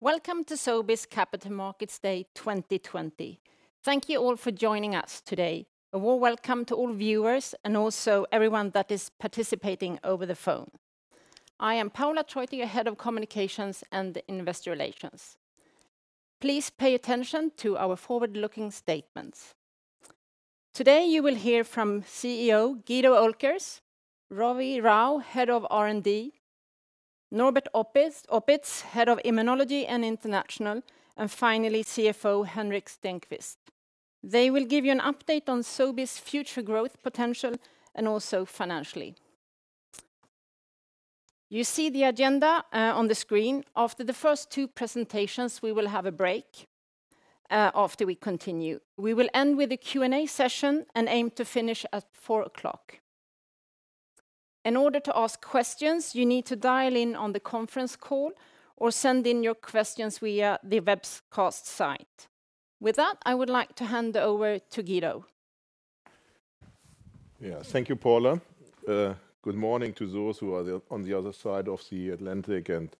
Welcome to Sobi's Capital Markets Day 2020. Thank you all for joining us today. A warm welcome to all viewers and also everyone that is participating over the phone. I am Paula Treutiger, Head of Communications and Investor Relations. Please pay attention to our forward-looking statements. Today you will hear from CEO Guido Oelkers, Ravi Rao, Head of R&D, Norbert Oppitz, Head of Immunology and International, and finally, CFO Henrik Stenqvist. They will give you an update on Sobi's future growth potential, and also financially. You see the agenda on the screen. After the first two presentations, we will have a break after we continue. We will end with a Q&A session and aim to finish at 4:00 P.M. In order to ask questions, you need to dial in on the conference call or send in your questions via the webcast site. With that, I would like to hand over to Guido. Thank you, Paula. Good morning to those who are on the other side of the Atlantic, and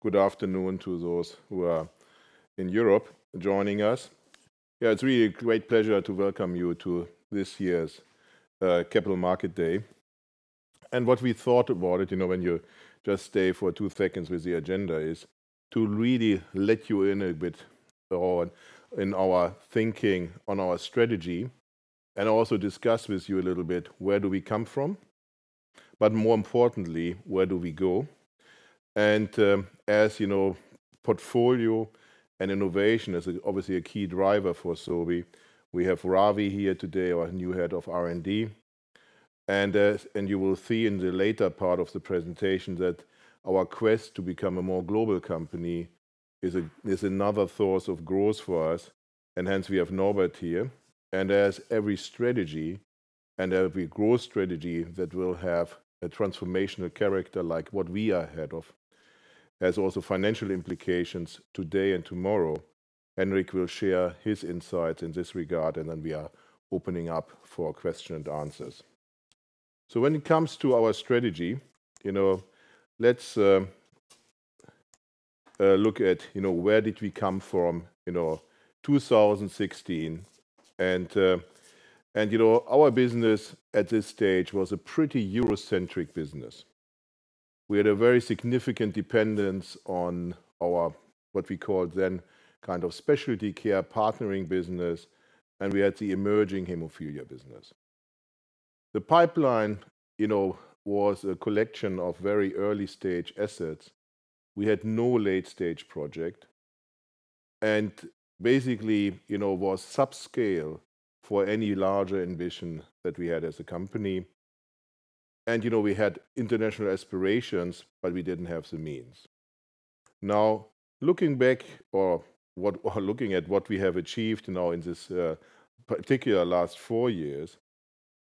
good afternoon to those who are in Europe joining us. It's really a great pleasure to welcome you to this year's Capital Market Day. What we thought about it, when you just stay for two seconds with the agenda, is to really let you in a bit in our thinking on our strategy and also discuss with you a little bit where do we come from, but more importantly, where do we go. As you know, portfolio and innovation is obviously a key driver for Sobi. We have Ravi here today, our new Head of R&D. You will see in the later part of the presentation that our quest to become a more global company is another source of growth for us, and hence we have Norbert here. As every strategy and every growth strategy that will have a transformational character, like what we are ahead of, has also financial implications today and tomorrow. Henrik will share his insight in this regard, and then we will open up for questions and answers. When it comes to our strategy, let's look at where did we come from. In 2016, our business at this stage was a pretty Eurocentric business. We had a very significant dependence on our, what we called then, specialty care partnering business, and we had the emerging haemophilia business. The pipeline was a collection of very early-stage assets. We had no late-stage project, and basically, it was a subscale for any larger ambition that we had as a company. We had international aspirations, but we didn't have the means. Looking back or looking at what we have achieved now in this particular last four years,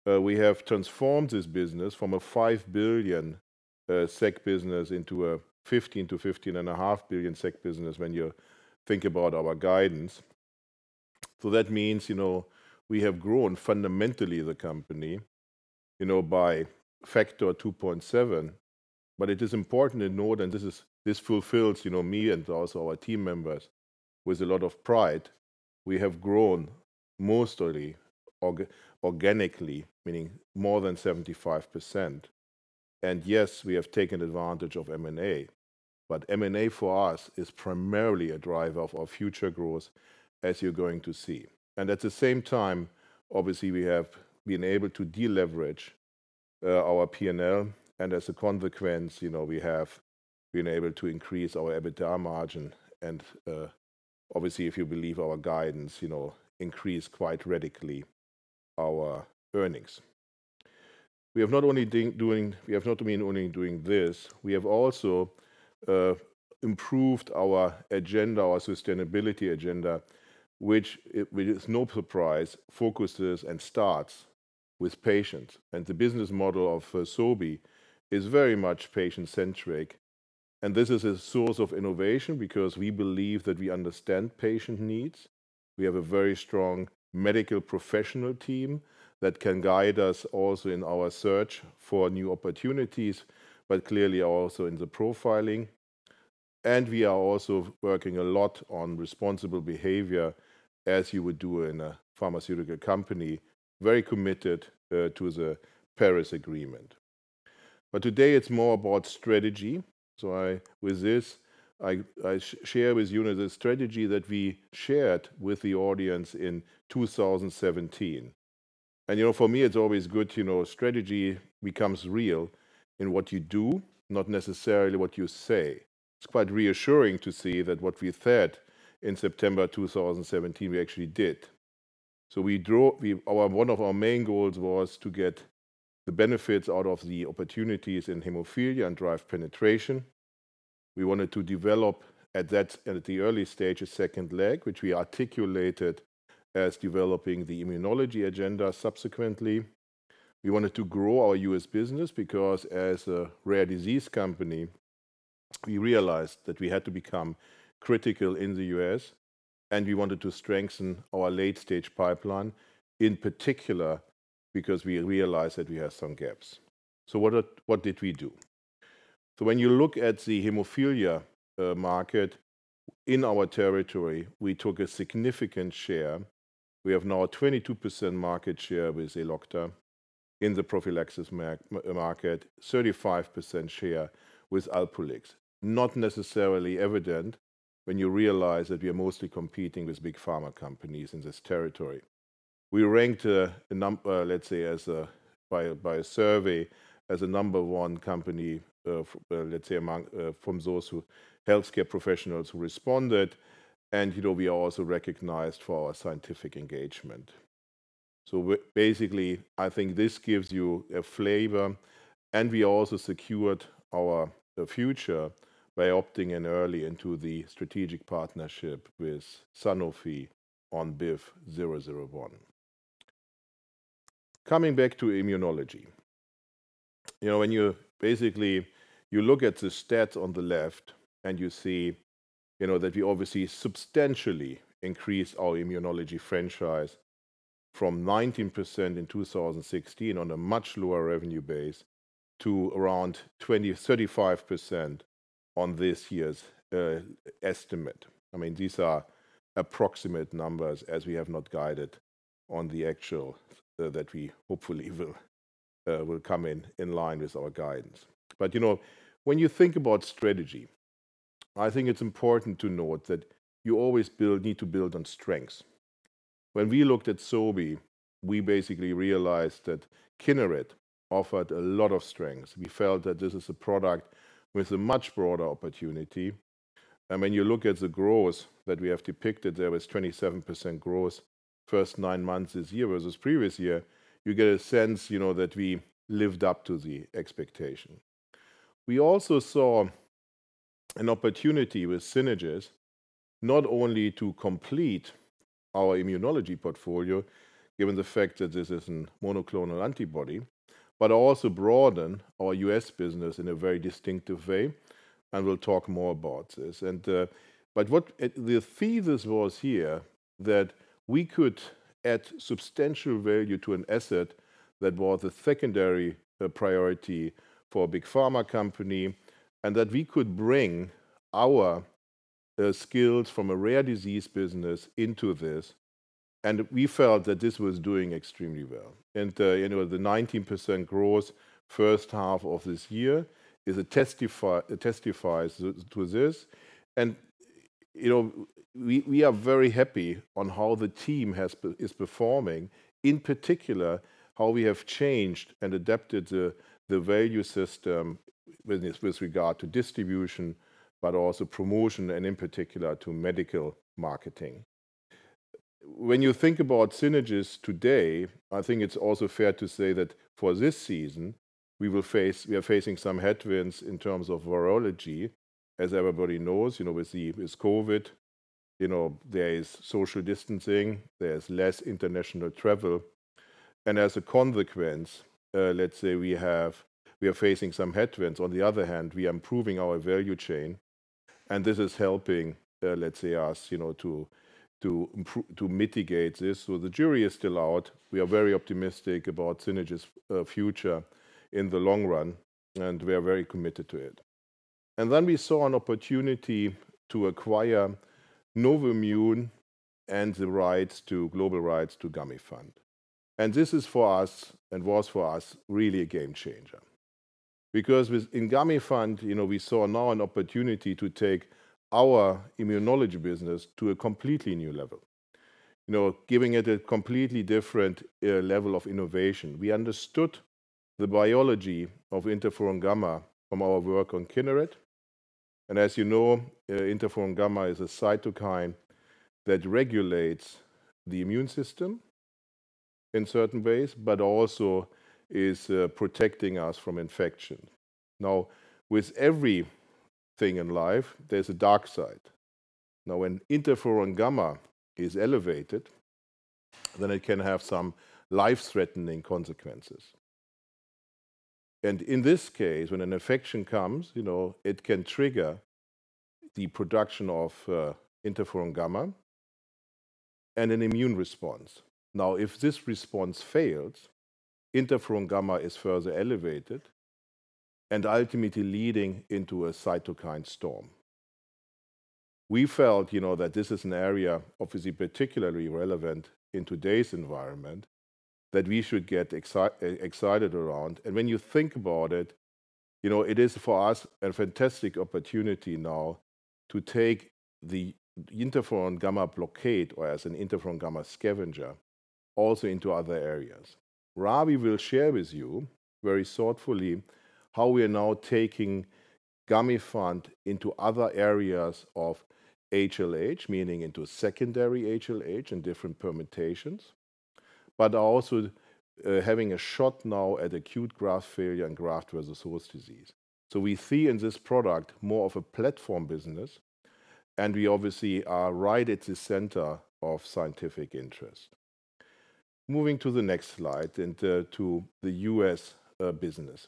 we have transformed this business from a 5 billion SEK business into a 15 billion-15.5 billion SEK business when you think about our guidance. That means we have grown the company fundamentally by a factor of 2.7. It is important to note, and this fulfills me and also our team members with a lot of pride, we have grown mostly organically, meaning more than 75%. Yes, we have taken advantage of M&A, but M&A for us is primarily a driver of our future growth, as you are going to see. At the same time, obviously, we have been able to deleverage our P&L. As a consequence, we have been able to increase our EBITDA margin and, obviously, if you believe our guidance, increase our earnings quite radically. We have not only been doing this, we have also improved our agenda, our sustainability agenda, which it is no surprise, focuses and starts with patients. The business model of Sobi is very much patient-centric. This is a source of innovation because we believe that we understand patient needs. We have a very strong medical professional team that can guide us also in our search for new opportunities, but clearly also in the profiling. We are also working a lot on responsible behavior, as you would do in a pharmaceutical company, very committed to the Paris Agreement. Today it's more about strategy. With this, I share with you the strategy that we shared with the audience in 2017. For me, it's always a good strategy becomes real in what you do, not necessarily what you say. It's quite reassuring to see that what we said in September 2017, we actually did. One of our main goals was to get the benefits out of the opportunities in hemophilia and drive penetration. We wanted to develop at the early stage a second leg, which we articulated as developing the immunology agenda subsequently. We wanted to grow our U.S. business because, as a rare disease company, we realized that we had to become critical in the U.S. We wanted to strengthen our late-stage pipeline, in particular because we realized that we have some gaps. What did we do? When you look at the hemophilia market in our territory, we took a significant share. We now have a 22% market share with Elocta in the prophylaxis market, 35% share with Alprolix. Not necessarily evident when you realize that we are mostly competing with big pharma companies in this territory. We ranked, let's say, by a survey, as a number one company from those healthcare professionals who responded. We are also recognized for our scientific engagement. Basically, I think this gives you a flavor. We also secured our future by opting in early into the strategic partnership with Sanofi on BIVV001. Coming back to immunology. When you basically look at the stats on the left, and you see that we obviously substantially increased our immunology franchise from 19% in 2016 on a much lower revenue base to around 35% on this year's estimate. These are approximate numbers as we have not guided on the actual that we hopefully will come in line with our guidance. When you think about strategy, I think it's important to note that you always need to build on strengths. When we looked at Sobi, we basically realized that Kineret offered a lot of strengths. We felt that this is a product with a much broader opportunity. When you look at the growth that we have depicted there with 27% growth first nine months this year versus the previous year, you get a sense that we lived up to the expectation. We also saw an opportunity with Synagis not only to complete our immunology portfolio, given the fact that this is a monoclonal antibody, but also broaden our U.S. business in a very distinctive way, and we'll talk more about this. The thesis was here that we could add substantial value to an asset that was a secondary priority for a big pharma company, and that we could bring our skills from a rare disease business into this. We felt that this was doing extremely well. The 19% growth first half of this year testifies to this. We are very happy on how the team is performing, in particular, how we have changed and adapted the value system with regard to distribution, but also promotion, and in particular to medical marketing. When you think about Synagis today, I think it's also fair to say that for this season, we are facing some headwinds in terms of virology. As everybody knows, with COVID, there is social distancing, there's less international travel. As a consequence, let's say we are facing some headwinds. On the other hand, we are improving our value chain, and this is helping us to mitigate this. The jury is still out. We are very optimistic about Synagis' future in the long run, and we are very committed to it. We saw an opportunity to acquire Novimmune and the global rights to Gamifant. This is for us, and was for us, really a game changer. In Gamifant, we saw now an opportunity to take our immunology business to a completely new level. Giving it a completely different level of innovation. We understood the biology of interferon gamma from our work on Kineret. As you know, interferon gamma is a cytokine that regulates the immune system in certain ways, but also is protecting us from infection. Now, with everything in life, there's a dark side. When interferon gamma is elevated, it can have some life-threatening consequences. In this case, when an infection comes, it can trigger the production of interferon gamma and an immune response. If this response fails, interferon gamma is further elevated and ultimately leading into a cytokine storm. We felt that this is an area obviously, particularly relevant in today's environment, that we should get excited around. When you think about it is for us a fantastic opportunity now to take the interferon gamma blockade or as an interferon gamma scavenger also into other areas. Ravi will share with you very thoughtfully how we are now taking Gamifant into other areas of HLH, meaning into secondary HLH and different permutations, but also having a shot now at acute graft failure and graft-versus-host disease. We see in this product more of a platform business, and we obviously are right at the center of scientific interest. Moving to the next slide and to the U.S. business.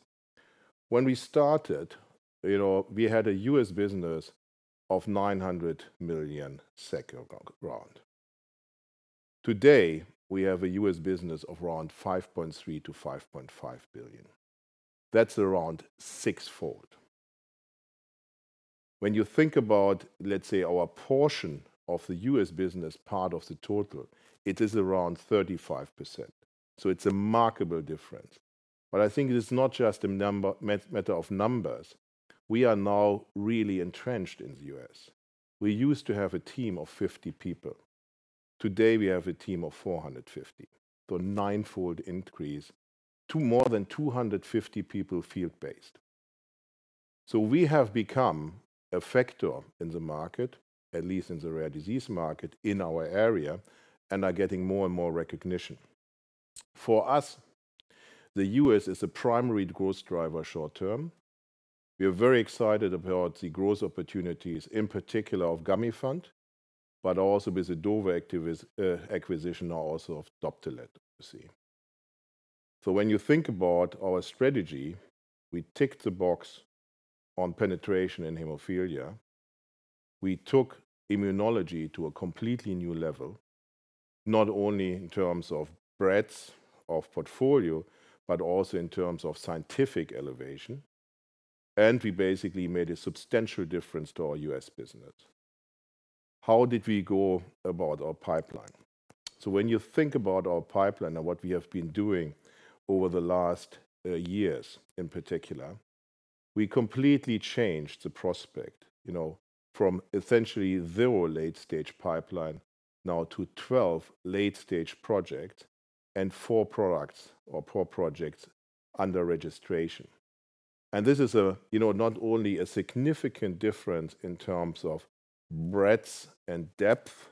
When we started, we had a U.S. business of 900 million round. Today, we have a U.S. business of around 5.3 billion-5.5 billion. That's around sixfold. When you think about, let's say, our portion of the U.S. business part of the total, it is around 35%. It's a remarkable difference. I think it is not just a matter of numbers. We are now really entrenched in the U.S. We used to have a team of 50 people. Today, we have a team of 450. A ninefold increase to more than 250 people field-based. We have become a factor in the market, at least in the rare disease market in our area, and are getting more and more recognition. For us, the U.S. is the primary growth driver short term. We are very excited about the growth opportunities, in particular of Gamifant, but also with the Dova acquisition, also of Doptelet, you see. When you think about our strategy, we ticked the box on penetration in hemophilia. We took immunology to a completely new level, not only in terms of breadth of portfolio, but also in terms of scientific elevation. We basically made a substantial difference to our U.S. business. How did we go about our pipeline? When you think about our pipeline and what we have been doing over the last years in particular, we completely changed the prospect from essentially zero late-stage pipeline now to 12 late-stage projects and four products or four projects under registration. This is not only a significant difference in terms of breadth and depth,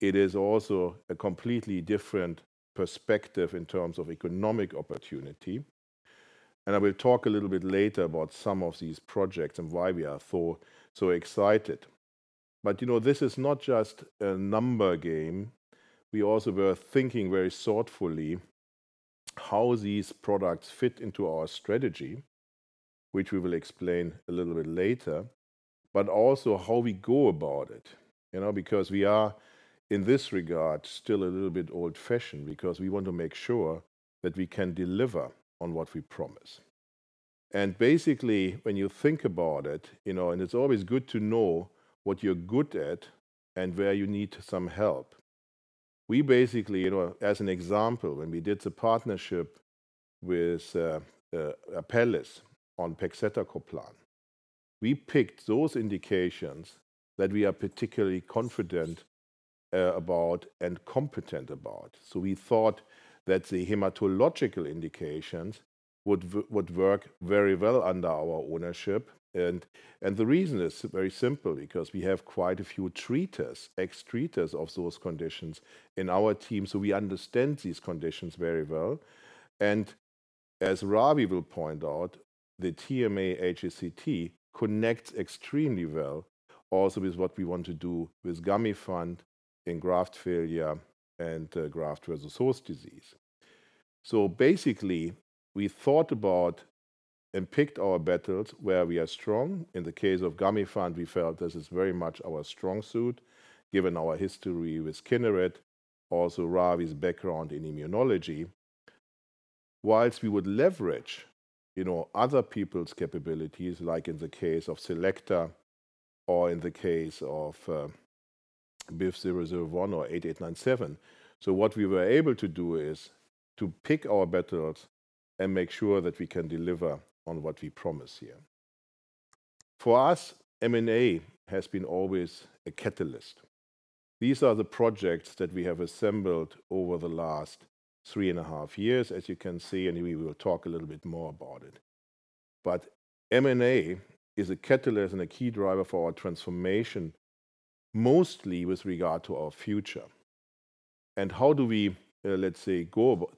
it is also a completely different perspective in terms of economic opportunity. I will talk a little bit later about some of these projects and why we are so excited. This is not just a number game. We were also thinking very thoughtfully how these products fit into our strategy, which we will explain a little bit later, but also how we go about it. We are, in this regard, still a little bit old-fashioned because we want to make sure that we can deliver on what we promise. Basically, when you think about it's always good to know what you're good at and where you need some help. We basically, as an example, when we did the partnership with Apellis on pegcetacoplan, we picked those indications that we are particularly confident about and competent about. We thought that the hematological indications would work very well under our ownership. The reason is very simple, because we have quite a few treaters, ex-treaters of those conditions in our team, we understand these conditions very well. As Ravi will point out, the TMA HSCT also connects extremely well with what we want to do with Gamifant in graft failure and graft-versus-host disease. Basically, we thought about and picked our battles where we are strong. In the case of Gamifant, we felt this is very much our strong suit, given our history with Kineret, also Ravi's background in immunology. While we would leverage other people's capabilities, like in the case of Selecta or in the case of BIVV001 or MEDI8897. What we were able to do is to pick our battles and make sure that we can deliver on what we promise here. For us, M&A has been always a catalyst. These are the projects that we have assembled over the last three and a half years, as you can see, and we will talk a little bit more about it. M&A is a catalyst and a key driver for our transformation, mostly with regard to our future. How do we, let's say,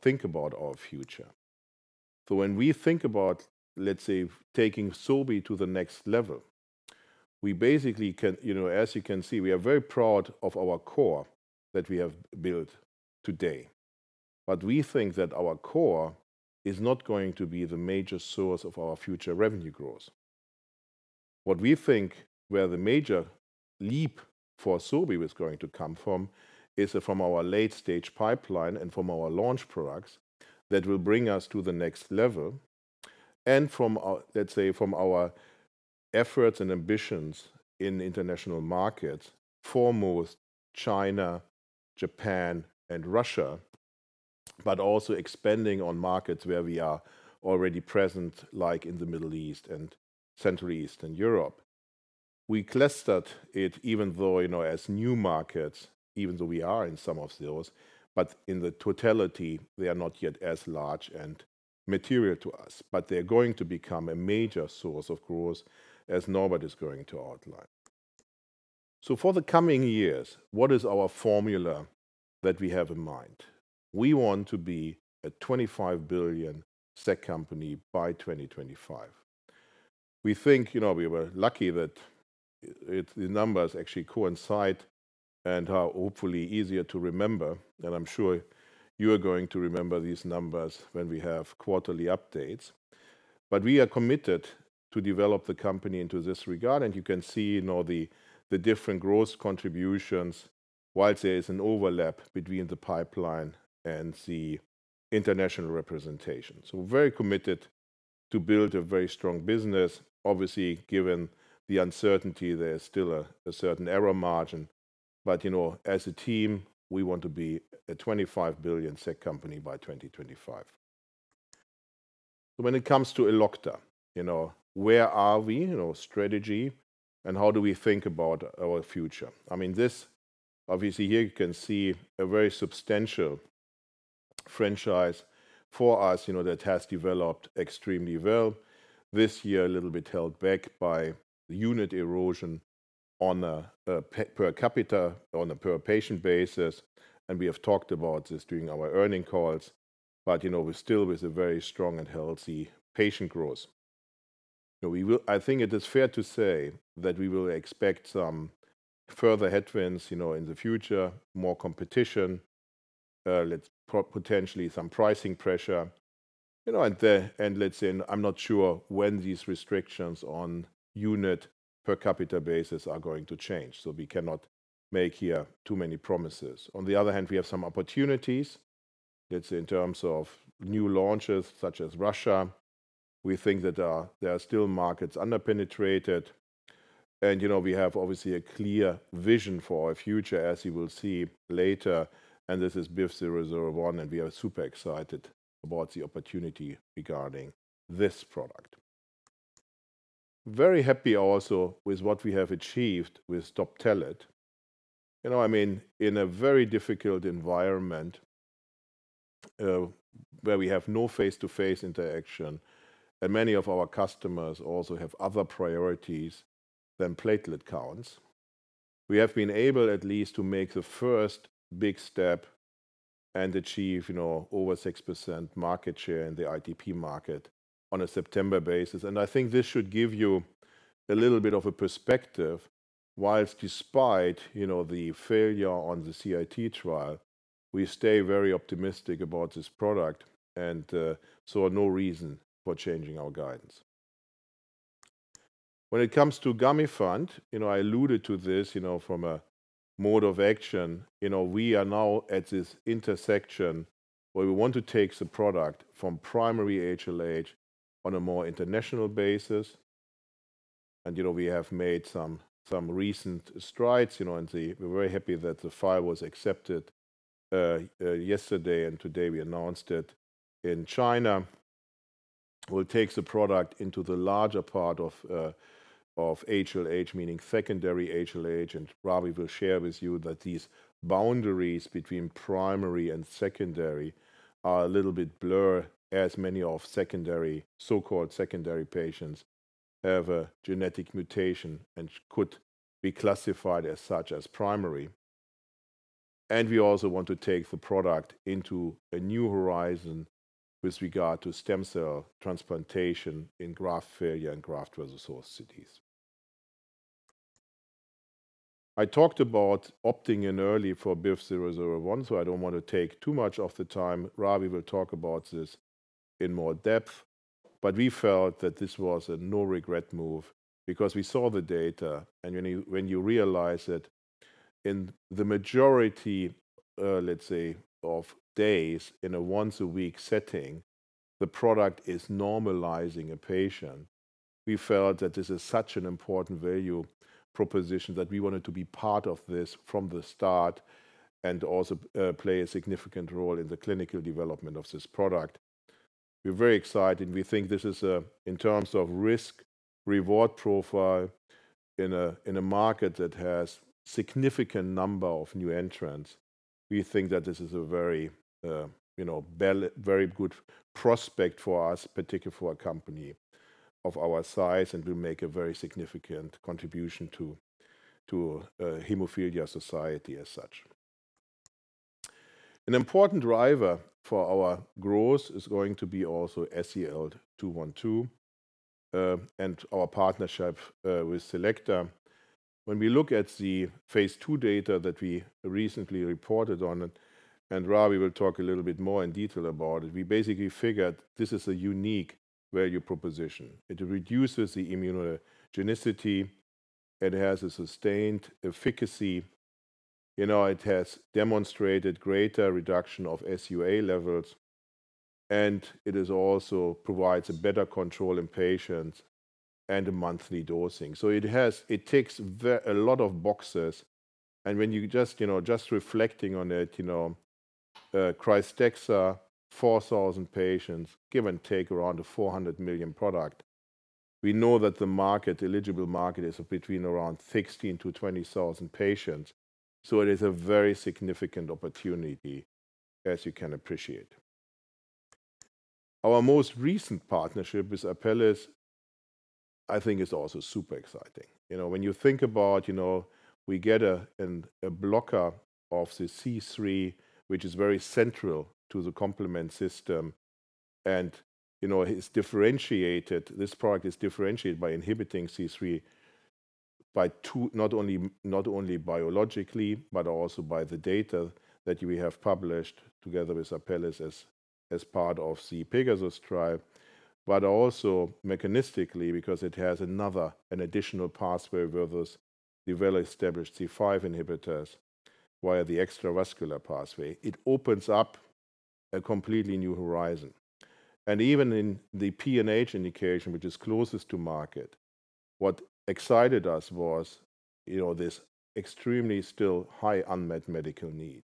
think about our future? When we think about, let's say, taking Sobi to the next level, as you can see, we are very proud of our core that we have built today. We think that our core is not going to be the major source of our future revenue growth. We think where the major leap for Sobi is going to come from is from our late-stage pipeline and from our launch products that will bring us to the next level, and from our efforts and ambitions in international markets, foremost China, Japan, and Russia, but also expanding on markets where we are already present, like in the Middle East and Central Eastern Europe. We clustered it, even though, as new markets, even though we are in some of those, but in the totality, they are not yet as large and material to us. They're going to become a major source of growth as Norbert is going to outline. For the coming years, what is our formula that we have in mind? We want to be a 25 billion SEK company by 2025. We think we were lucky that the numbers actually coincide and are hopefully easier to remember, and I'm sure you are going to remember these numbers when we have quarterly updates. We are committed to developing the company into this regard, and you can see the different growth contributions, whilst there is an overlap between the pipeline and the international representation. We're very committed to building a very strong business. Obviously, given the uncertainty, there's still a certain error margin. As a team, we want to be a 25 billion SEK company by 2025. When it comes to Elocta, where are we, strategy, and how do we think about our future? Obviously here you can see a very substantial franchise for us that has developed extremely well this year, a little bit held back by unit erosion on a per capita, on a per patient basis, and we have talked about this during our earnings calls. We're still with a very strong and healthy patient growth. I think it is fair to say that we will expect some further headwinds in the future, more competition, potentially some pricing pressure. Let's say I'm not sure when these restrictions on a unit per capita basis are going to change. We cannot make here too many promises. On the other hand, we have some opportunities. That's in terms of new launches such as Russia. We think that there are still markets under-penetrated. We have obviously a clear vision for our future, as you will see later. This is BIVV001, and we are super excited about the opportunity regarding this product. Very happy also with what we have achieved with Doptelet. In a very difficult environment where we have no face-to-face interaction and many of our customers also have other priorities than platelet counts, we have been able at least to make the first big step and achieve over 6% market share in the ITP market on a September basis. I think this should give you a little bit of a perspective whilst despite the failure on the CIT trial, we stay very optimistic about this product and saw no reason for changing our guidance. When it comes to Gamifant, I alluded to this from a mode of action. We are now at this intersection where we want to take the product from primary HLH on a more international basis. We have made some recent strides and we're very happy that the file was accepted yesterday and today we announced it in China. We'll take the product into the larger part of HLH, meaning secondary HLH. Ravi will share with you that these boundaries between primary and secondary are a little bit blur as many of secondary, so-called secondary patients have a genetic mutation and could be classified as such as primary. We also want to take the product into a new horizon with regard to stem cell transplantation in graft failure and graft-versus-host disease. I talked about opting in early for BIVV001. I don't want to take too much of the time. Ravi will talk about this in more depth, but we felt that this was a no-regret move because we saw the data, and when you realize that in the majority, let's say, of days in a once-a-week setting, the product is normalizing a patient. We felt that this is such an important value proposition that we wanted to be part of this from the start and also play a significant role in the clinical development of this product. We're very excited. We think this is, in terms of risk-reward profile in a market that has a significant number of new entrants, we think that this is a very good prospect for us, particularly for a company of our size, and will make a very significant contribution to haemophilia society as such. An important driver for our growth is going to be also SEL-212 and our partnership with Selecta. When we look at the phase II data that we recently reported on it, and Ravi will talk a little bit more in detail about it, we basically figured this is a unique value proposition. It reduces the immunogenicity, it has a sustained efficacy. It has demonstrated greater reduction of sUA levels, and it also provides a better control in patients and a monthly dosing. It ticks a lot of boxes, and when you just reflecting on it, Crysvita, 4,000 patients, give and take around a 400 million product. We know that the eligible market is between around 16,000-20,000 patients. It is a very significant opportunity as you can appreciate. Our most recent partnership with Apellis I think is also super exciting. When you think about we get a blocker of the C3, which is very central to the complement system. This product is differentiated by inhibiting C3. Not only biologically, but also by the data that we have published together with Apellis as part of the PEGASUS trial, but also mechanistically, because it has another, an additional pathway versus the well-established C5 inhibitors via the extravascular pathway. It opens up a completely new horizon. Even in the PNH indication, which is closest to market, what excited us was this extremely still high unmet medical need.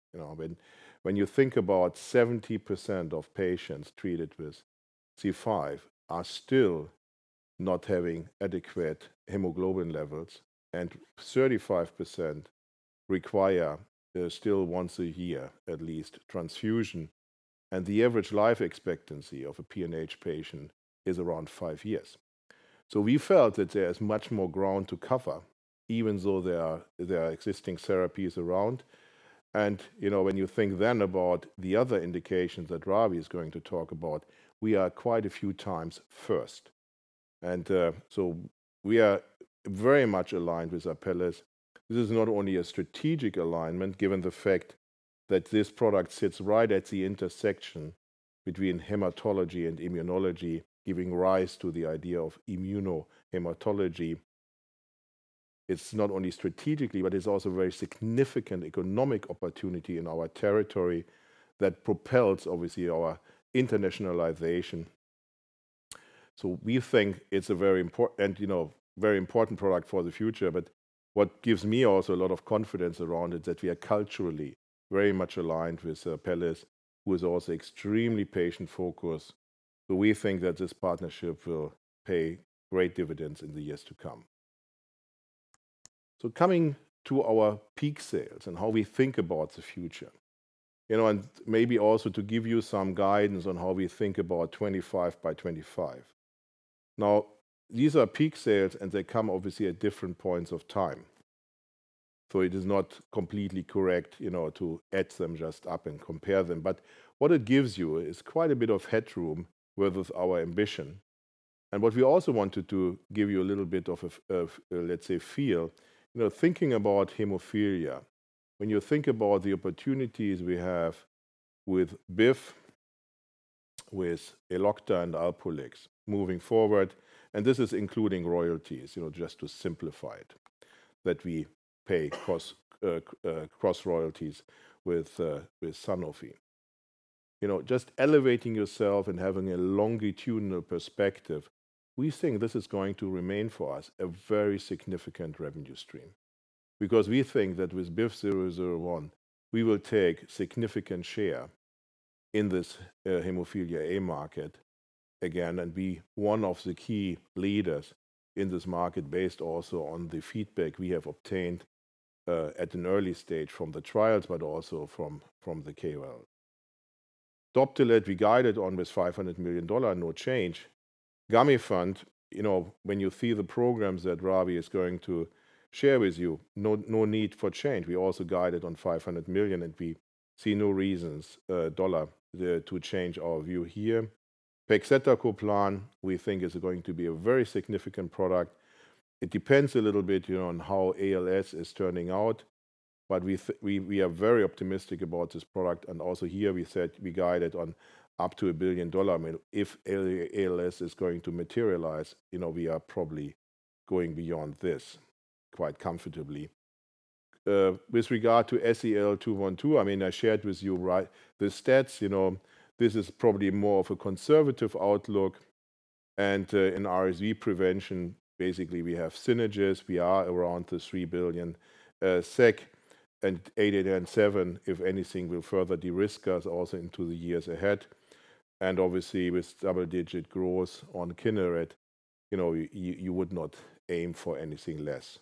When you think about 70% of patients treated with C5 are still not having adequate hemoglobin levels, and 35% require transfusions at least once a year, and the average life expectancy of a PNH patient is around five years. We felt that there's much more ground to cover, even though there are existing therapies around. When you think then about the other indications that Ravi is going to talk about, we are quite a few times first. We are very much aligned with Apellis. This is not only a strategic alignment, given the fact that this product sits right at the intersection between hematology and immunology, giving rise to the idea of immunohematology. It's not only strategically, but it's also a very significant economic opportunity in our territory that propels, obviously, our internationalization. We think it's a very important product for the future. What also gives me a lot of confidence around it, that we are culturally very much aligned with Apellis, who is also extremely patient-focused. We think that this partnership will pay great dividends in the years to come. Coming to our peak sales and how we think about the future, and maybe also to give you some guidance on how we think about 25 by 2025. These are peak sales, and they come obviously at different points of time. It is not completely correct to add them just up and compare them. What it gives you is quite a bit of headroom with our ambition. What we also wanted to give you a little bit of a, let's say, feel, thinking about hemophilia, when you think about the opportunities we have with BIVV, with Elocta and Alprolix moving forward, and this is including royalties, just to simplify it, that we pay cross royalties with Sanofi. Just elevating yourself and having a longitudinal perspective, we think this is going to remain for us a very significant revenue stream because we think that with BIVV001, we will take significant share in this haemophilia A market again and be one of the key leaders in this market based also on the feedback we have obtained at an early stage from the trials, but also from the KOL. Doptelet, we guided on this $500 million, no change. Gamifant, when you see the programs that Ravi is going to share with you, no need for change. We also guided on $500 million, and we see no reason, dollar, to change our view here. Pegcetacoplan, we think, is going to be a very significant product. It depends a little bit on how ALS is turning out, but we are very optimistic about this product. Also, here we said we guided on up to SEK 1 billion. If ALS is going to materialize, we are probably going beyond this quite comfortably. With regard to SEL-212, I shared with you the stats. This is probably more of a conservative outlook. In RSV prevention, basically, we have Synagis. We are around 3 billion SEK, and 8897, if anything, will further de-risk us also into the years ahead. Obviously, with double-digit growth on Kineret, you would not aim for anything less.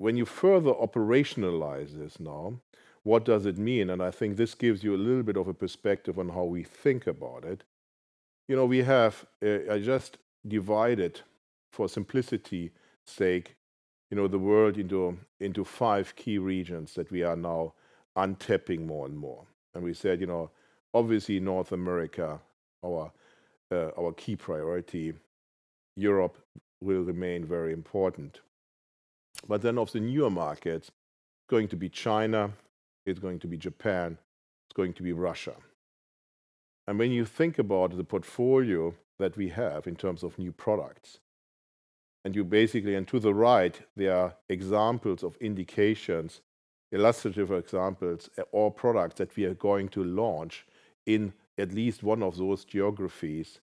When you further operationalize this now, what does it mean? I think this gives you a little bit of a perspective on how we think about it. I just divided, for simplicity's sake, the world into five key regions that we are now untapping more and more. We said, obviously, North America is our key priority. Europe will remain very important. Of the newer markets, going to be China, it's going to be Japan, it's going to be Russia. When you think about the portfolio that we have in terms of new products, and to the right, there are examples of indications, illustrative examples, or products that we are going to launch in at least one of those geographies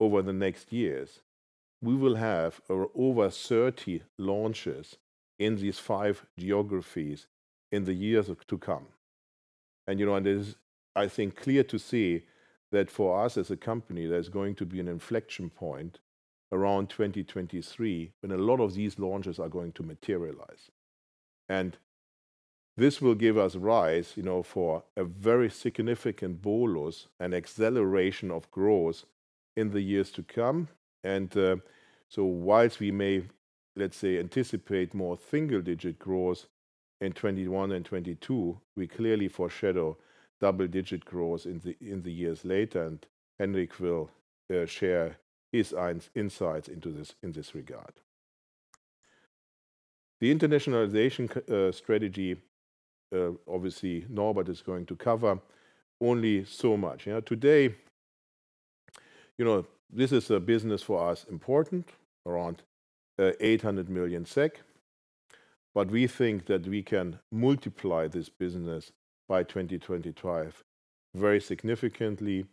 over the next years. We will have over 30 launches in these five geographies in the years to come. It is, I think, clear to see that for us as a company, there's going to be an inflection point around 2023 when a lot of these launches are going to materialize. This will give us rise for a very significant bolus and acceleration of growth in the years to come. Whilst we may, let's say, anticipate more single-digit growth in 2021 and 2022, we clearly foreshadow double-digit growth in the years later, and Henrik will share his insights in this regard. The internationalization strategy, obviously, Norbert is going to cover only so much. Today, this is a business for us important, around 800 million SEK, but we think that we can multiply this business by 2025 very significantly.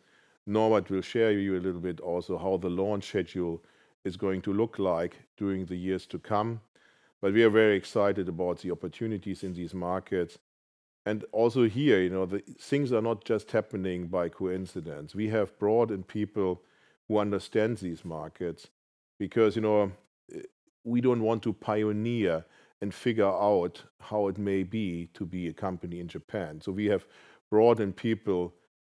Norbert will share with you a little bit also how the launch schedule is going to look like during the years to come. We are very excited about the opportunities in these markets. Also, here, things are not just happening by coincidence. We have brought in people who understand these markets because we don't want to pioneer and figure out how it may be to be a company in Japan. We have brought in people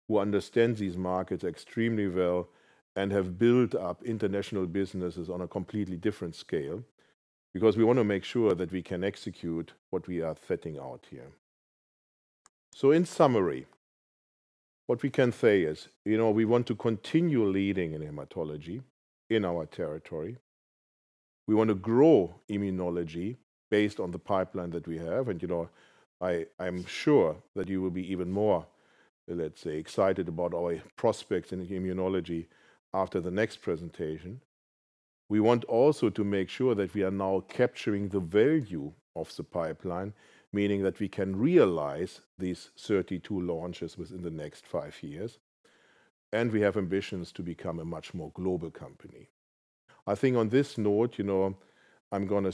who understand these markets extremely well and have built up international businesses on a completely different scale because we want to make sure that we can execute what we are setting out here. In summary, what we can say is we want to continue leading in hematology in our territory. We want to grow immunology based on the pipeline that we have, and I am sure that you will be even more, let's say, excited about our prospects in immunology after the next presentation. We also want to make sure that we are now capturing the value of the pipeline, meaning that we can realize these 32 launches within the next five years, and we have ambitions to become a much more global company. I think on this note, I'm going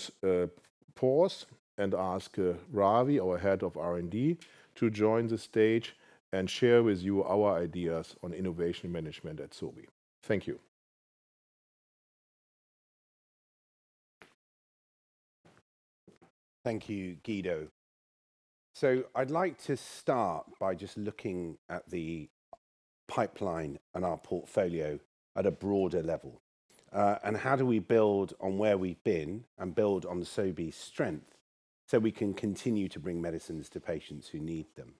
to pause and ask Ravi, our head of R&D, to join the stage and share with you our ideas on innovation management at Sobi. Thank you. Thank you, Guido. I'd like to start by just looking at the pipeline and our portfolio at a broader level. How do we build on where we've been and build on Sobi's strength so we can continue to bring medicines to patients who need them?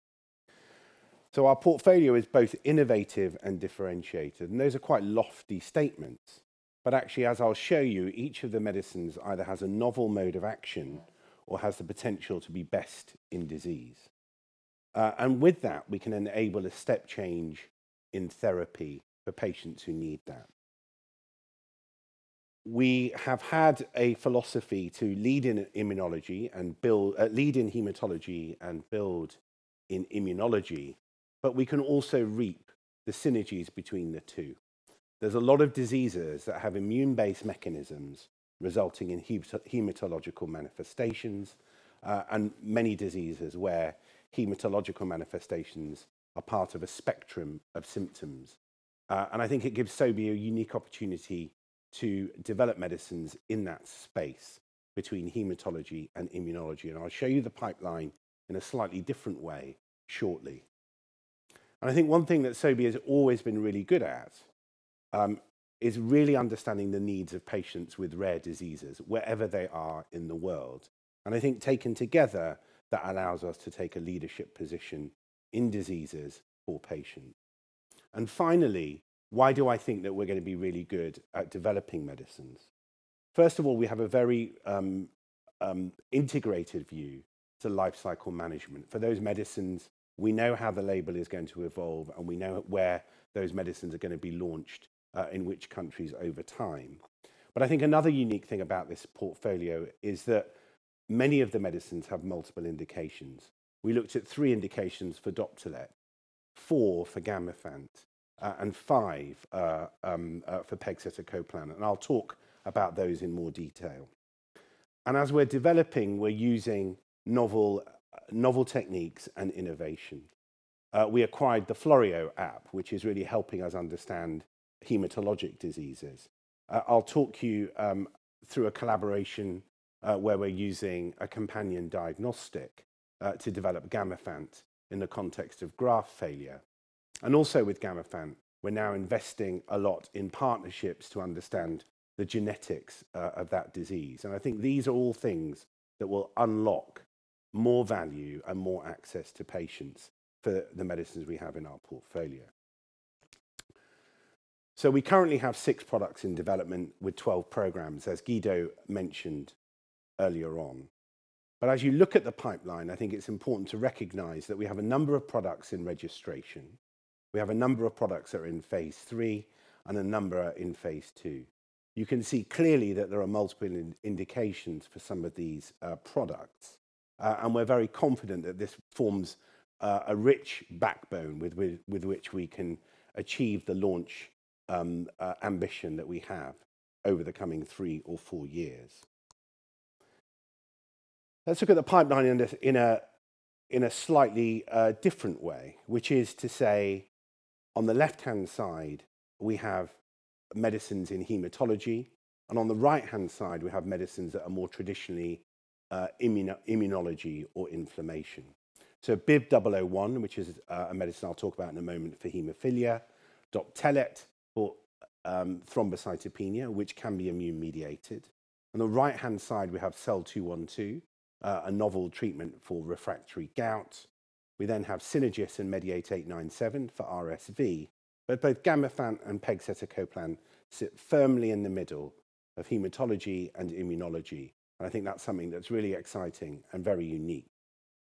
Our portfolio is both innovative and differentiated, and those are quite lofty statements. Actually, as I'll show you, each of the medicines either has a novel mode of action or has the potential to be best in disease. With that, we can enable a step change in therapy for patients who need that. We have had a philosophy to lead in hematology and build in immunology, but we can also reap the Synagis between the two. There's a lot of diseases that have immune-based mechanisms resulting in hematological manifestations, and many diseases where hematological manifestations are part of a spectrum of symptoms. I think it gives Sobi a unique opportunity to develop medicines in that space between hematology and immunology. I'll show you the pipeline in a slightly different way shortly. I think one thing that Sobi has always been really good at is really understanding the needs of patients with rare diseases wherever they are in the world. I think that taken together, it allows us to take a leadership position in diseases for patients. Finally, why do I think that we're going to be really good at developing medicines? First of all, we have a very integrated view to lifecycle management. For those medicines, we know how the label is going to evolve, and we know where those medicines are going to be launched, in which countries, over time. I think another unique thing about this portfolio is that many of the medicines have multiple indications. We looked at three indications for Doptelet, four for Gamifant, and five for pegcetacoplan, and I'll talk about those in more detail. As we're developing, we're using novel techniques and innovation. We acquired the Florio app, which is really helping us understand hematologic diseases. I'll talk you through a collaboration where we're using a companion diagnostic to develop Gamifant in the context of graft failure. Also, with Gamifant, we're now investing a lot in partnerships to understand the genetics of that disease. I think these are all things that will unlock more value and more access to patients for the medicines we have in our portfolio. We currently have six products in development with 12 programs, as Guido mentioned earlier on. As you look at the pipeline, I think it's important to recognize that we have a number of products in registration. We have a number of products that are in phase III, and a number are in phase II. You can see clearly that there are multiple indications for some of these products. We're very confident that this forms a rich backbone with which we can achieve the launch ambition that we have over the coming three or four years. Let's look at the pipeline in a slightly different way, which is to say on the left-hand side, we have medicines in hematology, and on the right-hand side, we have medicines that are more traditionally immunology or inflammation. BIVV001, which is a medicine I'll talk about in a moment for hemophilia, Doptelet for thrombocytopenia, which can be immune-mediated. On the right-hand side, we have SEL-212, a novel treatment for refractory gout. We have Synagis and MEDI8897 for RSV. Both Gamifant and pegcetacoplan sit firmly in the middle of hematology and immunology, and I think that's something that's really exciting and very unique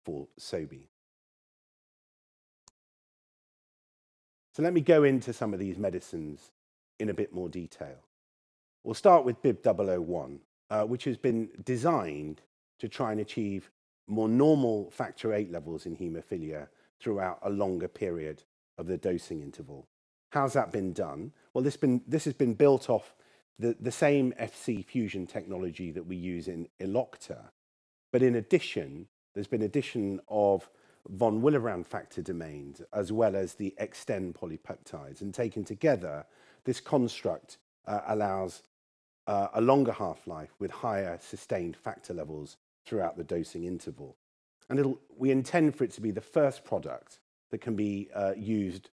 for Sobi. Let me go into some of these medicines in a bit more detail. We'll start with BIVV001, which has been designed to try, and achieve more normal factor VIII levels in hemophilia throughout a longer period of the dosing interval. How has that been done? This has been built off the same Fc fusion technology that we use in Elocta, but in addition, there has been addition of von Willebrand factor domains as well as the XTEN polypeptides. Taken together, this construct allows a longer half-life with higher sustained factor levels throughout the dosing interval. We intend for it to be the first product that can be used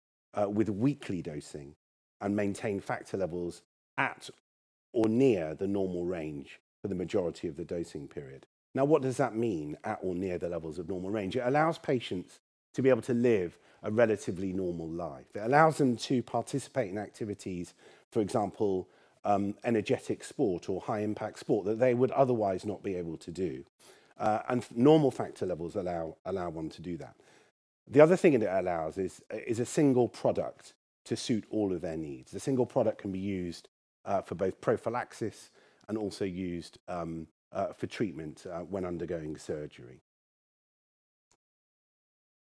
with weekly dosing and maintain factor levels at or near the normal range for the majority of the dosing period. What does that mean at or near the levels of normal range? It allows patients to be able to live a relatively normal life. It allows them to participate in activities, for example, energetic sports or high-impact sports that they would otherwise not be able to do. Normal factor levels allow one to do that. The other thing it allows is a single product to suit all of their needs. The single product can be used for both prophylaxis and also used for treatment when undergoing surgery.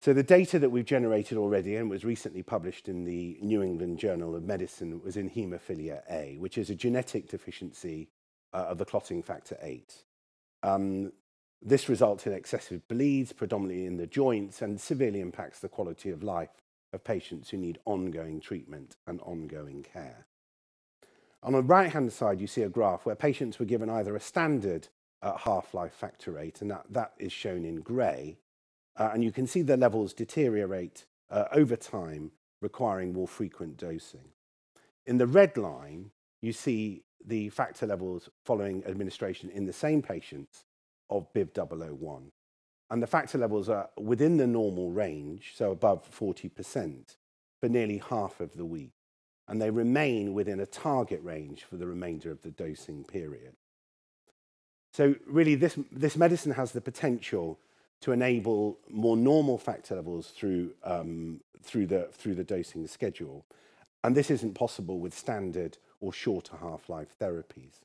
The data that we've generated already and was recently published in The New England Journal of Medicine was in hemophilia A, which is a genetic deficiency of the clotting factor VIII. This results in excessive bleeds predominantly in the joints and severely impacts the quality of life of patients who need ongoing treatment and ongoing care. On the right-hand side, you see a graph where patients were given either a standard half-life Factor VIII, and that is shown in gray. You can see the levels deteriorate over time, requiring more frequent dosing. In the red line, you see the factor levels following administration in the same patients of BIVV001, and the factor levels are within the normal range, so above 40%, for nearly half of the week, and they remain within a target range for the remainder of the dosing period. Really, this medicine has the potential to enable more normal factor levels through the dosing schedule, and this isn't possible with standard or shorter half-life therapies.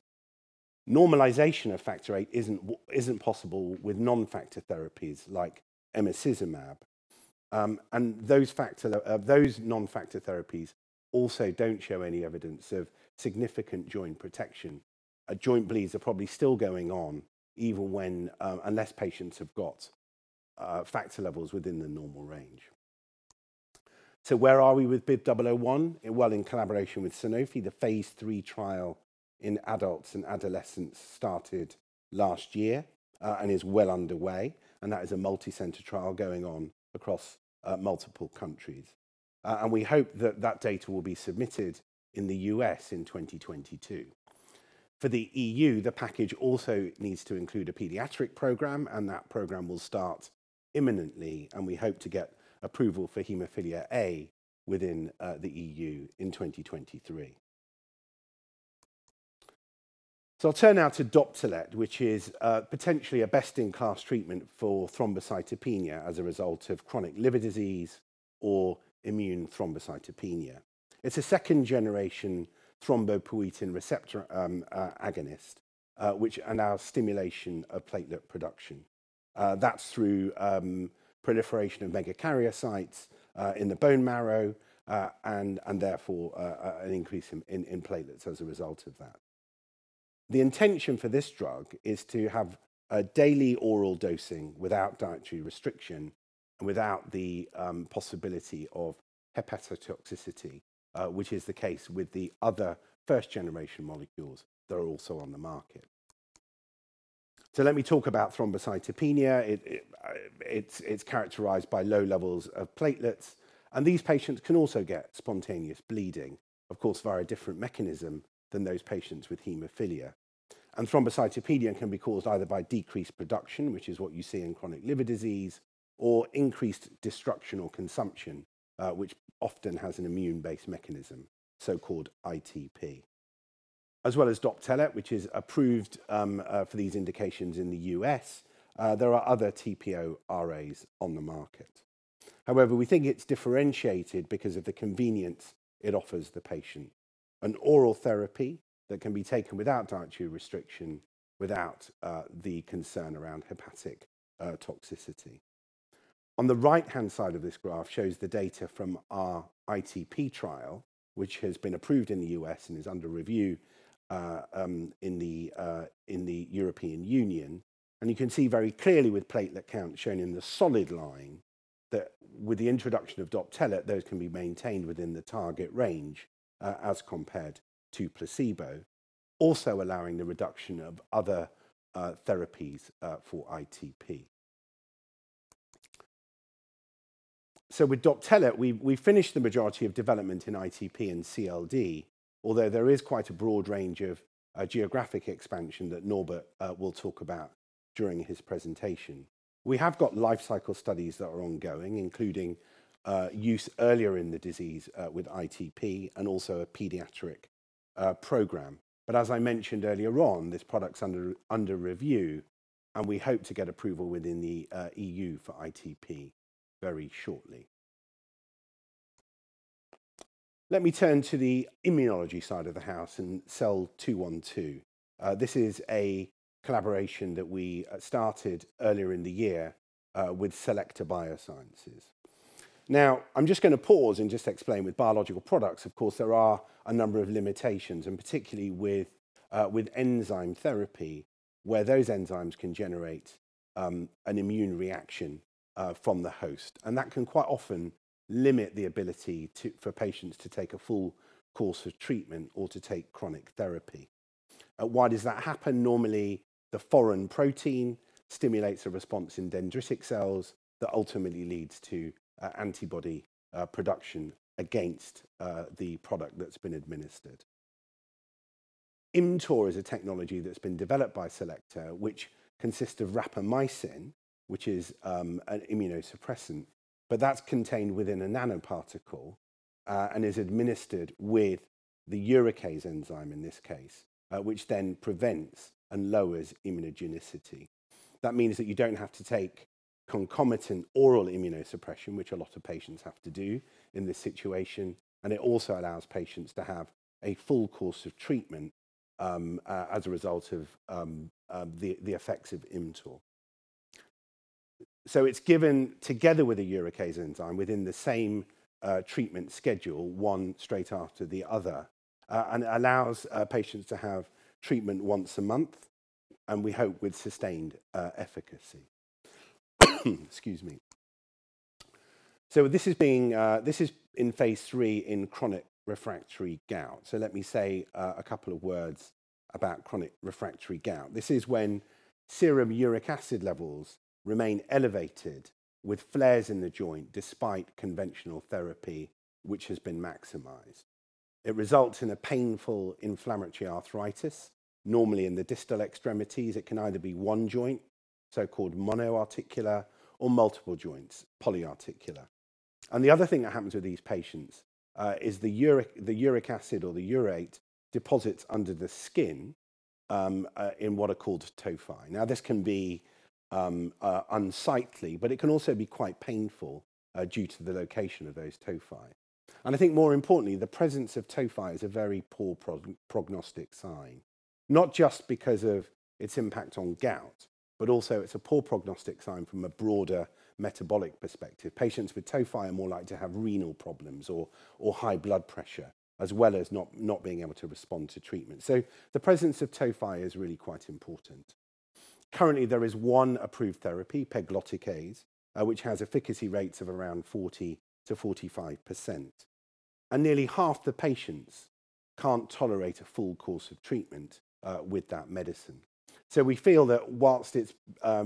Normalization of factor VIII isn't possible with non-factor therapies like emicizumab. Those non-factor therapies also don't show any evidence of significant joint protection. Joint bleeds are probably still going on even when, unless patients have got factor levels within the normal range. Where are we with BIVV001? In collaboration with Sanofi, the phase III trial in adults and adolescents started last year and is well underway, and that is a multicenter trial going on across multiple countries. We hope that the data will be submitted in the U.S. in 2022. For the EU, the package also needs to include a pediatric program, that program will start imminently, and we hope to get approval for hemophilia A within the EU in 2023. I'll turn now to Doptelet, which is potentially a best-in-class treatment for thrombocytopenia as a result of chronic liver disease or immune thrombocytopenia. It's a second-generation thrombopoietin receptor agonist, which allows stimulation of platelet production. That's through the proliferation of megakaryocytes in the bone marrow, and therefore, an increase in platelets as a result of that. The intention for this drug is to have a daily oral dosing without dietary restriction and without the possibility of hepatotoxicity, which is the case with the other first-generation molecules that are also on the market. Let me talk about thrombocytopenia. It's characterized by low levels of platelets, and these patients can also get spontaneous bleeding, of course, via a different mechanism than those patients with hemophilia. Thrombocytopenia can be caused either by decreased production, which is what you see in chronic liver disease, or increased destruction or consumption, which often has an immune-based mechanism, so-called ITP. As well as Doptelet, which is approved for these indications in the U.S., there are other TPO-RAs on the market. However, we think it's differentiated because of the convenience it offers the patient. An oral therapy that can be taken without dietary restriction, without the concern around hepatic toxicity. On the right-hand side of this graph shows the data from our ITP trial, which has been approved in the U.S. and is under review in the European Union. You can see very clearly with the platelet count shown in the solid line that with the introduction of Doptelet, those can be maintained within the target range as compared to placebo. Also, allowing the reduction of other therapies for ITP. With Doptelet, we finished the majority of development in ITP and CLD, although there is quite a broad range of geographic expansion that Norbert will talk about during his presentation. We have got life cycle studies that are ongoing, including use earlier in the disease with ITP, and also a pediatric program. As I mentioned earlier on, this product is under review, and we hope to get approval within the EU for ITP very shortly. Let me turn to the immunology side of the house, SEL-212. This is a collaboration that we started earlier in the year with Selecta Biosciences. I'm just going to pause and just explain with biological products, of course, there are a number of limitations, particularly with enzyme therapy, where those enzymes can generate an immune reaction from the host. That can quite often limit the ability for patients to take a full course of treatment or to take chronic therapy. Why does that happen? Normally, the foreign protein stimulates a response in dendritic cells that ultimately leads to antibody production against the product that's been administered. ImmTOR is a technology that's been developed by Selecta, which consists of rapamycin, which is an immunosuppressant, but that's contained within a nanoparticle, and is administered with the uricase enzyme in this case, which then prevents and lowers immunogenicity. That means that you don't have to take concomitant oral immunosuppression, which a lot of patients have to do in this situation. It also allows patients to have a full course of treatment as a result of the effects of ImmTOR. It's given together with a uricase enzyme within the same treatment schedule, one straight after the other, and allows patients to have treatment once a month, and we hope with sustained efficacy. Excuse me. This is in phase III in chronic refractory gout. Let me say a couple of words about chronic refractory gout. This is when serum uric acid levels remain elevated with flares in the joint despite conventional therapy, which has been maximized. It results in a painful, inflammatory arthritis. Normally, in the distal extremities, it can either be one joint, so-called monoarticular, or multiple joints, polyarticular. The other thing that happens with these patients is the uric acid or the urate deposits under the skin, in what are called tophi. This can be unsightly, but it can also be quite painful due to the location of those tophi. I think more importantly, the presence of tophi is a very poor prognostic sign, not just because of its impact on gout, but also it's a poor prognostic sign from a broader metabolic perspective. Patients with tophi are more likely to have renal problems or high blood pressure, as well as not being able to respond to treatment. The presence of tophi is really quite important. Currently, there is one approved therapy, pegloticase, which has efficacy rates of around 40%-45%. Nearly half the patients can't tolerate a full course of treatment with that medicine. We feel that whilst it's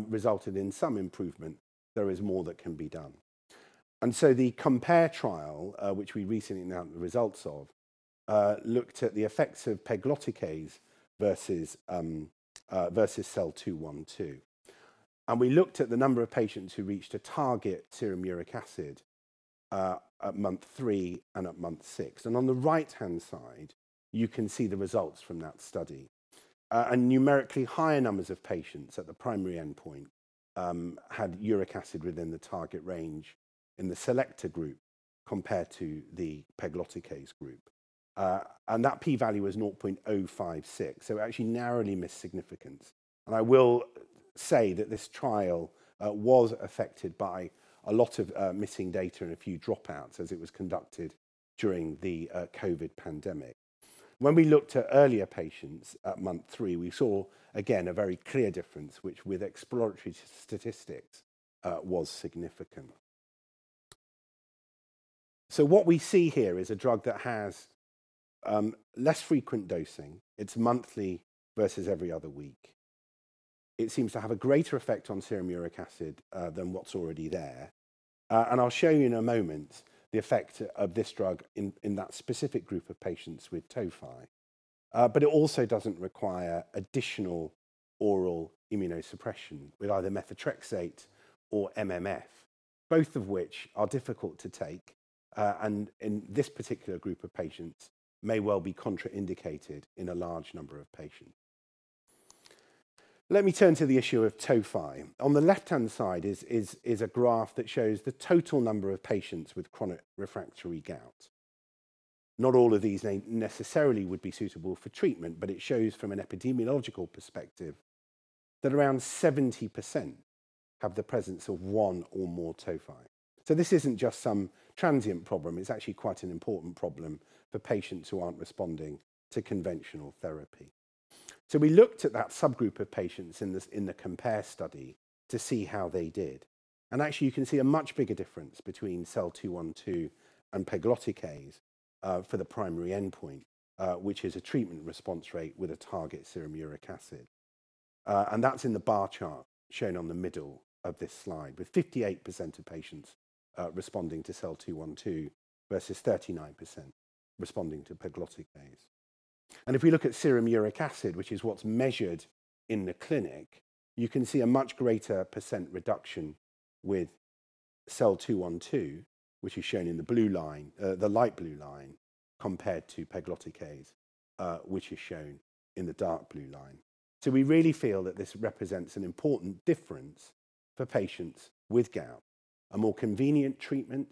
resulted in some improvement, there is more that can be done. The COMPARE trial, which we recently announced the results of, looked at the effects of pegloticase versus SEL-212. We looked at the number of patients who reached a target serum uric acid at month three and at month six. On the right-hand side, you can see the results from that study. Numerically higher numbers of patients at the primary endpoint had uric acid within the target range in the Selecta group compared to the pegloticase group. That P value was 0.056, so we actually narrowly missed significance. I will say that this trial was affected by a lot of missing data and a few dropouts, as it was conducted during the COVID-19 pandemic. When we looked at earlier patients at month three, we saw, again, a very clear difference, which, with exploratory statistics, was significant. What we see here is a drug that has less frequent dosing. It's monthly versus every other week. It seems to have a greater effect on serum uric acid than what's already there. I'll show you in a moment the effect of this drug in that specific group of patients with tophi. It also doesn't require additional oral immunosuppression with either methotrexate or MMF, both of which are difficult to take, and in this particular group of patients may well be contraindicated in a large number of patients. Let me turn to the issue of tophi. On the left-hand side is a graph that shows the total number of patients with chronic refractory gout. Not all of these necessarily would be suitable for treatment, but it shows from an epidemiological perspective that around 70% have the presence of one or more tophi. This isn't just some transient problem. It's actually quite an important problem for patients who aren't responding to conventional therapy. We looked at that subgroup of patients in the COMPARE study to see how they did. Actually, you can see a much bigger difference between SEL-212 and pegloticase for the primary endpoint, which is a treatment response rate with a target serum uric acid. That's in the bar chart shown on the middle of this slide, with 58% of patients responding to SEL-212 versus 39% responding to pegloticase. If we look at serum uric acid, which is what's measured in the clinic, you can see a much greater percent reduction with SEL-212, which is shown in the light blue line, compared to pegloticase, which is shown in the dark blue line. We really feel that this represents an important difference for patients with gout. A more convenient treatment,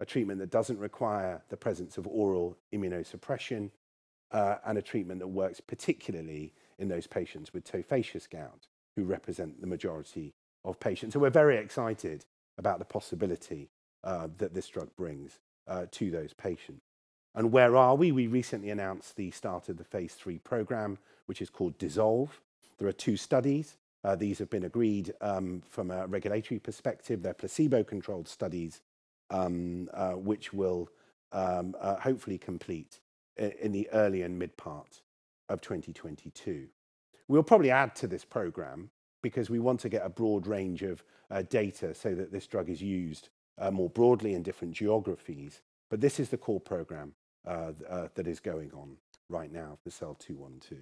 a treatment that doesn't require the presence of oral immunosuppression, and a treatment that works particularly in those patients with tophaceous gout who represent the majority of patients. We're very excited about the possibility that this drug brings to those patients. Where are we? We recently announced the start of the phase III program, which is called DISSOLVE. There are two studies. These have been agreed from a regulatory perspective. They're placebo-controlled studies, which we'll hopefully complete in the early and mid part of 2022. We'll probably add to this program because we want to get a broad range of data so that this drug is used more broadly in different geographies. This is the core program that is going on right now for SEL-212.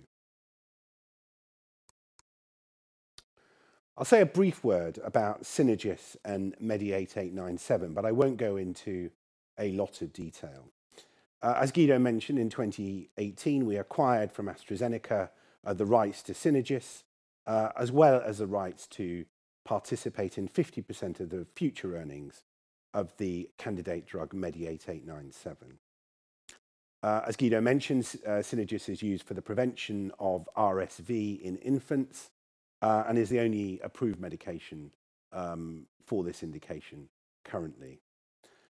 I'll say a brief word about Synagis and MEDI8897. I won't go into a lot of detail. As Guido mentioned, in 2018, we acquired from AstraZeneca the rights to Synagis, as well as the rights to participate in 50% of the future earnings of the candidate drug MEDI8897. As Guido mentioned, Synagis is used for the prevention of RSV in infants, is the only approved medication for this indication currently.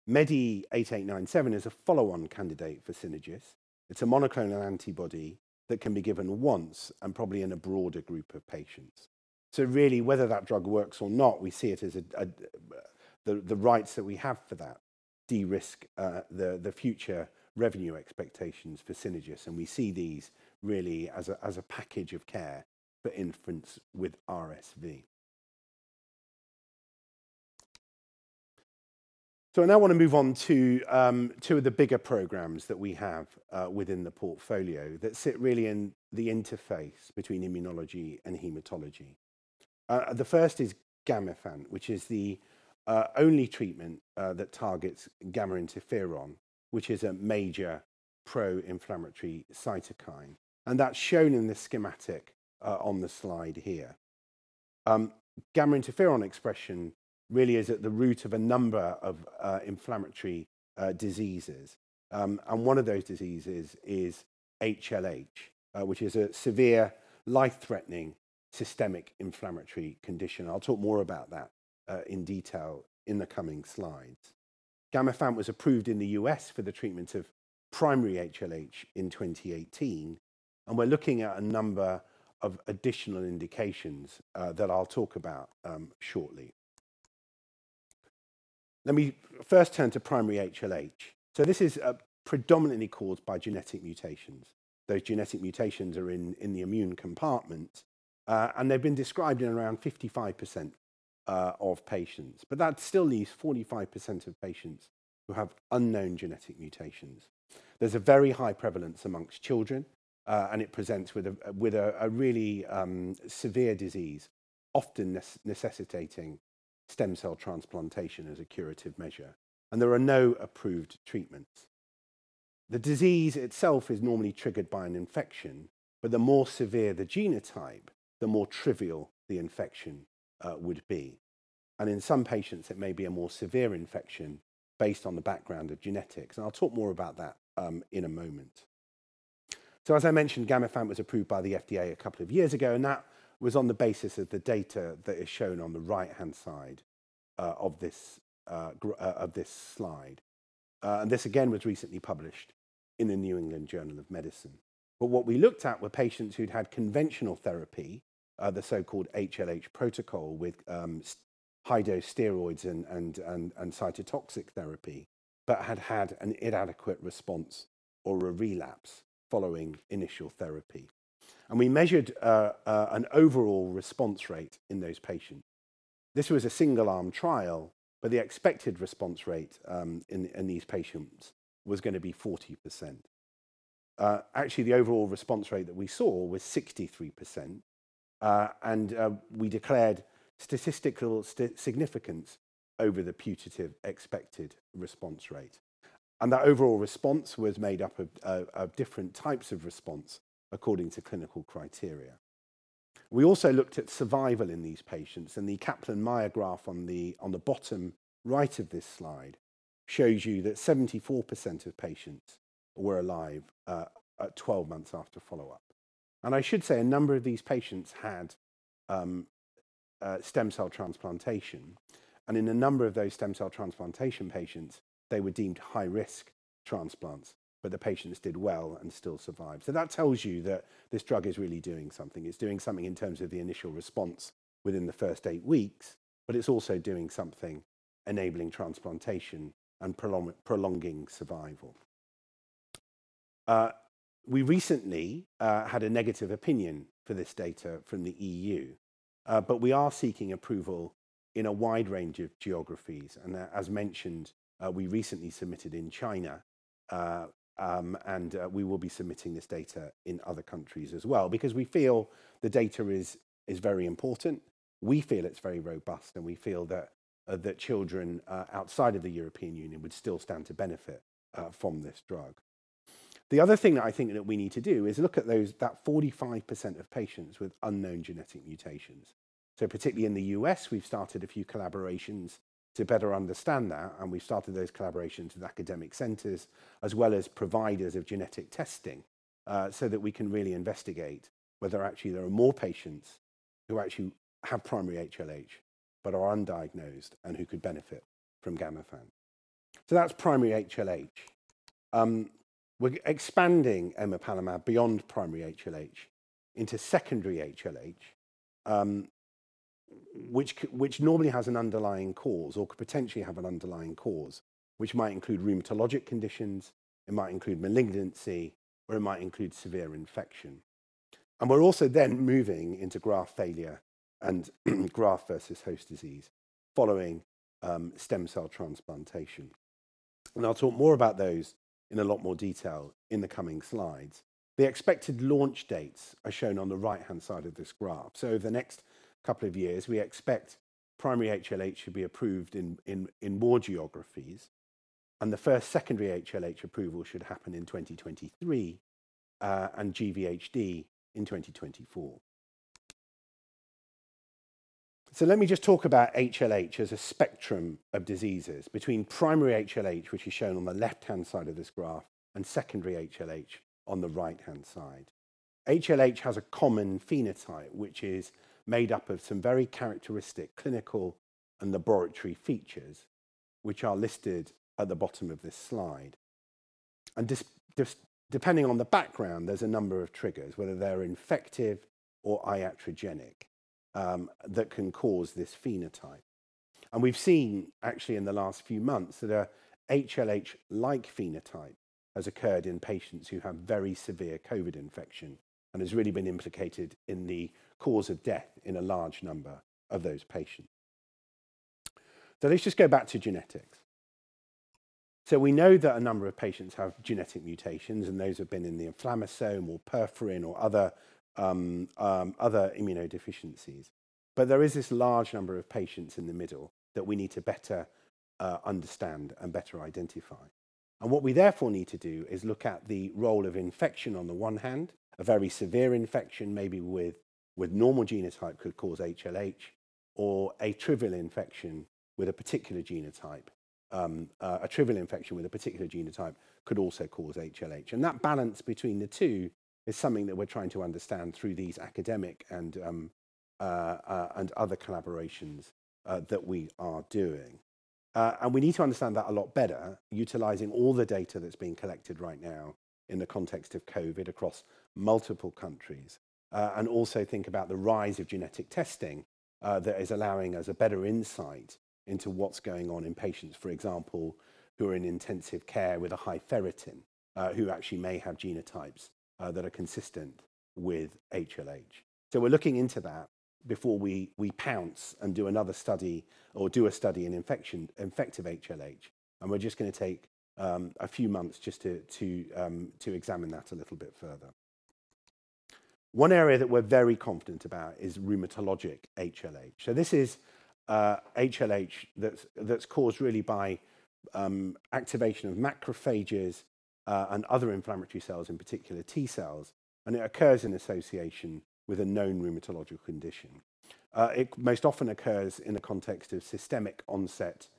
MEDI8897 is a follow-on candidate for Synagis. It's a monoclonal antibody that can be given once and probably in a broader group of patients. Really, whether that drug works or not, the rights that we have for that de-risk the future revenue expectations for Synagis, and we see these really as a package of care for infants with RSV. I now want to move on to two of the bigger programs that we have within the portfolio that sit really in the interface between immunology and hematology. The first is Gamifant, which is the only treatment that targets gamma interferon, which is a major pro-inflammatory cytokine, and that's shown in the schematic on the slide here. Gamma interferon expression really is at the root of a number of inflammatory diseases. One of those diseases is HLH, which is a severe, life-threatening systemic inflammatory condition. I'll talk more about that in detail in the coming slides. Gamifant was approved in the U.S. for the treatment of primary HLH in 2018. We're looking at a number of additional indications that I'll talk about shortly. Let me first turn to primary HLH. This is predominantly caused by genetic mutations. Those genetic mutations are in the immune compartment; they've been described in around 55% of patients. That still leaves 45% of patients who have unknown genetic mutations. There's a very high prevalence amongst children; it presents with a really severe disease, often necessitating stem cell transplantation as a curative measure. There are no approved treatments. The disease itself is normally triggered by an infection; the more severe the genotype, the more trivial the infection would be. In some patients, it may be a more severe infection based on their genetic background. I'll talk more about that in a moment. As I mentioned, Gamifant was approved by the FDA a couple of years ago, and that was on the basis of the data that is shown on the right-hand side of this slide. This again, was recently published in "The New England Journal of Medicine." What we looked at were patients who'd had conventional therapy, the so-called HLH protocol with high-dose steroids and cytotoxic therapy, but had had an inadequate response or a relapse following initial therapy. We measured an overall response rate in those patients. This was a single-arm trial, but the expected response rate in these patients was going to be 40%. Actually, the overall response rate that we saw was 63%, and we declared statistical significance over the putative expected response rate. That overall response was made up of different types of responses according to clinical criteria. We also looked at survival in these patients, and the Kaplan-Meier graph on the bottom right of this slide shows you that 74% of patients were alive at 12 months after follow-up. I should say a number of these patients had stem cell transplantation. In a number of those stem cell transplantation patients, they were deemed high-risk transplants, but the patients did well and still survived. That tells you that this drug is really doing something. It's doing something in terms of the initial response within the first eight weeks, but it's also doing something enabling transplantation and prolonging survival. We recently had a negative opinion for this data from the EU. We are seeking approval in a wide range of geographies. As mentioned, we recently submitted in China, and we will be submitting this data in other countries as well because we feel the data is very important. We feel it's very robust, and we feel that children outside of the European Union would still stand to benefit from this drug. The other thing that I think that we need to do is look at that 45% of patients with unknown genetic mutations. Particularly in the U.S., we've started a few collaborations to better understand that, and we've started those collaborations with academic centers as well as providers of genetic testing, so that we can really investigate whether actually there are more patients who actually have primary HLH but are undiagnosed and who could benefit from Gamifant. That's primary HLH. We're expanding emapalumab beyond primary HLH into secondary HLH, which normally has an underlying cause or could potentially have an underlying cause, which might include rheumatologic conditions, it might include malignancy, or it might include severe infection. We're also then moving into graft failure and graft versus host disease following stem cell transplantation. I'll talk more about those in a lot more detail in the coming slides. The expected launch dates are shown on the right-hand side of this graph. Over the next couple of years, we expect primary HLH should be approved in more geographies, and the first secondary HLH approval should happen in 2023, and GVHD in 2024. Let me just talk about HLH as a spectrum of diseases between primary HLH, which is shown on the left-hand side of this graph, and secondary HLH on the right-hand side. HLH has a common phenotype, which is made up of some very characteristic clinical and laboratory features, which are listed at the bottom of this slide. Depending on the background, there's a number of triggers, whether they're infective or iatrogenic, that can cause this phenotype. We've seen, actually, in the last few months, that a HLH-like phenotype has occurred in patients who have very severe COVID infection and has really been implicated in the cause of death in a large number of those patients. Let's just go back to genetics. We know that a number of patients have genetic mutations, and those have been in the inflammasome, or perforin, or other immunodeficiencies. There is this large number of patients in the middle that we need to better understand and better identify. What we therefore need to do is look at the role of infection on the one hand, a very severe infection, maybe with a normal genotype, could cause HLH, or a trivial infection with a particular genotype could also cause HLH. That balance between the two is something that we're trying to understand through these academic and other collaborations that we are doing. We need to understand that a lot better, utilizing all the data that's being collected right now in the context of COVID across multiple countries. Also, think about the rise of genetic testing, that is allowing us a better insight into what's going on in patients, for example, who are in intensive care with a high ferritin, who actually may have genotypes that are consistent with HLH. We're looking into that before we pounce and do another study or do a study in infective HLH, and we're just going to take a few months just to examine that a little bit further. One area that we're very confident about is rheumatologic HLH. This is HLH that's caused really by activation of macrophages and other inflammatory cells, in particular T cells, and it occurs in association with a known rheumatologic condition. It most often occurs in the context of systemic onset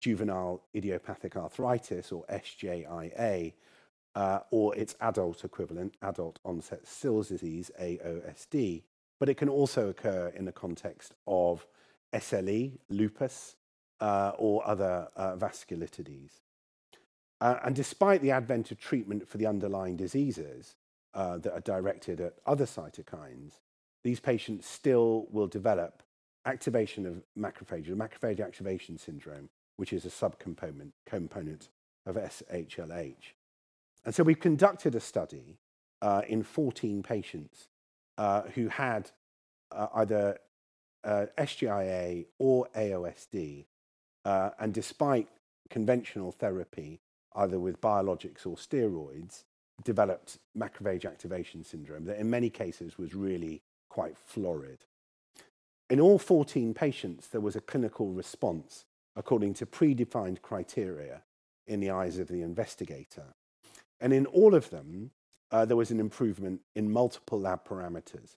juvenile idiopathic arthritis, or SJIA, or its adult equivalent, adult-onset Still's disease, AOSD. It can also occur in the context of SLE, lupus, or other vasculitides. Despite the advent of treatment for the underlying diseases that are directed at other cytokines, these patients still will develop activation of macrophages and macrophage activation syndrome, which is a subcomponent of sHLH. We've conducted a study in 14 patients who had either sJIA or AOSD, and despite conventional therapy, either with biologics or steroids, developed macrophage activation syndrome that, in many cases, was really quite florid. In all 14 patients, there was a clinical response according to predefined criteria in the eyes of the investigator. In all of them, there was an improvement in multiple lab parameters.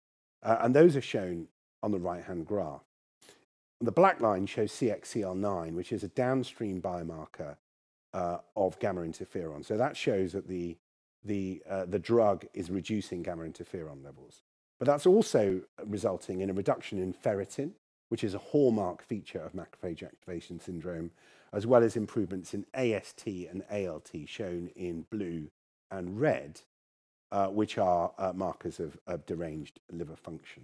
Those are shown on the right-hand graph. The black line shows CXCL9, which is a downstream biomarker of gamma interferon. That shows that the drug is reducing gamma interferon levels. That's also resulting in a reduction in ferritin, which is a hallmark feature of macrophage activation syndrome, as well as improvements in AST and ALT, shown in blue and red, which are markers of deranged liver function.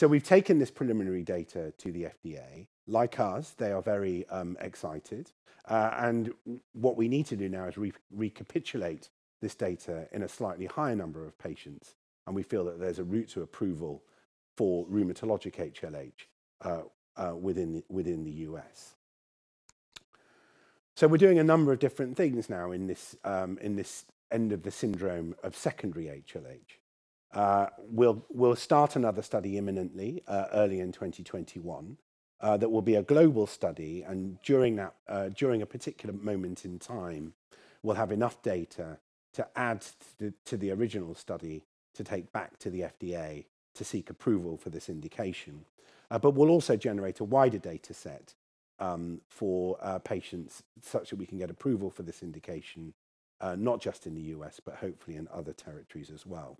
We've taken this preliminary data to the FDA. Like us, they are very excited. What we need to do now is recapitulate this data in a slightly higher number of patients, and we feel that there's a route to approval for rheumatologic HLH within the U.S. We're doing a number of different things now in this end of the syndrome of secondary HLH. We'll start another study imminently, early in 2021, that will be a global study. During a particular moment in time, we'll have enough data to add to the original study to take back to the FDA to seek approval for this indication. We'll also generate a wider data set for patients such that we can get approval for this indication, not just in the U.S., but hopefully in other territories as well.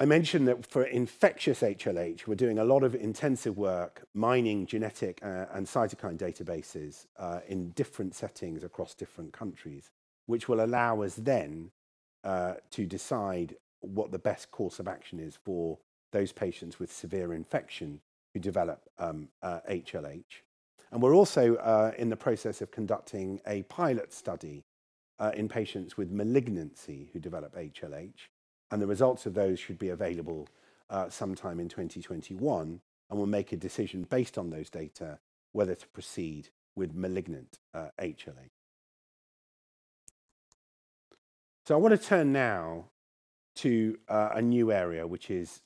I mentioned that for infectious HLH, we're doing a lot of intensive work mining genetic and cytokine databases in different settings across different countries, which will allow us then to decide what the best course of action is for those patients with severe infection who develop HLH. We're also in the process of conducting a pilot study in patients with malignancy who develop HLH, and the results of those should be available sometime in 2021, and we'll make a decision based on those data whether to proceed with malignant HLH. I want to turn now to a new area, which is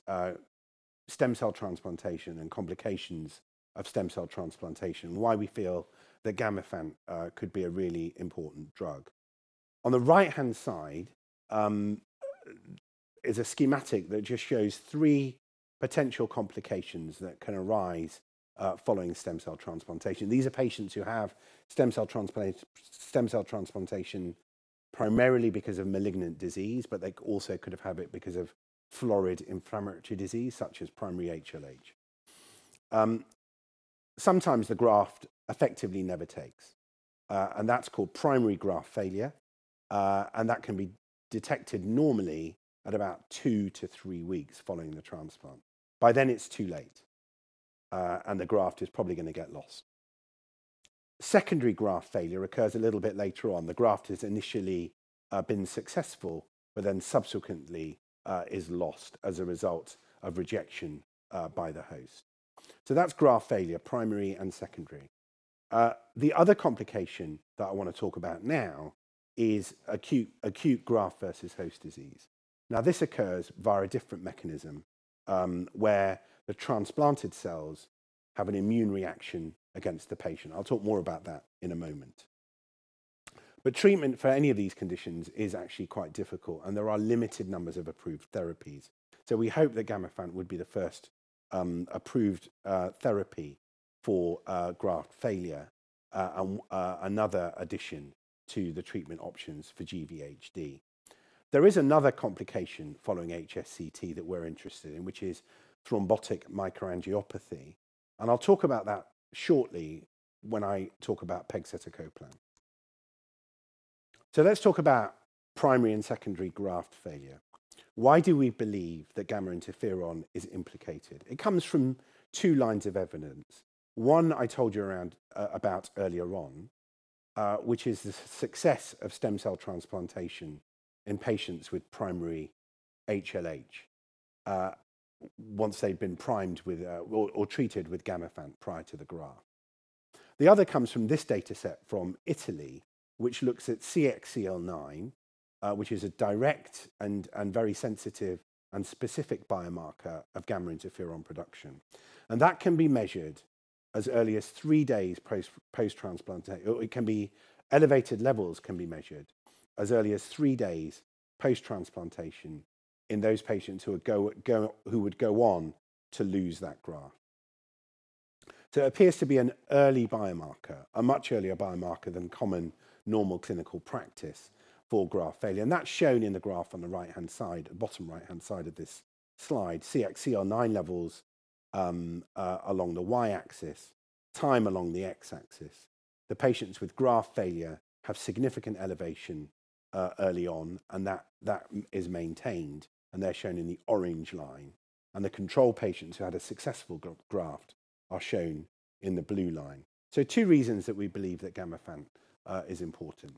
stem cell transplantation and complications of stem cell transplantation, and why we feel that Gamifant could be a really important drug. On the right-hand side is a schematic that just shows three potential complications that can arise following stem cell transplantation. These are patients who have stem cell transplantation primarily because of malignant disease, but they also could have had it because of florid inflammatory disease, such as primary HLH. Sometimes the graft effectively never takes. That's called primary graft failure. That can be detected normally at about two to three weeks following the transplant. By then, it's too late. The graft is probably going to get lost. Secondary graft failure occurs a little bit later on. The graft has initially been successful. Subsequently is lost as a result of rejection by the host. That's graft failure, primary and secondary. The other complication that I want to talk about now is acute graft versus host disease. Now, this occurs via a different mechanism, where the transplanted cells have an immune reaction against the patient. I'll talk more about that in a moment. Treatment for any of these conditions is actually quite difficult, and there are limited numbers of approved therapies. We hope that Gamifant would be the first approved therapy for graft failure, another addition to the treatment options for GVHD. There is another complication following HSCT that we're interested in, which is thrombotic microangiopathy, and I'll talk about that shortly when I talk about pegcetacoplan. Let's talk about primary and secondary graft failure. Why do we believe that gamma interferon is implicated? It comes from two lines of evidence. One I told you about earlier on, which is the success of stem cell transplantation in patients with primary HLH, once they've been primed or treated with Gamifant prior to the graft. The other comes from this data set from Italy, which looks at CXCL9, which is a direct, and very sensitive, and specific biomarker of gamma interferon production. That can be measured as early as three days post-transplant. Elevated levels can be measured as early as three days post-transplantation in those patients who would go on to lose that graft. It appears to be an early biomarker, a much earlier biomarker than common normal clinical practice for graft failure. That's shown in the graph on the right-hand side, bottom right-hand side of this slide. CXCL9 levels along the Y-axis, time along the X-axis. The patients with graft failure have a significant elevation early on, and that is maintained, and they're shown in the orange line. The control patients who had a successful graft are shown in the blue line. Two reasons that we believe that Gamifant is important.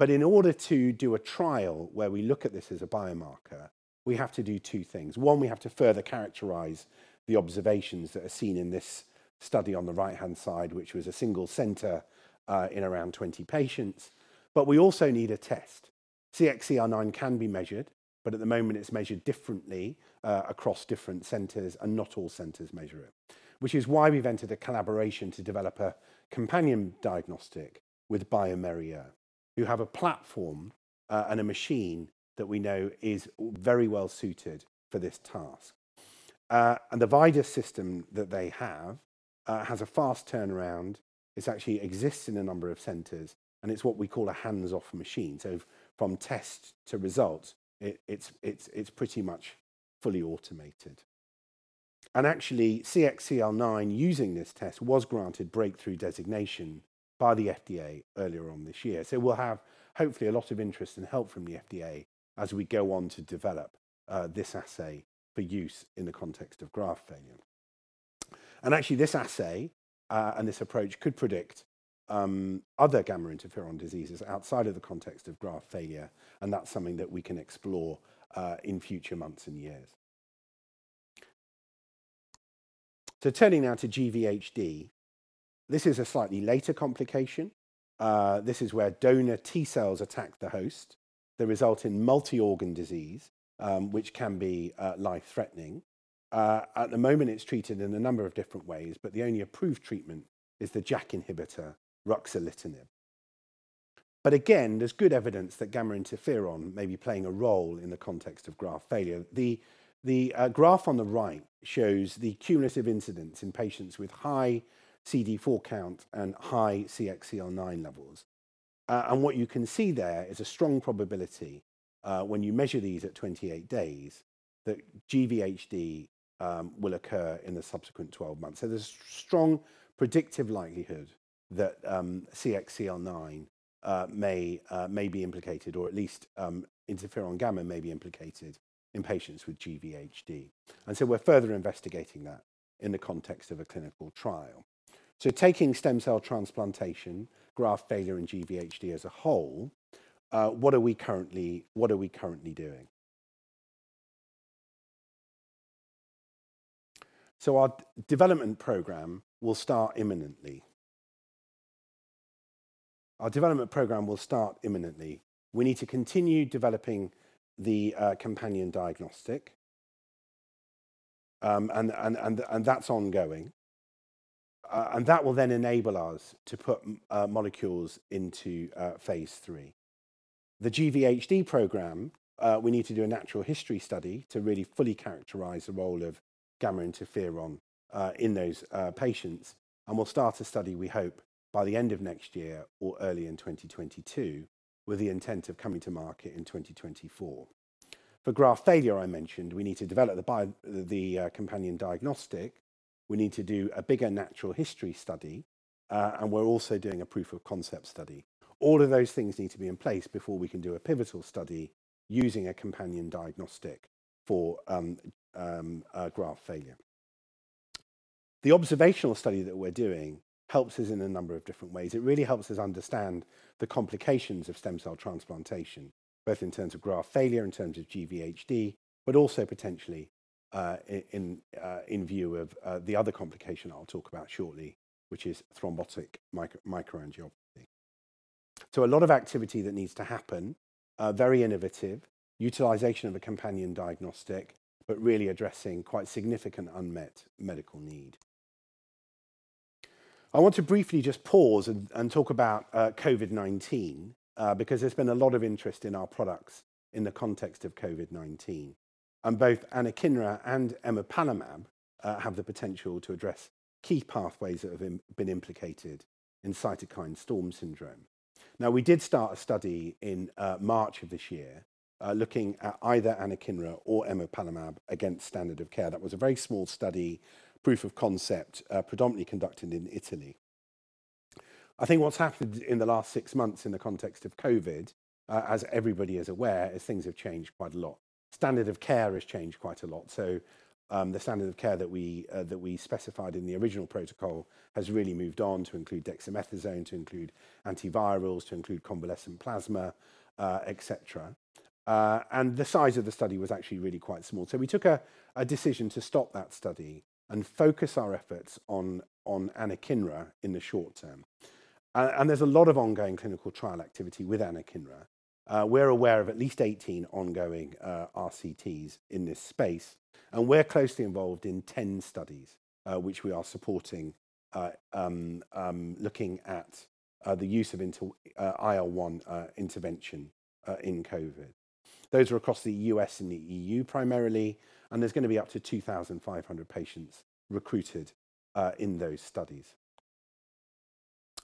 In order to do a trial where we look at this as a biomarker, we have to do two things. One, we have to further characterize the observations that are seen in this study on the right-hand side, which was a single center in around 20 patients. We also need a test. CXCL9 can be measured. At the moment, it's measured differently across different centers, and not all centers measure it, which is why we've entered a collaboration to develop a companion diagnostic with bioMérieux. You have a platform and a machine that we know is very well-suited for this task. The VIDAS system that they have has a fast turnaround. This actually exists in a number of centers, and it's what we call a hands-off machine. From test to result, it's pretty much fully automated. Actually, CXCL9, using this test, was granted a breakthrough designation by the FDA earlier on this year. We'll have, hopefully, a lot of interest and help from the FDA as we go on to develop this assay for use in the context of graft failure. Actually, this assay and this approach could predict other gamma interferon diseases outside of the context of graft failure, and that's something that we can explore in future months and years. Turning now to GVHD, this is a slightly later complication. This is where donor T cells attack the host, that result in multi-organ disease, which can be life-threatening. At the moment, it's treated in a number of different ways, but the only approved treatment is the JAK inhibitor, ruxolitinib. Again, there's good evidence that gamma interferon may be playing a role in the context of graft failure. The graph on the right shows the cumulative incidence in patients with high CD4 count and high CXCL9 levels. What you can see there is a strong probability, when you measure these at 28 days, that GVHD will occur in the subsequent 12 months. There's a strong predictive likelihood that CXCL9 may be implicated, or at least interferon gamma may be implicated in patients with GVHD. We're further investigating that in the context of a clinical trial. Taking stem cell transplantation, graft failure, and GVHD as a whole, what are we currently doing? Our development program will start imminently. Our development program will start imminently. We need to continue developing the companion diagnostic, and that's ongoing. That will then enable us to put molecules into phase III. The GVHD program, we need to do a natural history study to really fully characterize the role of interferon gamma in those patients. We'll start a study, we hope, by the end of next year or early in 2022, with the intent of coming to market in 2024. For graft failure, I mentioned we need to develop the companion diagnostic. We need to do a bigger natural history study. We're also doing a proof of concept study. All of those things need to be in place before we can do a pivotal study using a companion diagnostic for graft failure. The observational study that we're doing helps us in a number of different ways. It really helps us understand the complications of stem cell transplantation, both in terms of graft failure, in terms of GVHD, but also potentially in view of the other complication I'll talk about shortly, which is thrombotic microangiopathy. A lot of activity that needs to happen, very innovative, utilization of a companion diagnostic, but really addressing quite significant unmet medical needs. I want to briefly just pause and talk about COVID-19, because there's been a lot of interest in our products in the context of COVID-19, and both anakinra and emapalumab have the potential to address key pathways that have been implicated in cytokine storm syndrome. We did start a study in March of this year, looking at either anakinra or emapalumab against the standard of care. That was a very small study, proof of concept, predominantly conducted in Italy. I think what's happened in the last six months in the context of COVID, as everybody is aware, is things have changed quite a lot. Standard of care has changed quite a lot. The standard of care that we specified in the original protocol has really moved on to include dexamethasone, to include antivirals, to include convalescent plasma, et cetera. The size of the study was actually really quite small. We took a decision to stop that study and focus our efforts on anakinra in the short term. There's a lot of ongoing clinical trial activity with anakinra. We're aware of at least 18 ongoing RCTs in this space, and we're closely involved in 10 studies, which we are supporting, looking at the use of IL-1 intervention in COVID-19. Those are across the U.S. and the E.U. primarily, and there's going to be up to 2,500 patients recruited in those studies.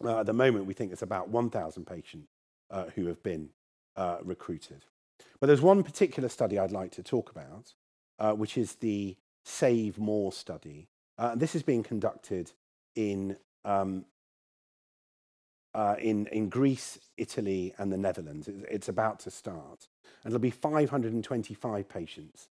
At the moment, we think it's about 1,000 patients who have been recruited. There's one particular study I'd like to talk about, which is the SAVE-MORE study. This is being conducted in Greece, Italy, and the Netherlands. It's about to start. There'll be 525 patients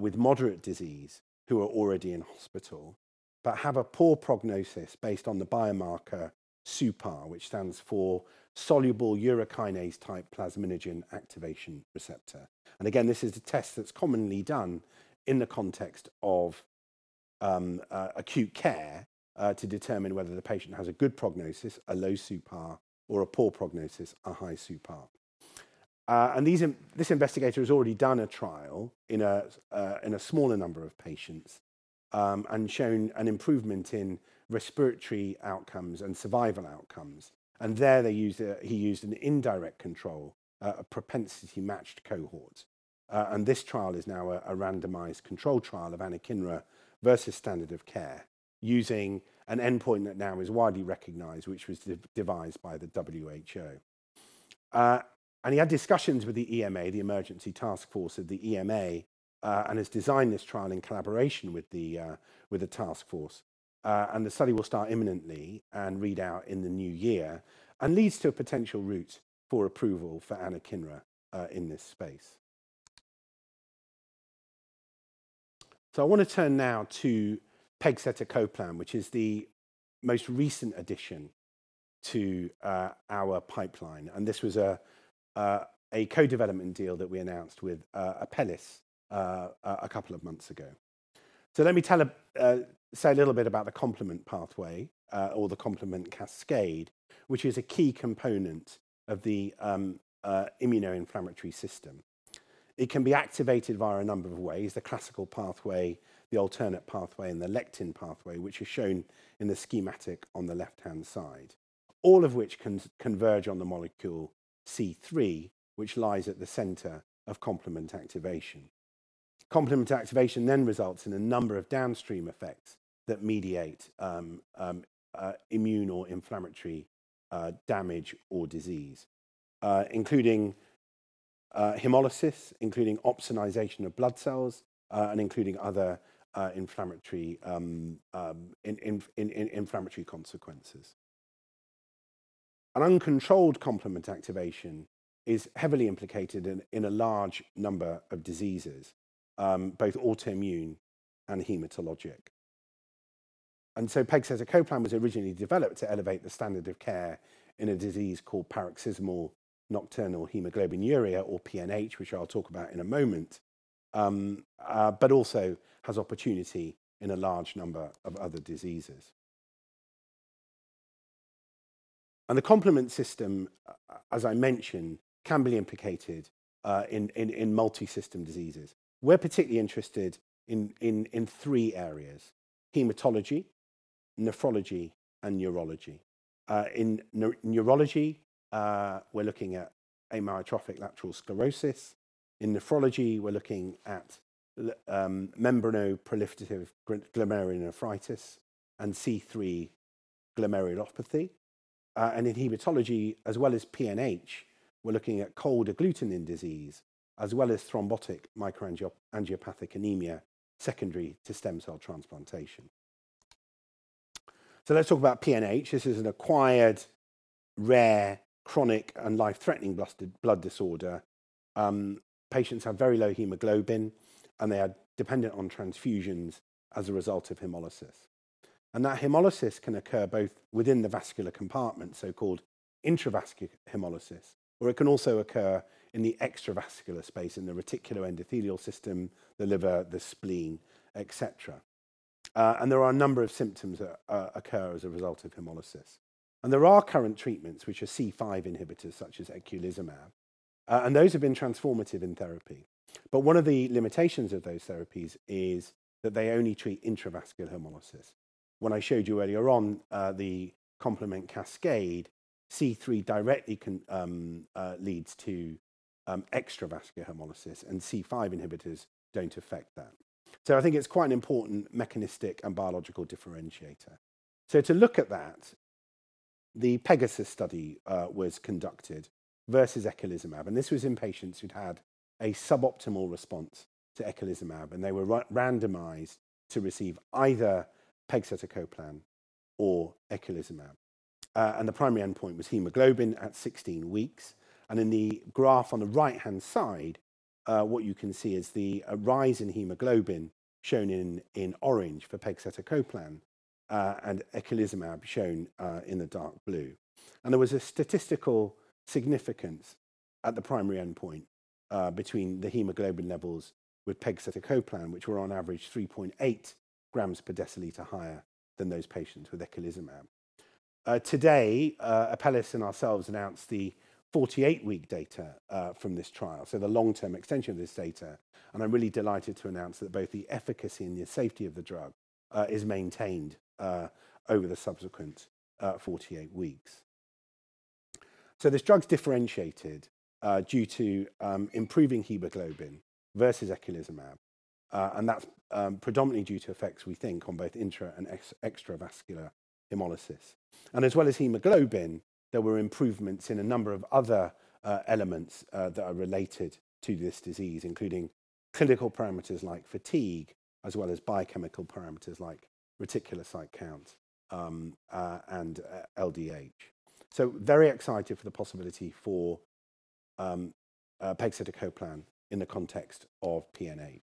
with moderate disease who are already in hospital but have a poor prognosis based on the biomarker suPAR, which stands for soluble urokinase-type plasminogen activation receptor. Again, this is a test that's commonly done in the context of acute care to determine whether the patient has a good prognosis, a low suPAR, or a poor prognosis, a high suPAR. This investigator has already done a trial in a smaller number of patients and shown an improvement in respiratory outcomes and survival outcomes. There, he used an indirect control, a propensity-matched cohort. This trial is now a randomized controlled trial of anakinra versus standard of care using an endpoint that is now widely recognized, which was devised by the WHO. He had discussions with the EMA, the emergency task force of the EMA, and has designed this trial in collaboration with the task force. The study will start imminently and read out in the new year, and leads to a potential route for approval for anakinra in this space. I want to turn now to pegcetacoplan, which is the most recent addition to our pipeline, and this was a co-development deal that we announced with Apellis a couple of months ago. Let me say a little bit about the complement pathway, or the complement cascade, which is a key component of the immunoinflammatory system. It can be activated via a number of ways. The classical pathway, the alternate pathway, and the lectin pathway which is shown in the schematic on the left-hand side. All of which converge on the molecule C3, which lies at the center of complement activation. Complement activation results in a number of downstream effects that mediate immune or inflammatory damage or disease, including hemolysis, including opsonization of blood cells, and including other inflammatory consequences. An uncontrolled complement activation is heavily implicated in a large number of diseases, both autoimmune and hematologic. pegcetacoplan was originally developed to elevate the standard of care in a disease called paroxysmal nocturnal hemoglobinuria, or PNH, which I'll talk about in a moment. Also has opportunity in a large number of other diseases. The complement system, as I mentioned, can be implicated in multi-system diseases. We're particularly interested in three areas: hematology, nephrology, and neurology. In neurology, we're looking at amyotrophic lateral sclerosis. In nephrology, we're looking at membranoproliferative glomerulonephritis and C3 glomerulopathy. In hematology, as well as PNH, we're looking at cold agglutinin disease, as well as thrombotic microangiopathic anemia secondary to stem cell transplantation. Let's talk about PNH. This is an acquired, rare, chronic, and life-threatening blood disorder. Patients have very low hemoglobin, and they are dependent on transfusions as a result of hemolysis. That hemolysis can occur both within the vascular compartment, so-called intravascular hemolysis, or it can also occur in the extravascular space, in the reticuloendothelial system, the liver, the spleen, et cetera. There are a number of symptoms that occur as a result of hemolysis. There are current treatments, which are C5 inhibitors such as eculizumab, and those have been transformative in therapy. One of the limitations of those therapies is that they only treat intravascular hemolysis. When I showed you earlier on the complement cascade, C3 directly leads to extravascular hemolysis; C5 inhibitors don't affect that. I think it's quite an important mechanistic and biological differentiator. To look at that, the PEGASUS study was conducted versus eculizumab; this was in patients who'd had a suboptimal response to eculizumab, they were randomized to receive either pegcetacoplan or eculizumab. The primary endpoint was hemoglobin at 16 weeks. In the graph on the right-hand side, what you can see is the rise in hemoglobin shown in orange for pegcetacoplan and eculizumab shown in dark blue. There was a statistical significance at the primary endpoint between the hemoglobin levels with pegcetacoplan, which were on average 3.8 grams per deciliter higher than those of patients with eculizumab. Today, Apellis and ourselves announced the 48-week data from this trial, so the long-term extension of this data. I'm really delighted to announce that both the efficacy and the safety of the drug is maintained over the subsequent 48 weeks. This drug is differentiated due to improving hemoglobin versus eculizumab, and that's predominantly due to effects, we think, on both intra and extravascular hemolysis. As well as hemoglobin, there were improvements in a number of other elements that are related to this disease, including clinical parameters like fatigue, as well as biochemical parameters like reticulocyte count and LDH. Very excited for the possibility for pegcetacoplan in the context of PNH.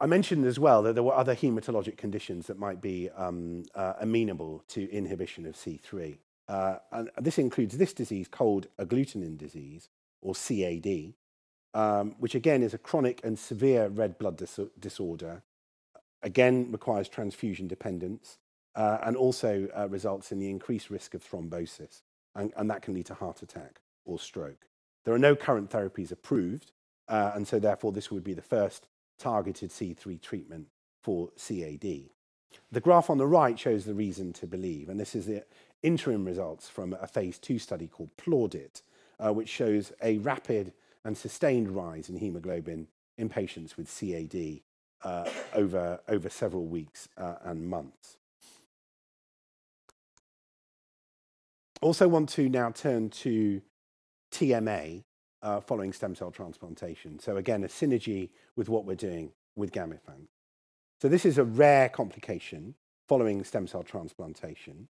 I mentioned as well that there were other hematologic conditions that might be amenable to the inhibition of C3. This includes this disease, Cold Agglutinin Disease, or CAD, which again is a chronic and severe red blood disorder. Again, requires transfusion dependence, and also results in the increased risk of thrombosis, and that can lead to a heart attack or stroke. There are no current therapies approved. Therefore, this would be the first targeted C3 treatment for CAD. The graph on the right shows the reason to believe. This is the interim results from a phase II study called PLAUDIT, which shows a rapid and sustained rise in hemoglobin in patients with CAD over several weeks and months. Also, I want to now turn to TMA following stem cell transplantation. Again, a synergy with what we're doing with Gamifant. This is a rare complication following stem cell transplantation.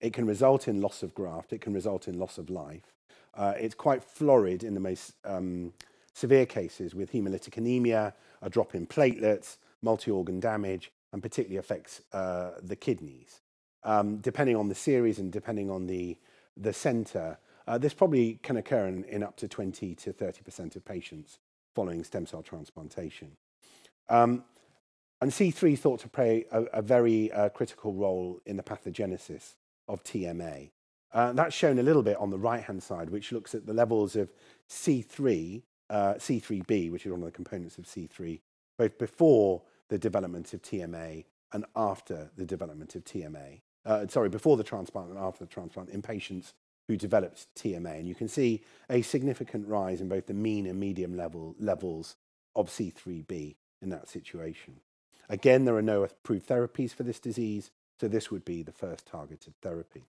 It can result in loss of graft. It can result in loss of life. It's quite florid in the most severe cases with hemolytic anemia, a drop in platelets, multi-organ damage, and particularly affects the kidneys. Depending on the series and depending on the center, this probably can occur in up to 20%-30% of patients following stem cell transplantation. C3 is thought to play a very critical role in the pathogenesis of TMA. That's shown a little bit on the right-hand side, which looks at the levels of C3, C3b, which is one of the components of C3, both before the development of TMA and after the development of TMA. Sorry, before the transplant and after the transplant in patients who developed TMA. You can see a significant rise in both the mean and medium levels of C3b in that situation. Again, there are no approved therapies for this disease, so this would be the first targeted therapy.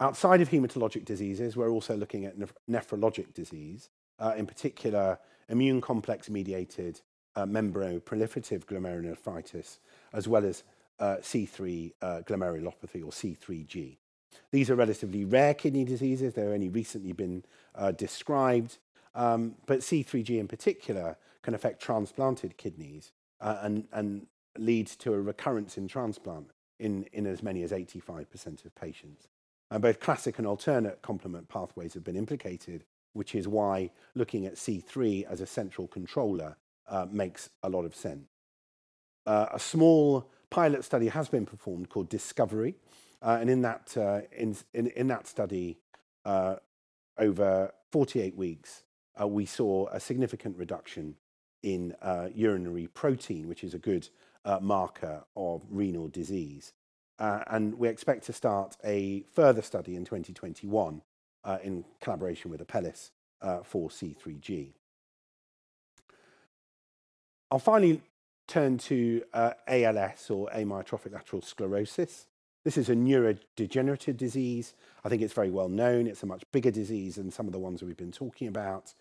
Outside of hematologic diseases, we're also looking at nephrologic disease, in particular, immune complex-mediated membranoproliferative glomerulonephritis, as well as C3 glomerulopathy or C3G. These are relatively rare kidney diseases. They've only recently been described. C3G in particular can affect transplanted kidneys and lead to a recurrence in transplant in as many as 85% of patients. Both classic and alternate complement pathways have been implicated, which is why looking at C3 as a central controller makes a lot of sense. A small pilot study has been performed called Discovery. In that study, over 48 weeks, we saw a significant reduction in urinary protein, which is a good marker of renal disease. We expect to start a further study in 2021, in collaboration with Apellis for C3G. I'll finally turn to ALS or amyotrophic lateral sclerosis. This is a neurodegenerative disease. I think it's very well known. It's a much bigger disease than some of the ones that we've been talking about.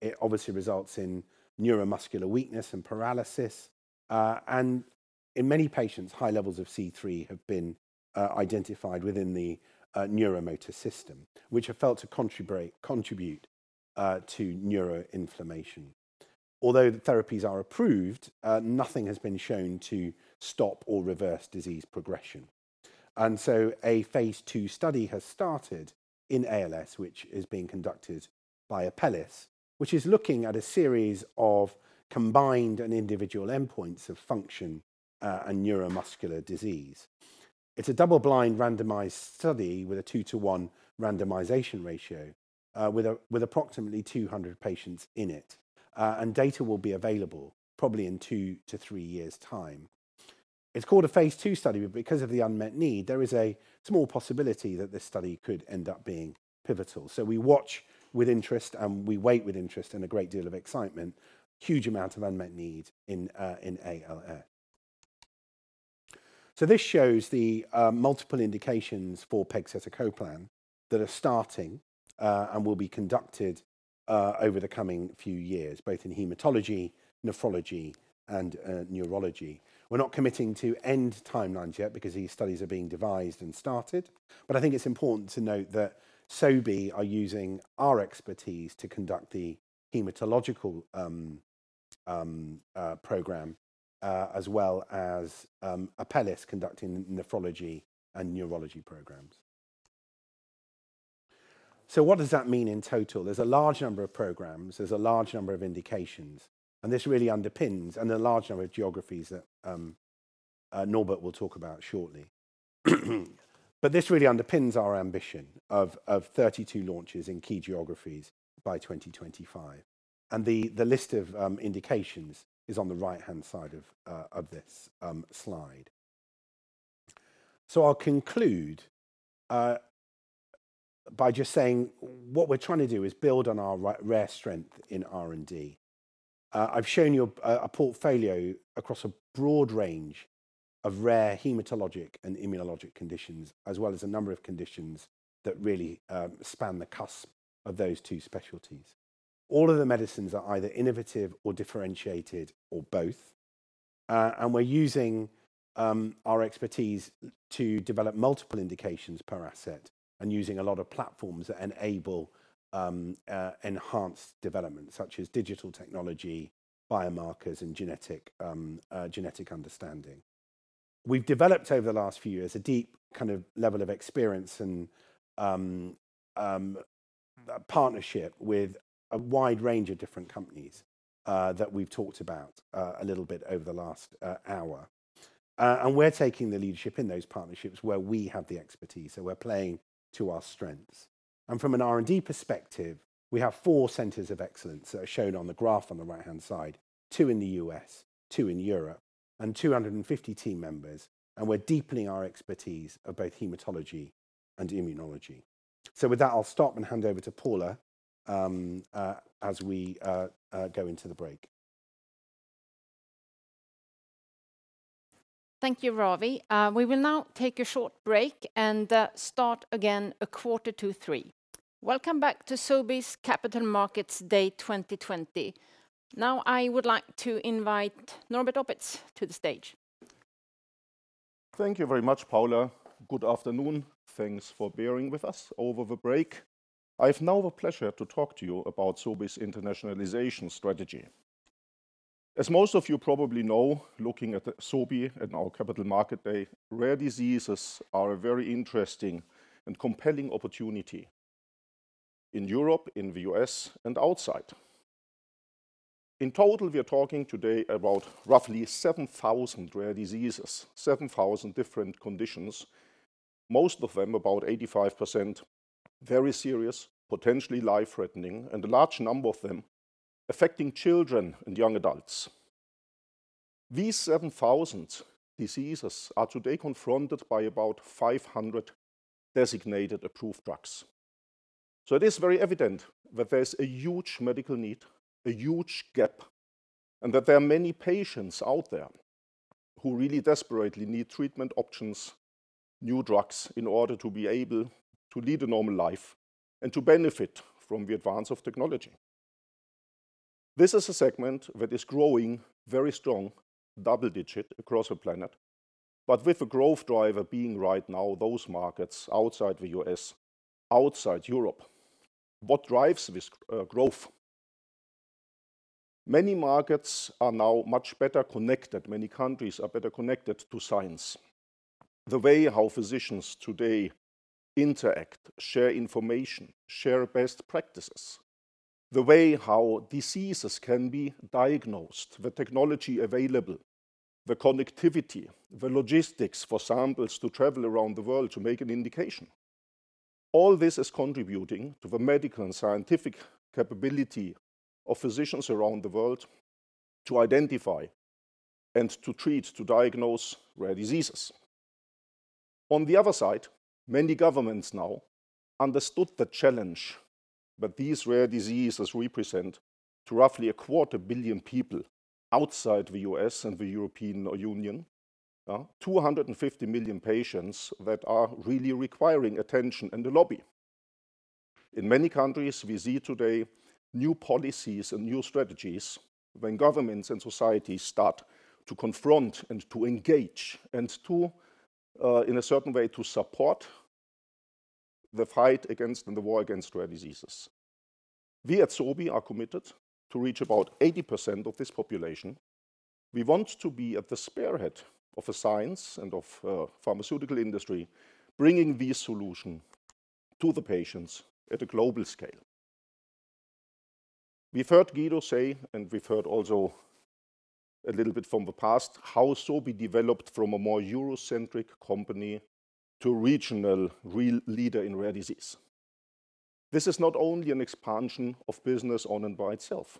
It obviously results in neuromuscular weakness and paralysis. In many patients, high levels of C3 have been identified within the neuromotor system, which are felt to contribute to neuroinflammation. Although the therapies are approved, nothing has been shown to stop or reverse disease progression. A phase II study has started in ALS, which is being conducted by Apellis, which is looking at a series of combined and individual endpoints of function and neuromuscular disease. It's a double-blind randomized study with a 2:1 randomization ratio, with approximately 200 patients in it. Data will be available probably in two to three years' time. It's called a phase II study, but because of the unmet need, there is a small possibility that this study could end up being pivotal. We watch with interest, and we wait with interest and a great deal of excitement. Huge amount of unmet need in ALS. This shows the multiple indications for pegcetacoplan that are starting and will be conducted over the coming few years, both in hematology, nephrology, and neurology. We're not committing to end timelines yet because these studies are being devised and started. I think it's important to note that Sobi are using our expertise to conduct the hematological program, as well as Apellis conducting nephrology and neurology programs. What does that mean in total? There's a large number of programs. There's a large number of indications. This really underpins, and the large number of geographies that Norbert will talk about shortly. This really underpins our ambition of 32 launches in key geographies by 2025. The list of indications is on the right-hand side of this slide. I'll conclude by just saying what we're trying to do is build on our rare strength in R&D. I've shown you a portfolio across a broad range of rare hematologic and immunologic conditions, as well as a number of conditions that really span the cusp of those two specialties. All of the medicines are either innovative or differentiated or both. We're using our expertise to develop multiple indications per asset and using a lot of platforms that enable enhanced development, such as digital technology, biomarkers, and genetic understanding. We've developed over the last few years a deep level of experience and partnership with a wide range of different companies that we've talked about a little bit over the last hour. We're taking the leadership in those partnerships where we have the expertise, so we're playing to our strengths. From an R&D perspective, we have four centers of excellence that are shown on the graph on the right-hand side, two in the U.S., two in Europe, and 250 team members, and we're deepening our expertise of both hematology and immunology. With that, I'll stop and hand over to Paula as we go into the break. Thank you, Ravi. We will now take a short break and start again a quarter to 3:00. Welcome back to Sobi's Capital Markets Day 2020. Now I would like to invite Norbert Oppitz to the stage. Thank you very much, Paula. Good afternoon. Thanks for bearing with us over the break. I now have the pleasure to talk to you about Sobi's internationalization strategy. As most of you probably know, looking at Sobi and our Capital Market Day, rare diseases are a very interesting and compelling opportunity in Europe, in the U.S., and outside. In total, we are talking today about roughly 7,000 rare diseases, 7,000 different conditions, most of them, about 85%, very serious, potentially life-threatening, and a large number of them affecting children and young adults. These 7,000 diseases are today confronted by about 500 designated approved drugs. It is very evident that there's a huge medical need, a huge gap, and that there are many patients out there who really desperately need treatment options, new drugs, in order to be able to lead a normal life and to benefit from the advances of technology. This is a segment that is growing very strong, double-digit across the planet, but with the growth driver being right now those markets outside the U.S., outside Europe. What drives this growth? Many markets are now much better connected. Many countries are better connected to science. The way how physicians today interact, share information, share best practices, the way how diseases can be diagnosed, the technology available, the connectivity, the logistics for samples to travel around the world to make an indication. All this is contributing to the medical and scientific capability of physicians around the world to identify and to treat, to diagnose rare diseases. On the other side, many governments now understood the challenge that these rare diseases represent to roughly a quarter billion people outside the U.S. and the European Union. 250 million patients that are really requiring attention and a lobby. In many countries, we see today new policies and new strategies when governments and societies start to confront and to engage and to, in a certain way, to support the fight against and the war against rare diseases. We at Sobi are committed to reach about 80% of this population. We want to be at the spearhead of science and of the pharmaceutical industry, bringing this solution to the patients at a global scale. We've heard Guido say, and we've also heard a little bit from the past, how Sobi developed from a more Euro-centric company to a regional real leader in rare disease. This is not only an expansion of business on and by itself.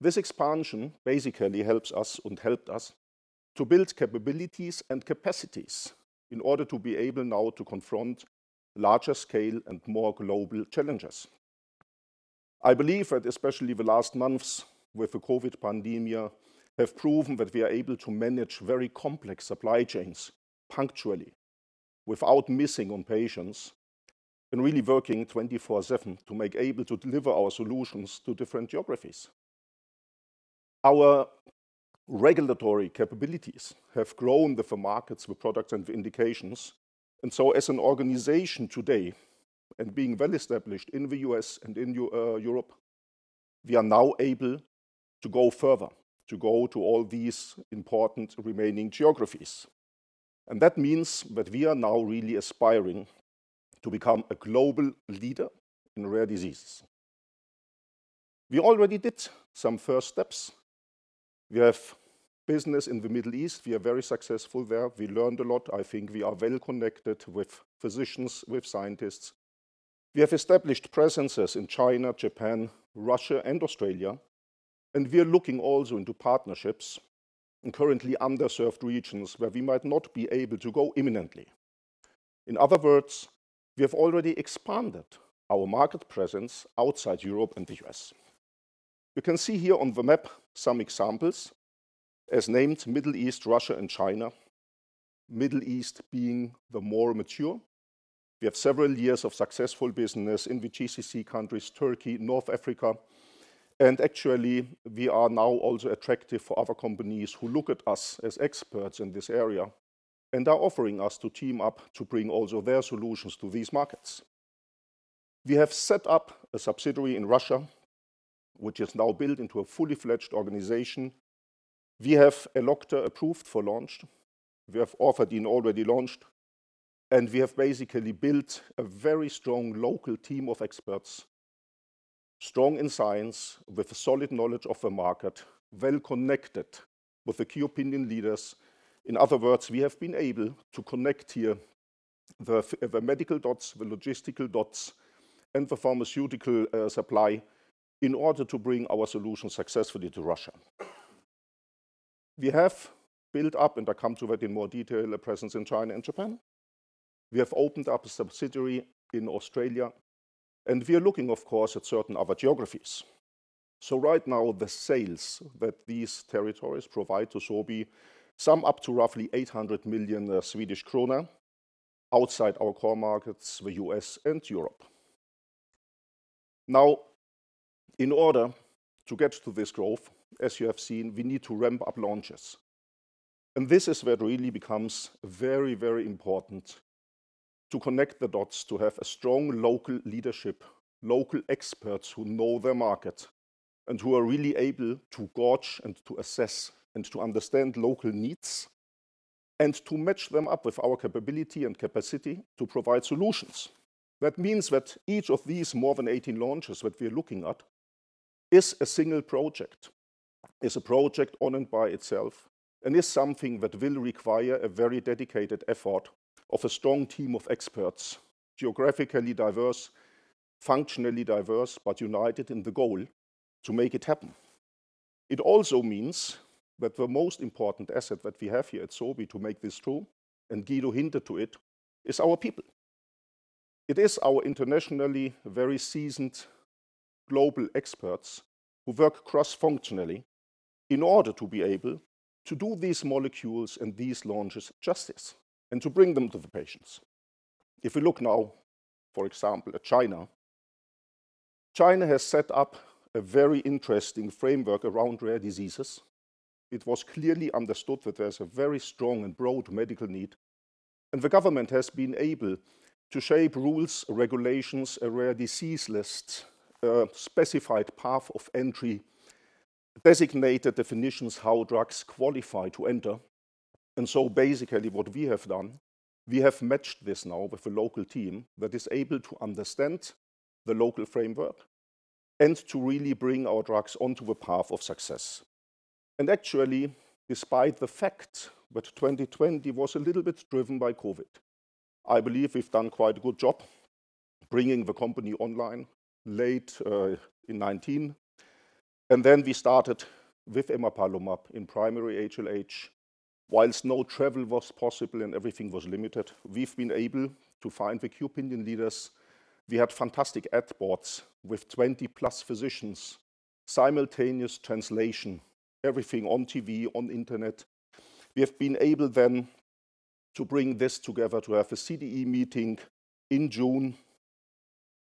This expansion basically helps us and helped us to build capabilities and capacities in order to be able now to confront larger-scale and more global challenges. I believe that especially the last months with the COVID pandemia have proven that we are able to manage very complex supply chains punctually without missing on patients and really working 24/7 to make able to deliver our solutions to different geographies. Our regulatory capabilities have grown with the markets, with products, and the indications. As an organization today and being well established in the U.S. and in Europe, we are now able to go further, to go to all these important remaining geographies. That means that we are now really aspiring to become a global leader in rare diseases. We already did some first steps. We have business in the Middle East. We are very successful there. We learned a lot. I think we are well connected with physicians with scientists. We have established presences in China, Japan, Russia, and Australia. We are also looking into partnerships in currently underserved regions where we might not be able to go imminently. In other words, we have already expanded our market presence outside Europe and the U.S. You can see here on the map some examples as named Middle East, Russia, and China, Middle East being the more mature. We have several years of successful business in the GCC countries, Turkey, North Africa, and actually, we are now also attractive for other companies who look at us as experts in this area and are offering us to team up to bring also their solutions to these markets. We have set up a subsidiary in Russia, which is now built into a fully-fledged organization. We have Elocta approved for launch. We have Orfadin already launched, and we have basically built a very strong local team of experts, strong in science, with a solid knowledge of the market, well-connected with the key opinion leaders. In other words, we have been able to connect here the medical dots, the logistical dots, and the pharmaceutical supply in order to bring our solution successfully to Russia. We have built up, and I come to that in more detail, a presence in China and Japan. We have opened up a subsidiary in Australia, and we are looking, of course, at certain other geographies. Right now, the sales that these territories provide to Sobi sum up to roughly 800 million Swedish krona outside our core markets, the U.S. and Europe. Now, in order to get to this growth, as you have seen, we need to ramp up launches. This is where it really becomes very important to connect the dots, to have a strong local leadership, local experts who know their market and who are really able to gauge and to assess, and to understand local needs and to match them up with our capability and capacity to provide solutions. That means that each of these more than 18 launches that we're looking at is a single project, is a project on and by itself, and is something that will require a very dedicated effort of a strong team of experts, geographically diverse, functionally diverse, but united in the goal to make it happen. It also means that the most important asset that we have here at Sobi to make this true, and Guido hinted to it, is our people. It is our internationally very seasoned global experts who work cross-functionally in order to be able to do these molecules, and these launches justice, and to bring them to the patients. If we look now, for example, at China has set up a very interesting framework around rare diseases. It was clearly understood that there's a very strong and broad medical need, and the government has been able to shape rules, regulations, a rare disease list, a specified path of entry, designated definitions how drugs qualify to enter. Basically, what we have done we have matched this now with a local team that is able to understand the local framework and to really bring our drugs onto the path of success. Actually, despite the fact that 2020 was a little bit driven by COVID-19, I believe we've done quite a good job bringing the company online late in 2019. We started with emapalumab in primary HLH. Whilst no travel was possible and everything was limited, we've been able to find the key opinion leaders. We had fantastic ad boards with 20-plus physicians, simultaneous translation, everything on TV, on the Internet. We have been able to bring this together to have a CDE meeting in June,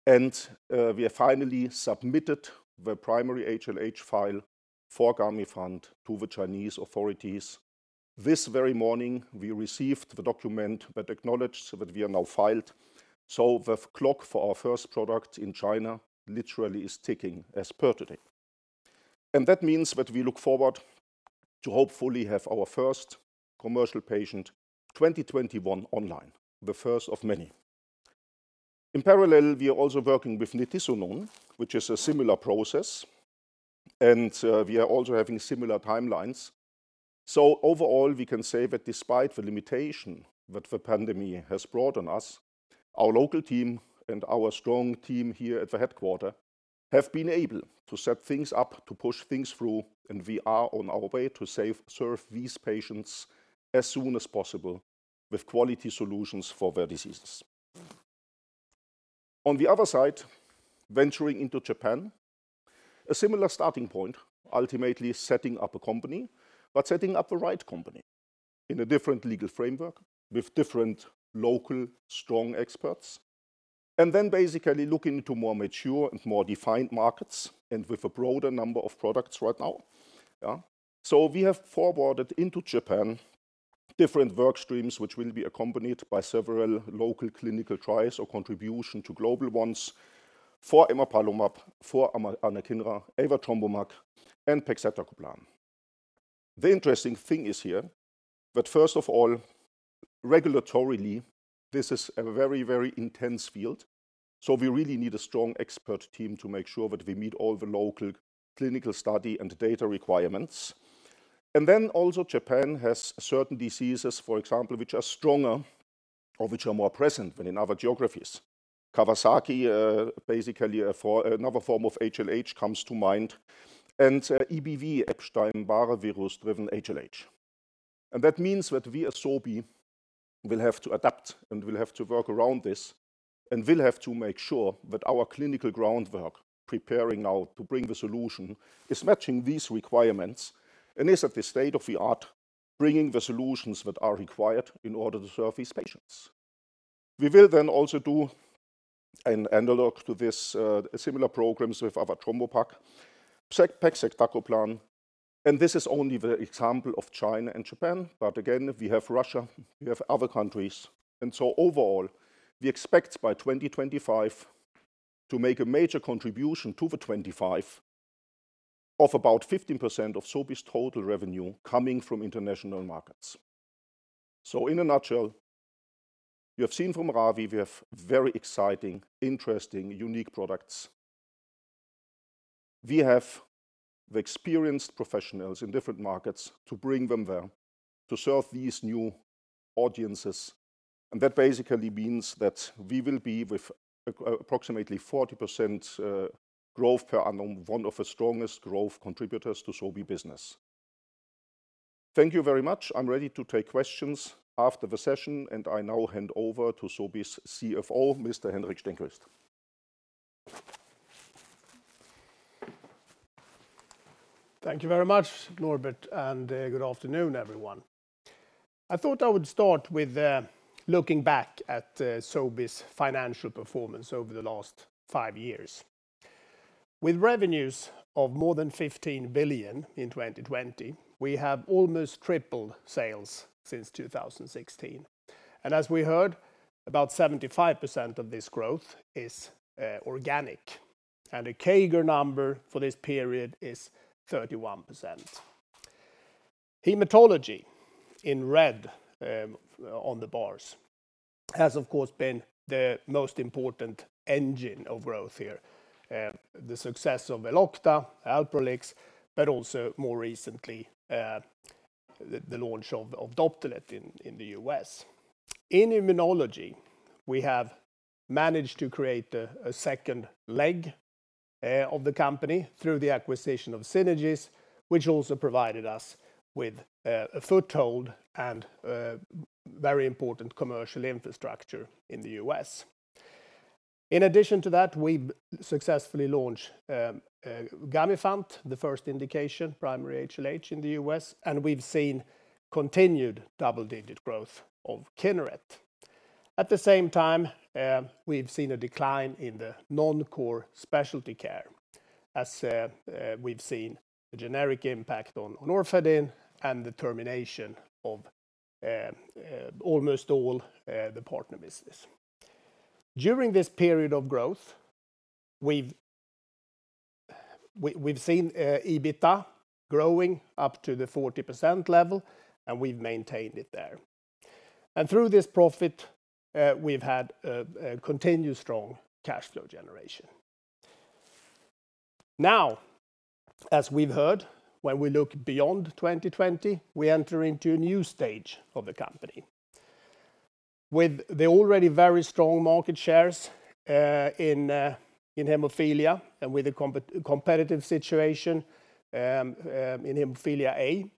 and we have finally submitted the primary HLH file for Gamifant to the Chinese authorities. This very morning, we received the document that acknowledged that we are now filed, so the clock for our first product in China literally is ticking as per today. That means that we look forward to hopefully have our first commercial patient in 2021 online, the first of many. In parallel, we are also working with nitisinone, which is a similar process, and we are also having similar timelines. Overall, we can say that despite the limitations that the pandemic has brought on us, our local team and our strong team here at the headquarters have been able to set things up to push things through, and we are on our way to serve these patients as soon as possible with quality solutions for their diseases. On the other side, venturing into Japan, a similar starting point, ultimately setting up a company, but setting up the right company in a different legal framework with different local strong experts, and then basically looking into more mature and more defined markets, and with a broader number of products right now. Yeah. We have forwarded into Japan different work streams, which will be accompanied by several local clinical trials or contributions to global ones for emapalumab, for anakinra, avatrombopag, and pegcetacoplan. The interesting thing is here that, first of all, regulatorily, this is a very intense field. We really need a strong expert team to make sure that we meet all the local clinical study and data requirements. Then also Japan has certain diseases, for example, which are stronger or which are more present than in other geographies. Kawasaki, basically another form of HLH comes to mind, and EBV, Epstein-Barr virus-driven HLH. That means that we as Sobi will have to adapt and will have to work around this and will have to make sure that our clinical groundwork preparing now to bring the solution is matching these requirements and is at the state-of-the-art, bringing the solutions that are required in order to serve these patients. We will then also do an analog to this, similar programs with avatrombopag, pegcetacoplan. This is only the example of China and Japan. Again, we have Russia, we have other countries. Overall, we expect by 2025 to make a major contribution to the 25 of about 15% of Sobi's total revenue coming from international markets. In a nutshell, you have seen from Ravi, we have very exciting, interesting, unique products. We have experienced professionals in different markets to bring them there to serve these new audiences. That basically means that we will be with approximately 40% growth per annum, one of the strongest growth contributors to Sobi's business. Thank you very much. I'm ready to take questions after the session, and I now hand over to Sobi's CFO, Mr. Henrik Stenqvist. Thank you very much, Norbert. Good afternoon, everyone. I thought I would start with looking back at Sobi's financial performance over the last five years. With revenues of more than 15 billion in 2020, we have almost tripled sales since 2016. As we heard, about 75% of this growth is organic, the CAGR number for this period is 31%. Hematology, in red on the bars, has, of course, been the most important engine of growth here. The success of Elocta, Alprolix, but also more recently, the launch of Doptelet in the U.S. In immunology, we have managed to create a second leg of the company through the acquisition of Synagis, which also provided us with a foothold and very important commercial infrastructure in the U.S. In addition to that, we've successfully launched Gamifant, the first indication, primary HLH in the U.S., and we've seen continued double-digit growth of Kineret. At the same time, we've seen a decline in the non-core specialty care. As we've seen, the generic impact on Orfadin and the termination of almost all the partner business. During this period of growth, we've seen EBITDA growing up to the 40% level, and we've maintained it there. Through this profit, we've had a continued strong cash flow generation. Now, as we've heard, when we look beyond 2020, we enter into a new stage of the company. With the already very strong market shares in haemophilia and with the competitive situation in haemophilia A,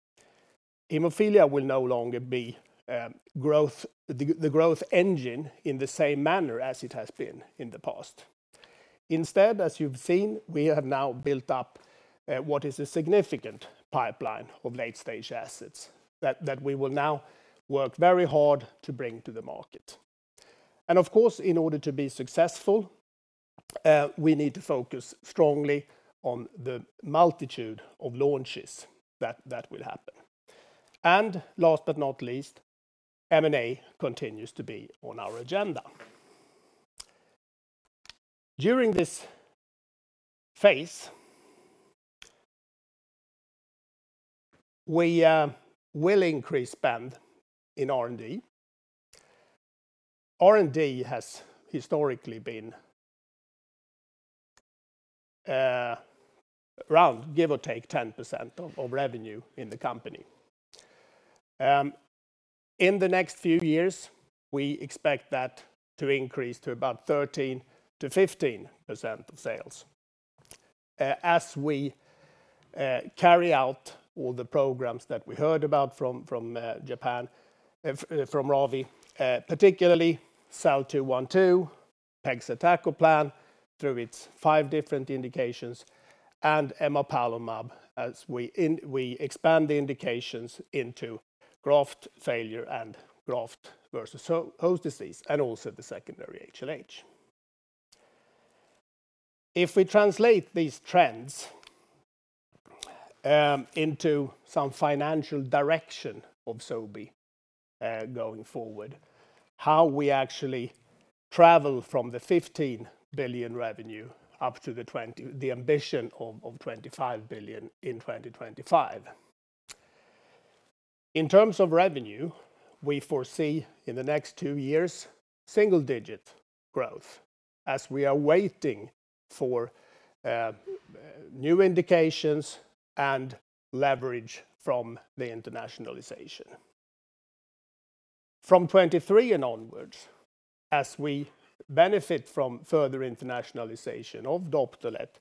haemophilia will no longer be the growth engine in the same manner as it has been in the past. Instead, as you've seen, we have now built up what is a significant pipeline of late-stage assets that we will now work very hard to bring to the market. Of course, in order to be successful, we need to focus strongly on the multitude of launches that will happen. Last but not least, M&A continues to be on our agenda. During this phase, we will increase spending in R&D. R&D has historically been around, give or take, 10% of revenue in the company. In the next few years, we expect that to increase to about 13%-15% of sales. As we carry out all the programs that we heard about from Japan, from Ravi, particularly SEL-212, pegcetacoplan through its five different indications, and emapalumab, as we expand the indications into graft failure and graft versus host disease, and also the secondary HLH. If we translate these trends into some financial direction of Sobi going forward, how we actually travel from the 15 billion revenue up to the ambition of 25 billion in 2025. In terms of revenue, we foresee in the next two years single-digit growth as we are waiting for new indications and leverage from the internationalization. From 2023, and onwards, as we benefit from further internationalization of Doptelet,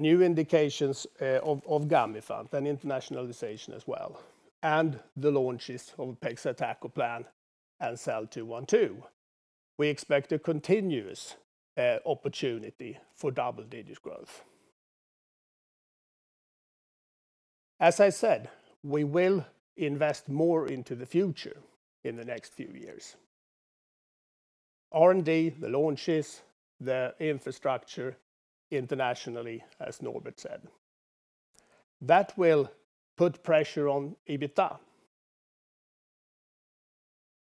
new indications of Gamifant, and internationalization as well, and the launches of pegcetacoplan and SEL-212, we expect a continuous opportunity for double-digit growth. As I said, we will invest more into the future in the next few years. R&D, the launches, the infrastructure internationally, as Norbert said. That will put pressure on EBITDA.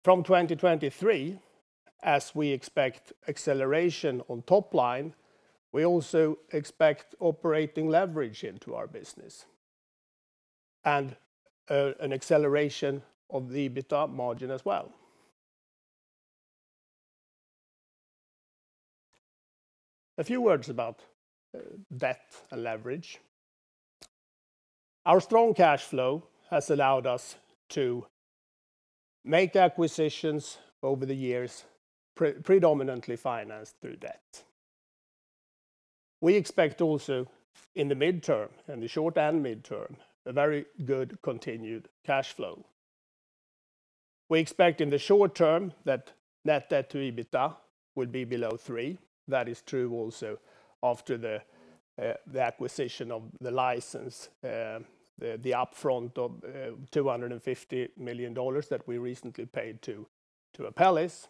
From 2023, as we expect acceleration on top line, we also expect operating leverage into our business and an acceleration of the EBITDA margin as well. A few words about debt and leverage. Our strong cash flow has allowed us to make acquisitions over the years, predominantly financed through debt. We also expect, in the short and midterm, a very good continued cash flow. We expect in the short term that net debt to EBITDA will be below 3%. That is true also after the acquisition of the license, the upfront of $250 million that we recently paid to Apellis.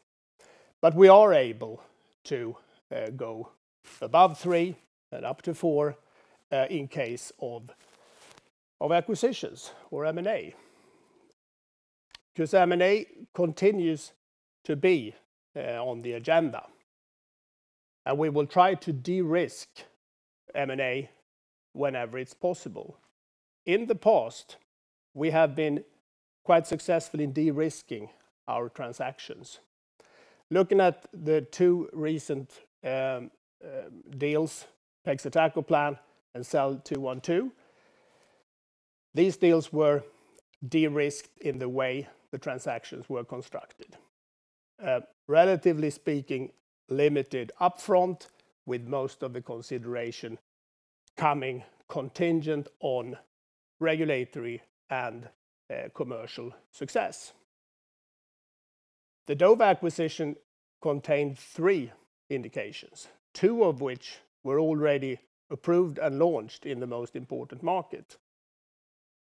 We are able to go above 3% and up to 4% in case of acquisitions or M&A, because M&A continues to be on the agenda, and we will try to de-risk M&A whenever it's possible. In the past, we have been quite successful in de-risking our transactions. Looking at the two recent deals, pegcetacoplan and SEL-212, these deals were de-risked in the way the transactions were constructed. Relatively speaking, limited upfront with most of the consideration coming contingent on regulatory and commercial success. The Dova acquisition contained three indications, two of which were already approved and launched in the most important market,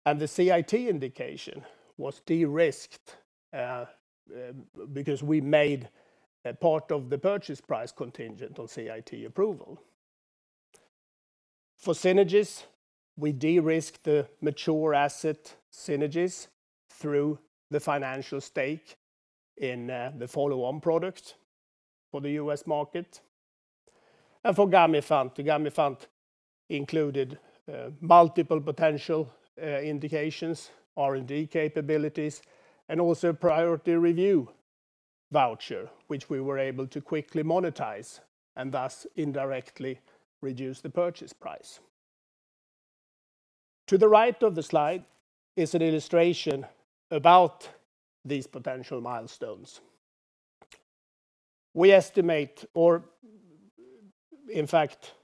and the CIT indication was de-risked because we made part of the purchase price contingent on CIT approval. For Synagis, we de-risked the mature asset Synagis through the financial stake in the follow-on product for the U.S. market. For Gamifant. The Gamifant included multiple potential indications, R&D capabilities, and also priority review voucher, which we were able to quickly monetize and thus indirectly reduce the purchase price. To the right of the slide is an illustration about these potential milestones. In fact,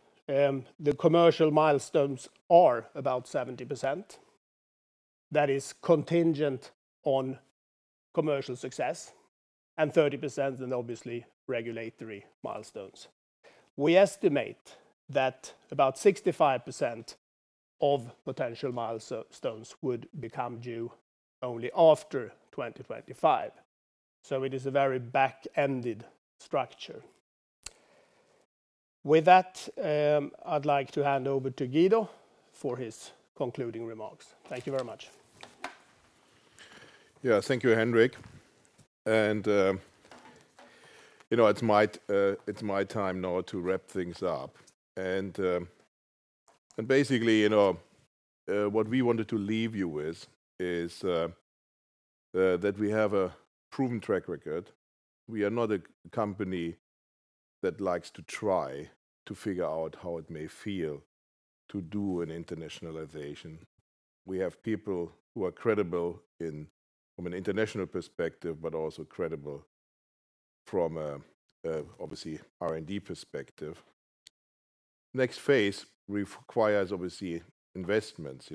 the commercial milestones are about 70%. That is contingent on commercial success and 30% in obviously regulatory milestones. We estimate that about 65% of potential milestones would become due only after 2025. It is a very back-ended structure. With that, I'd like to hand over to Guido for his concluding remarks. Thank you very much. Thank you, Henrik. It's my time now to wrap things up, and basically, what we wanted to leave you with is that we have a proven track record. We are not a company that likes to try to figure out how it may feel to do an internationalization. We have people who are credible from an international perspective, but also credible from obviously R&D perspective. Next phase requires, obviously, investments.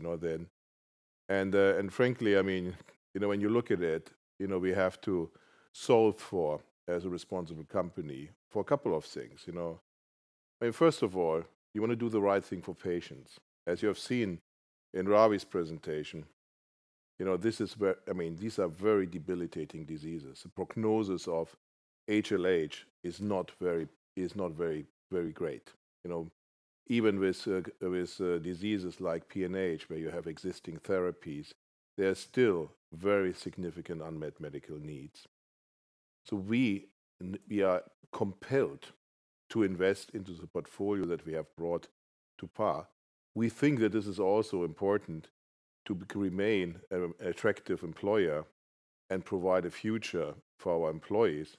Frankly, when you look at it, we have to solve for, as a responsible company, for a couple of things. First of all, you want to do the right thing for patients. As you have seen in Ravi's presentation, these are very debilitating diseases. The prognosis of HLH is not very great. Even with diseases like PNH, where you have existing therapies, there are still very significant unmet medical needs. We are compelled to invest into the portfolio that we have brought to par. We think that this is also important to remain an attractive employer and provide a future for our employees.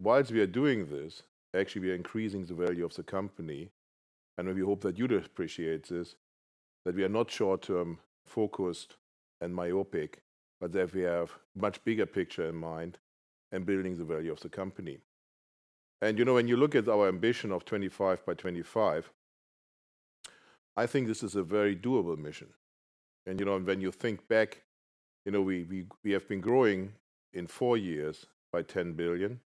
Whilst we are doing this, actually, we are increasing the value of the company, and we hope that you'd appreciate this, that we are not short-term focused and myopic, but that we have a much bigger picture in mind in building the value of the company. When you look at our ambition of 25 by 2025, I think this is a very doable mission. When you think back, we have been growing in four years by 10 billion.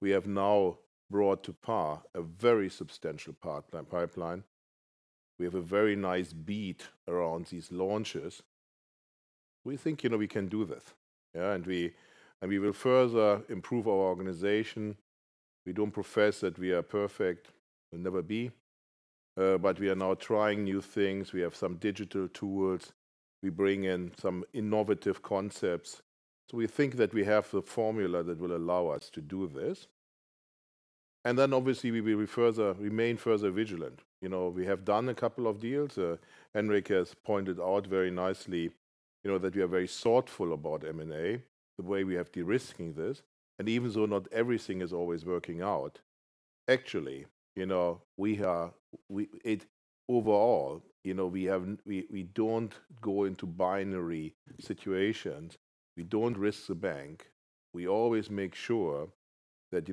We have now brought to par a very substantial pipeline. We have a very nice beat around these launches. We think we can do this. We will further improve our organization. We don't profess that we are perfect. We'll never be. We are now trying new things. We have some digital tools. We bring in some innovative concepts. We think that we have the formula that will allow us to do this. Obviously, we will remain further vigilant. We have done a couple of deals. Henrik has pointed out very nicely that we are very thoughtful about M&A, the way we have de-risked this. Even though not everything is always working out, actually, overall, we don't go into binary situations. We don't risk the bank. We always make sure that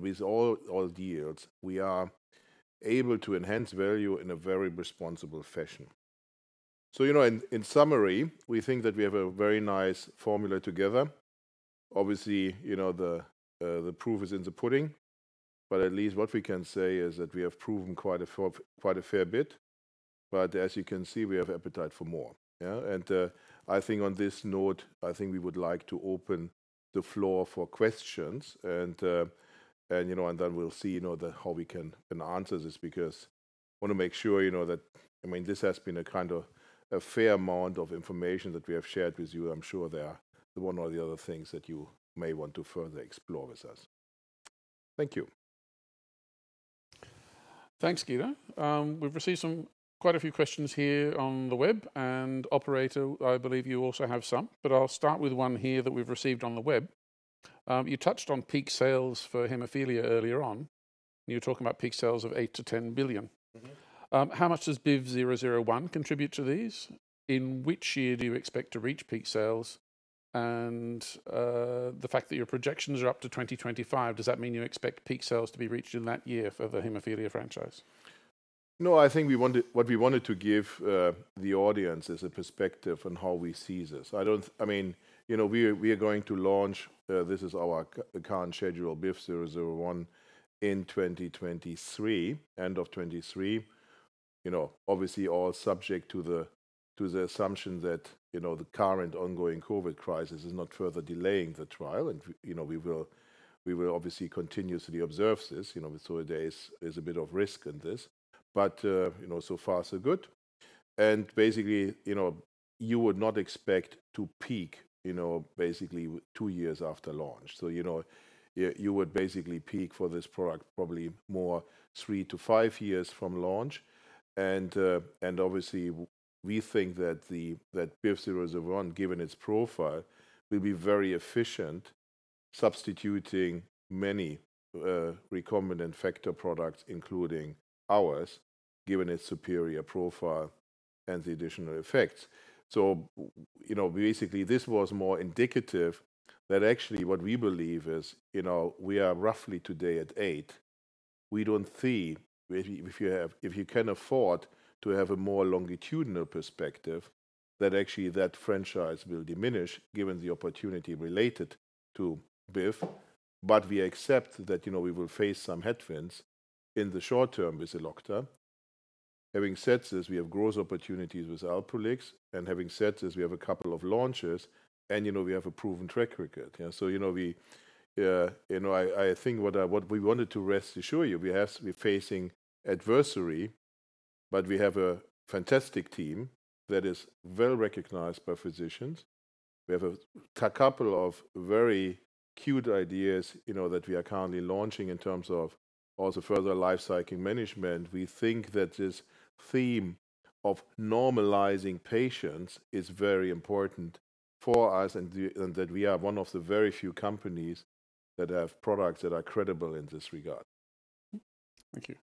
with all deals, we are able to enhance value in a very responsible fashion. In summary, we think that we have a very nice formula together. Obviously, the proof is in the pudding. At least what we can say is that we have proven quite a fair bit. As you can see, we have an appetite for more. I think on this note, I think we would like to open the floor for questions, and then we'll see how we can answer this because we want to make sure that this has been a fair amount of information that we have shared with you. I'm sure there are one or the other thing that you may want to further explore with us. Thank you. Thanks, Guido. We've received quite a few questions here on the web, and operator, I believe you also have some, but I'll start with one here that we've received on the web. You touched on peak sales for haemophilia earlier on, and you were talking about peak sales of 8 billion-10 billion. How much does BIVV001 contribute to these? In which year do you expect to reach peak sales? The fact that your projections are up to 2025, does that mean you expect peak sales to be reached in that year for the haemophilia franchise? I think what we wanted to give the audience is a perspective on how we see this. We are going to launch this is our current schedule, BIVV001 in 2023, end of 2023. All subject to the assumption that the current ongoing COVID-19 crisis is not further delaying the trial. We will obviously continuously observe this. There's a bit of risk in this. So far so good. Basically, you would not expect to peak basically two years after launch. You would basically peak for this product probably more three to five years from launch. Obviously, we think that BIVV001, given its profile, will be very efficient in substituting many recombinant factor products, including ours, given its superior profile and the additional effects. Basically, this was more indicative that actually what we believe is we are roughly today at eight. We don't see, if you can afford to have a more longitudinal perspective, that actually, that franchise will diminish given the opportunity related to BIV. We accept that we will face some headwinds in the short term with Elocta. Having said this, we have growth opportunities with Alprolix, and having said this, we have a couple of launches, and we have a proven track record. I think what we wanted to rest assure you, we're facing adversary, but we have a fantastic team that is well-recognized by physicians. We have a couple of very cute ideas that we are currently launching in terms of also further life-cycling management. We think that this theme of normalizing patients is very important for us and that we are one of the very few companies that have products that are credible in this regard. Thank you.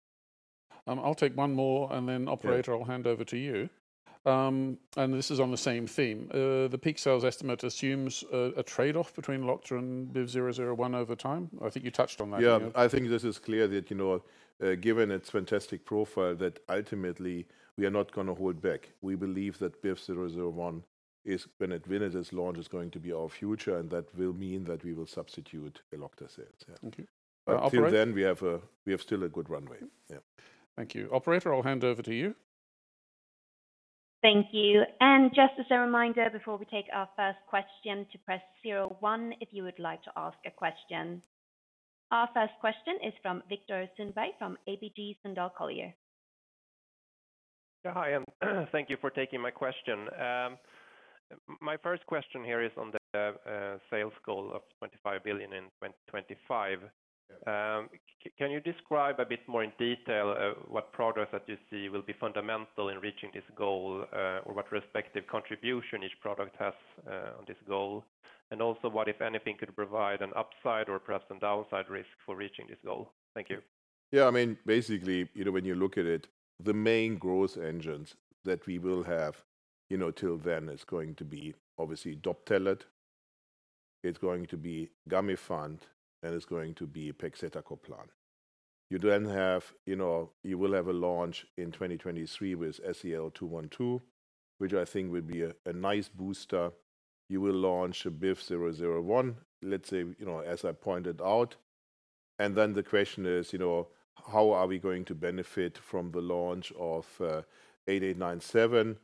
I'll take one more and then operator. Yeah. I'll hand over to you. This is on the same theme. The peak sales estimate assumes a trade-off between Elocta and BIVV001 over time. I think you touched on that a bit. Yeah. I think this is clear that, given its fantastic profile, that ultimately we are not going to hold back. We believe that BIVV001, when it launches, is going to be our future, and that will mean that we will substitute Elocta sales, yeah. Okay. Operator. Until then, we still have a good runway. Yeah. Thank you. Operator, I'll hand over to you. Thank you. Just as a reminder, before we take our first question, to press zero one if you would like to ask a question. Our first question is from Viktor Sundberg from ABG Sundal Collier. Hi. Thank you for taking my question. My first question here is on the sales goal of 25 billion in 2025. Yeah. Can you describe a bit more in detail what products that you see will be fundamental in reaching this goal? Or what respective contribution each product has on this goal? Also, what, if anything, could provide an upside or perhaps some downside risk for reaching this goal? Thank you. Yeah, basically, when you look at it, the main growth engines that we will have till then is going to be obviously Doptelet, it's going to be Gamifant, and it's going to be pegcetacoplan. You will have a launch in 2023 with SEL-212, which I think will be a nice booster. You will launch BIVV001, let's say, as I pointed out. Then the question is, how are we going to benefit from the launch of MEDI8897?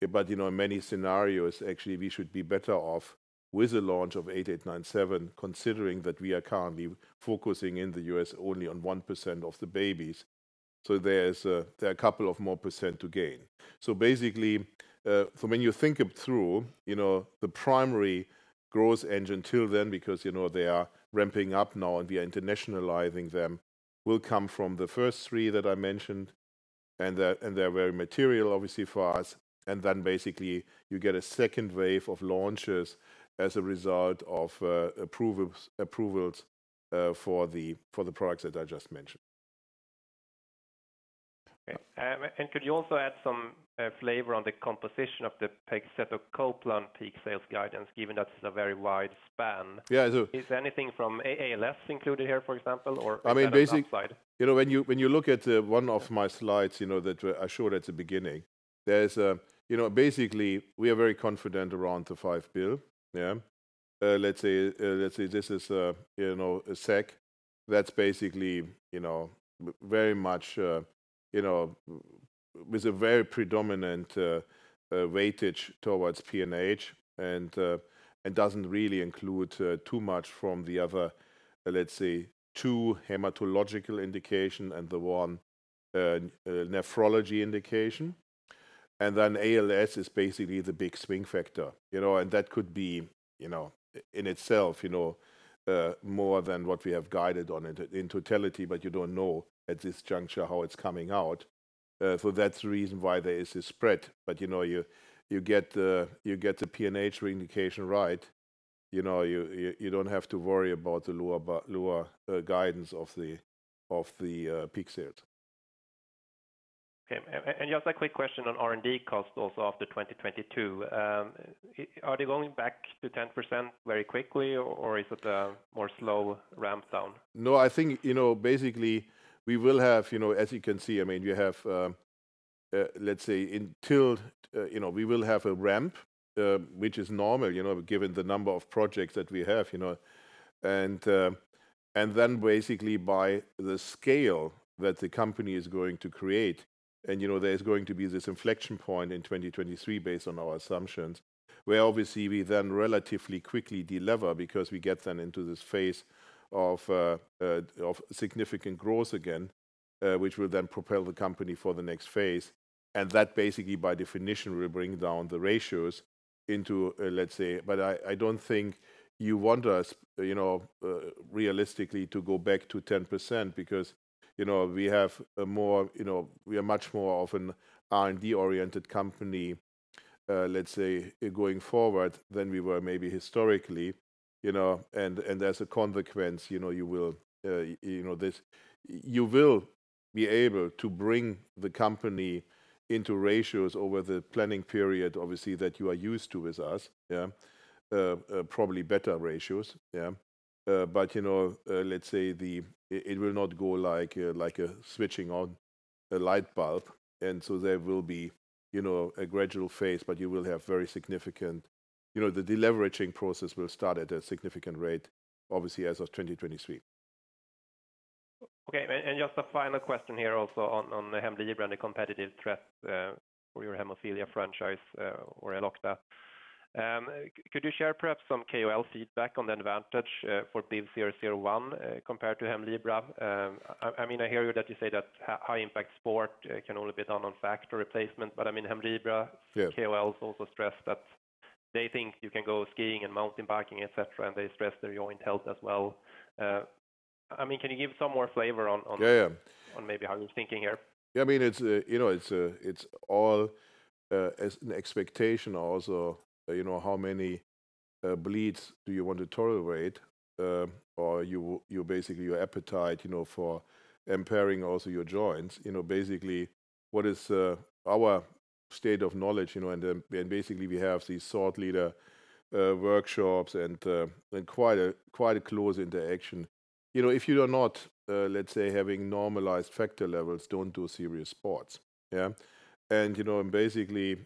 In many scenarios, actually, we should be better off with the launch of MEDI8897, considering that we are currently focusing in the U.S. only on 1% of the babies. There are a couple of more percent to gain. Basically, for when you think it through, the primary growth engine till then, because they are ramping up now and we are internationalizing them, will come from the first three that I mentioned, and they're very material, obviously, for us. Then basically you get a second wave of launches as a result of approvals for the products that I just mentioned. Okay. Could you also add some flavor on the composition of the pegcetacoplan peak sales guidance, given that's a very wide span? Yeah. Is anything from ALS included here, for example, or is that outside? When you look at one of my slides that I showed at the beginning, we are very confident around 5 billion. Let's say this is SEK. That's with a very predominant weightage towards PNH, and doesn't really include too much from the other two hematological indications and the one nephrology indication. ALS is the big swing factor. That could be in itself more than what we have guided on it in totality, but you don't know at this juncture how it's coming out. That's the reason why there is a spread. You get the PNH indication right, you don't have to worry about the lower guidance of the peak sales. Okay. Just a quick question on R&D cost, also after 2022. Are they going back to 10% very quickly, or is it a more slow ramp down? No, I think basically we will have, as you can see, we will have a ramp, which is normal given the number of projects that we have. Then basically by the scale that the company is going to create, and there is going to be this inflection point in 2023 based on our assumptions, where obviously we then relatively quickly de-lever because we get then into this phase of significant growth again, which will then propel the company for the next phase. That basically, by definition, will bring down the ratios into, let's say. I don't think you want us realistically to go back to 10%, because we are much more of an R&D-oriented company, let's say, going forward than we were maybe historically. As a consequence, you will be able to bring the company into ratios over the planning period, obviously, that you are used to with us, probably better ratios. Let's say it will not go like switching on a light bulb. There will be a gradual phase, but you will have a very significant. The de-leveraging process will start at a significant rate, obviously, as of 2023. Okay, just a final question here also on Hemlibra and the competitive threat for your hemophilia franchise or Elocta. Could you share perhaps some KOL feedback on the advantage for BIVV001 compared to Hemlibra? I hear you that you say that high-impact sport can only be done on factor replacement. Yeah. KOLs also stressed that they think you can go skiing and mountain biking, et cetera, and they stress their joint health as well. Can you give some more flavor on? Yeah. On maybe how you're thinking here? It's all an expectation, also, how many bleeds do you want to tolerate? Basically, your appetite for impairing also your joints. Basically, what is our state of knowledge, and basically, we have these thought leader workshops and quite a close interaction. If you are not, let's say, having normalized factor levels, don't do serious sports. Basically,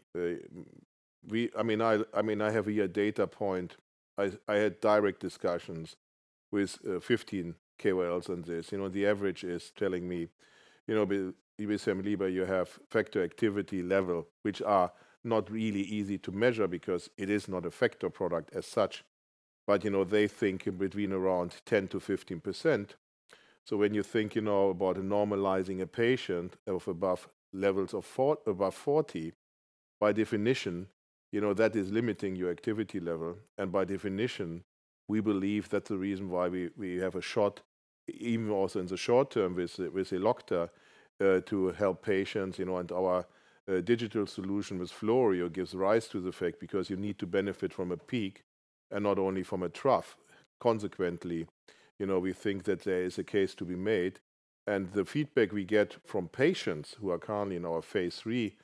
I have a data point here. I had direct discussions with 15 KOLs on this. The average is telling me with Hemlibra, you have factor activity level, which are not really easy to measure because it is not a factor product as such, but they think between around 10%-15%. When you think about normalizing a patient of above levels of above 40, by definition, that is limiting your activity level. By definition, we believe that's the reason why we have a short, even also in the short term, with Elocta, to help patients, and our digital solution with Florio gives rise to the fact because you need to benefit from a peak and not only from a trough. Consequently, we think that there is a case to be made, and the feedback we get from patients who are currently in our phase III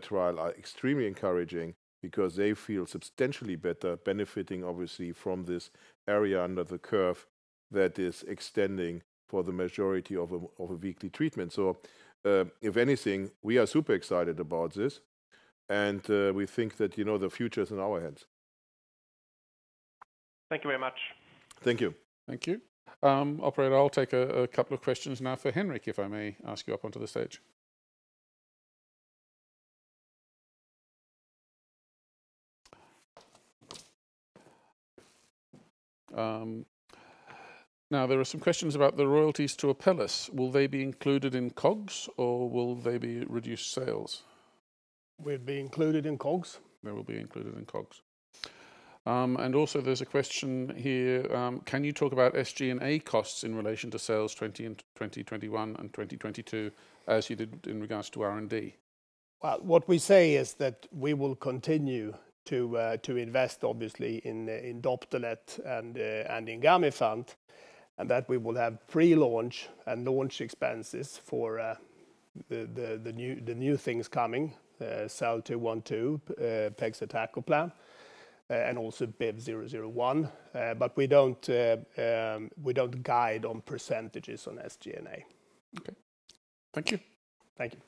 trial are extremely encouraging because they feel substantially better benefiting, obviously, from this area under the curve that is extending for the majority of a weekly treatment. If anything, we are super excited about this, and we think that the future is in our hands. Thank you very much. Thank you. Thank you. Operator, I'll take a couple of questions now for Henrik, if I may ask you up onto the stage. There are some questions about the royalties to Apellis. Will they be included in COGS or will they be reduced sales? They'll be included in COGS. They will be included in COGS. Also, there's a question here. Can you talk about SG&A costs in relation to sales in 2021 and 2022, as you did in regards to R&D? What we say is that we will continue to invest, obviously, in Doptelet and in Gamifant, and that we will have pre-launch and launch expenses for the new things coming, SEL-212, pegcetacoplan, and also BIVV001. We don't guide on percentages on SG&A. Okay. Thank you. Thank you.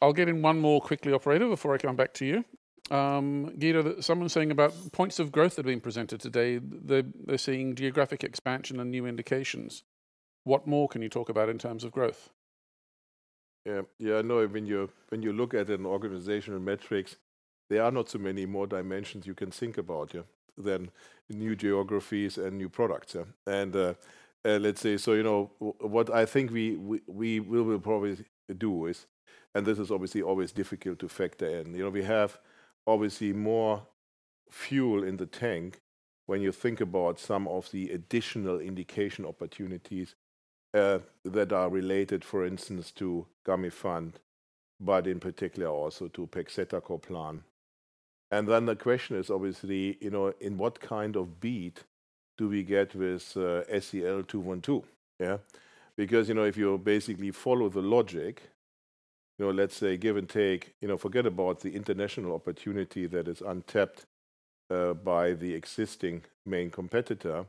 I'll get in one more quickly, operator, before I come back to you. Guido, someone's saying about points of growth that are being presented today. They're seeing geographic expansion and new indications. What more can you talk about in terms of growth? Yeah, I know when you look at an organization or metrics, there are not so many more dimensions you can think about than new geographies and new products. Let's say, you know, what I think we will probably do is, and this is obviously always difficult to factor in. We obviously have more fuel in the tank when you think about some of the additional indication opportunities that are related, for instance, to Gamifant, but in particular also to pegcetacoplan. Then the question is obviously, in what kind of beat do we get with SEL-212? Yeah. Because if you basically follow the logic, let's say give and take, forget about the international opportunity that is untapped by the existing main competitor.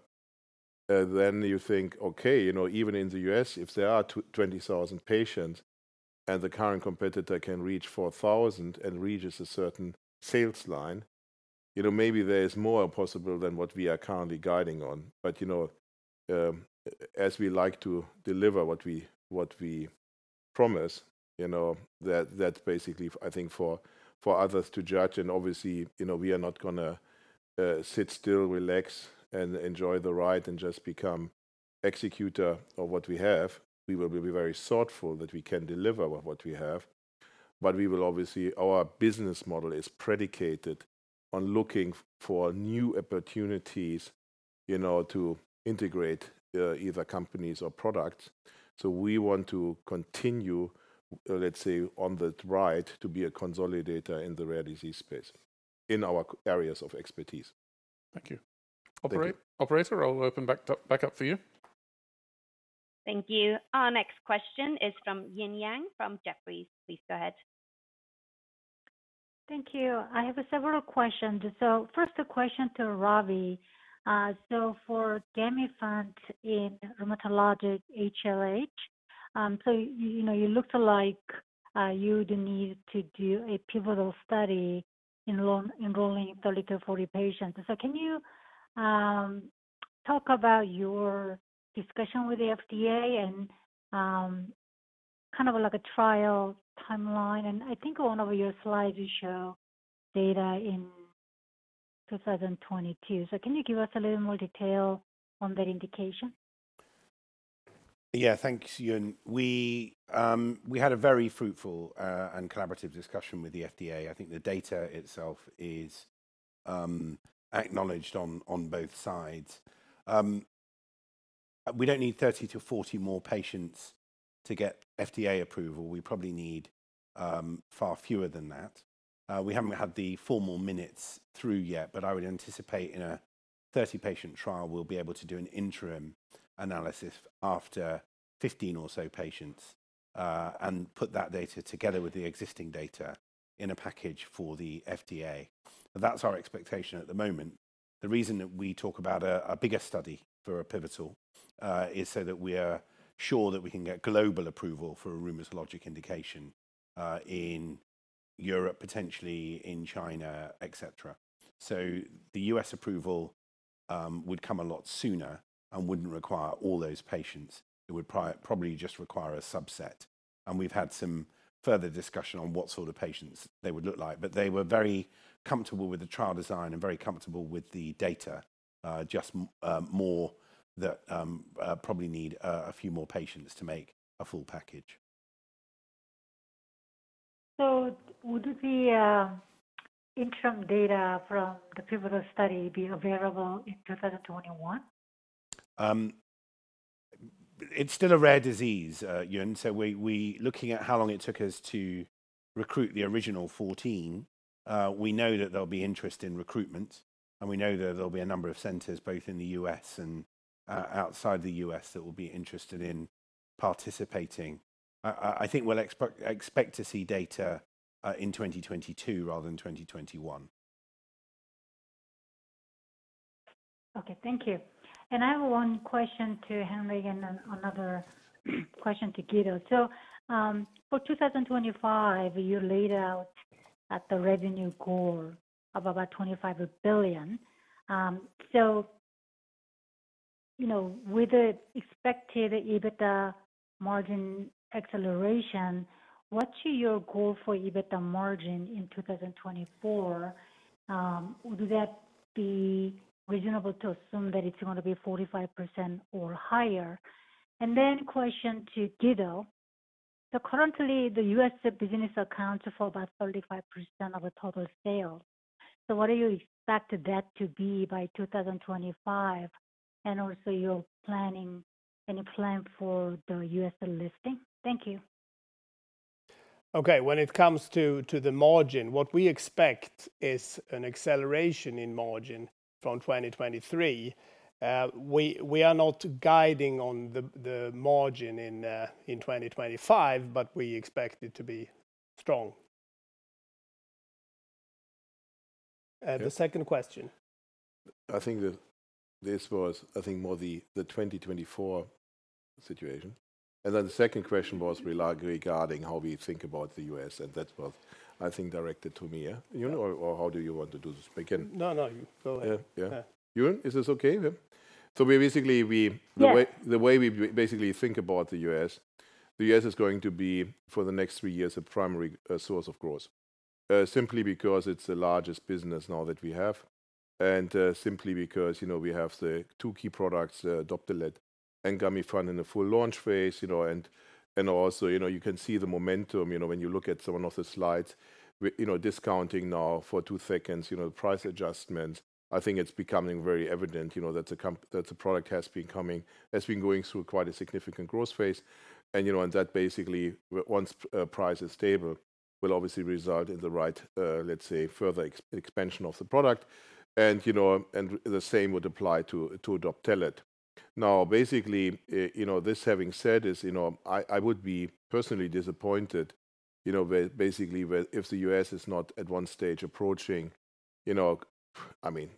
You think, okay, even in the U.S., if there are 20,000 patients and the current competitor can reach 4,000 and reaches a certain sales line, maybe there is more possible than what we are currently guiding on. As we like to deliver what we promise, that's basically I think for others to judge. Obviously, we are not going to sit still, relax, and enjoy the ride, and just become executors of what we have. We will be very thoughtful that we can deliver what we have. We will obviously, our business model is predicated on looking for new opportunities to integrate either companies or products. We want to continue, let's say, on the ride to be a consolidator in the rare disease space in our areas of expertise. Thank you. Thank you. Operator, I'll open back up for you. Thank you. Our next question is from Eun Yang from Jefferies. Please go ahead. Thank you. I have several questions. First, a question to Ravi. For Gamifant in rheumatologic HLH, you looked like you would need to do a pivotal study enrolling 30 to 40 patients. Can you talk about your discussion with the FDA and kind of like a trial timeline? I think on one of your slides, you show data in 2022. Can you give us a little more detail on that indication? Thanks, Eun. We had a very fruitful and collaborative discussion with the FDA. I think the data itself is acknowledged on both sides. We don't need 30 to 40 more patients to get FDA approval. We probably need far fewer than that. We haven't had the formal minutes through yet. I would anticipate in a 30-patient trial, we'll be able to do an interim analysis after 15 or so patients, and put that data together with the existing data in a package for the FDA. That's our expectation at the moment. The reason that we talk about a bigger study for a pivotal is that we are sure that we can get global approval for a rheumatologic indication, in Europe, potentially in China, et cetera. The U.S. approval would come a lot sooner and wouldn't require all those patients. It would probably just require a subset. We've had some further discussion on what sort of patients they would look like. They were very comfortable with the trial design and very comfortable with the data. Just probably need a few more patients to make a full package. Would the interim data from the pivotal study be available in 2021? It's still a rare disease, Eun. Looking at how long it took us to recruit the original 14, we know that there'll be interest in recruitment, and we know that there'll be a number of centers, both in the U.S. and outside the U.S., that will be interested in participating. I think we'll expect to see data in 2022 rather than 2021. Okay, thank you. I have one question to Henrik and another question to Guido. For 2025, you laid out the revenue goal of about 25 billion. With the expected EBITDA margin acceleration, what's your goal for EBITDA margin in 2024? Would that be reasonable to assume that it's going to be 45% or higher? Question to Guido. Currently, the U.S. business accounts for about 35% of the total sales. What do you expect that to be by 2025? Your planning, any plan for the U.S. listing? Thank you. Okay. When it comes to the margin, what we expect is an acceleration in margin from 2023. We are not guiding on the margin in 2025, but we expect it to be strong. The second question? I think that this was more the 2024 situation. The second question was regarding how we think about the U.S., and that was, I think, directed to me. How do you want to do this? No, you go ahead. Yeah. Eun, is this okay? Yeah. The way we basically think about the U.S., the U.S. is going to be, for the next three years, a primary source of growth. Simply because it's the largest business now that we have, and simply because we have the two key products, Doptelet and Gamifant, in the full launch phase. Also, you can see the momentum when you look at some of the slides. Discounting now for two seconds, price adjustments. I think it's becoming very evident that the product has been going through quite a significant growth phase. That basically, once the price is stable, will obviously result in the right, let's say, further expansion of the product. The same would apply to Doptelet. This having said, I would be personally disappointed if the U.S. is not at one stage approaching, I mean,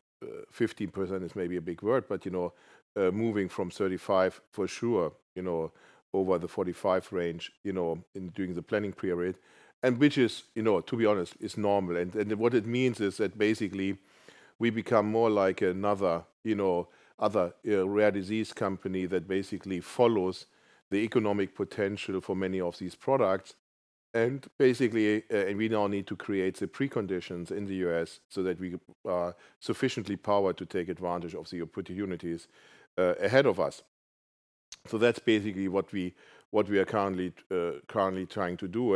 50% is maybe a big word, but moving from 35% for sure, over the 45% range during the planning period. Which is, to be honest, is normal. What it means is that we become more like another rare disease company that follows the economic potential for many of these products. We now need to create the preconditions in the U.S. so that we are sufficiently powered to take advantage of the opportunities ahead of us. That's what we are currently trying to do,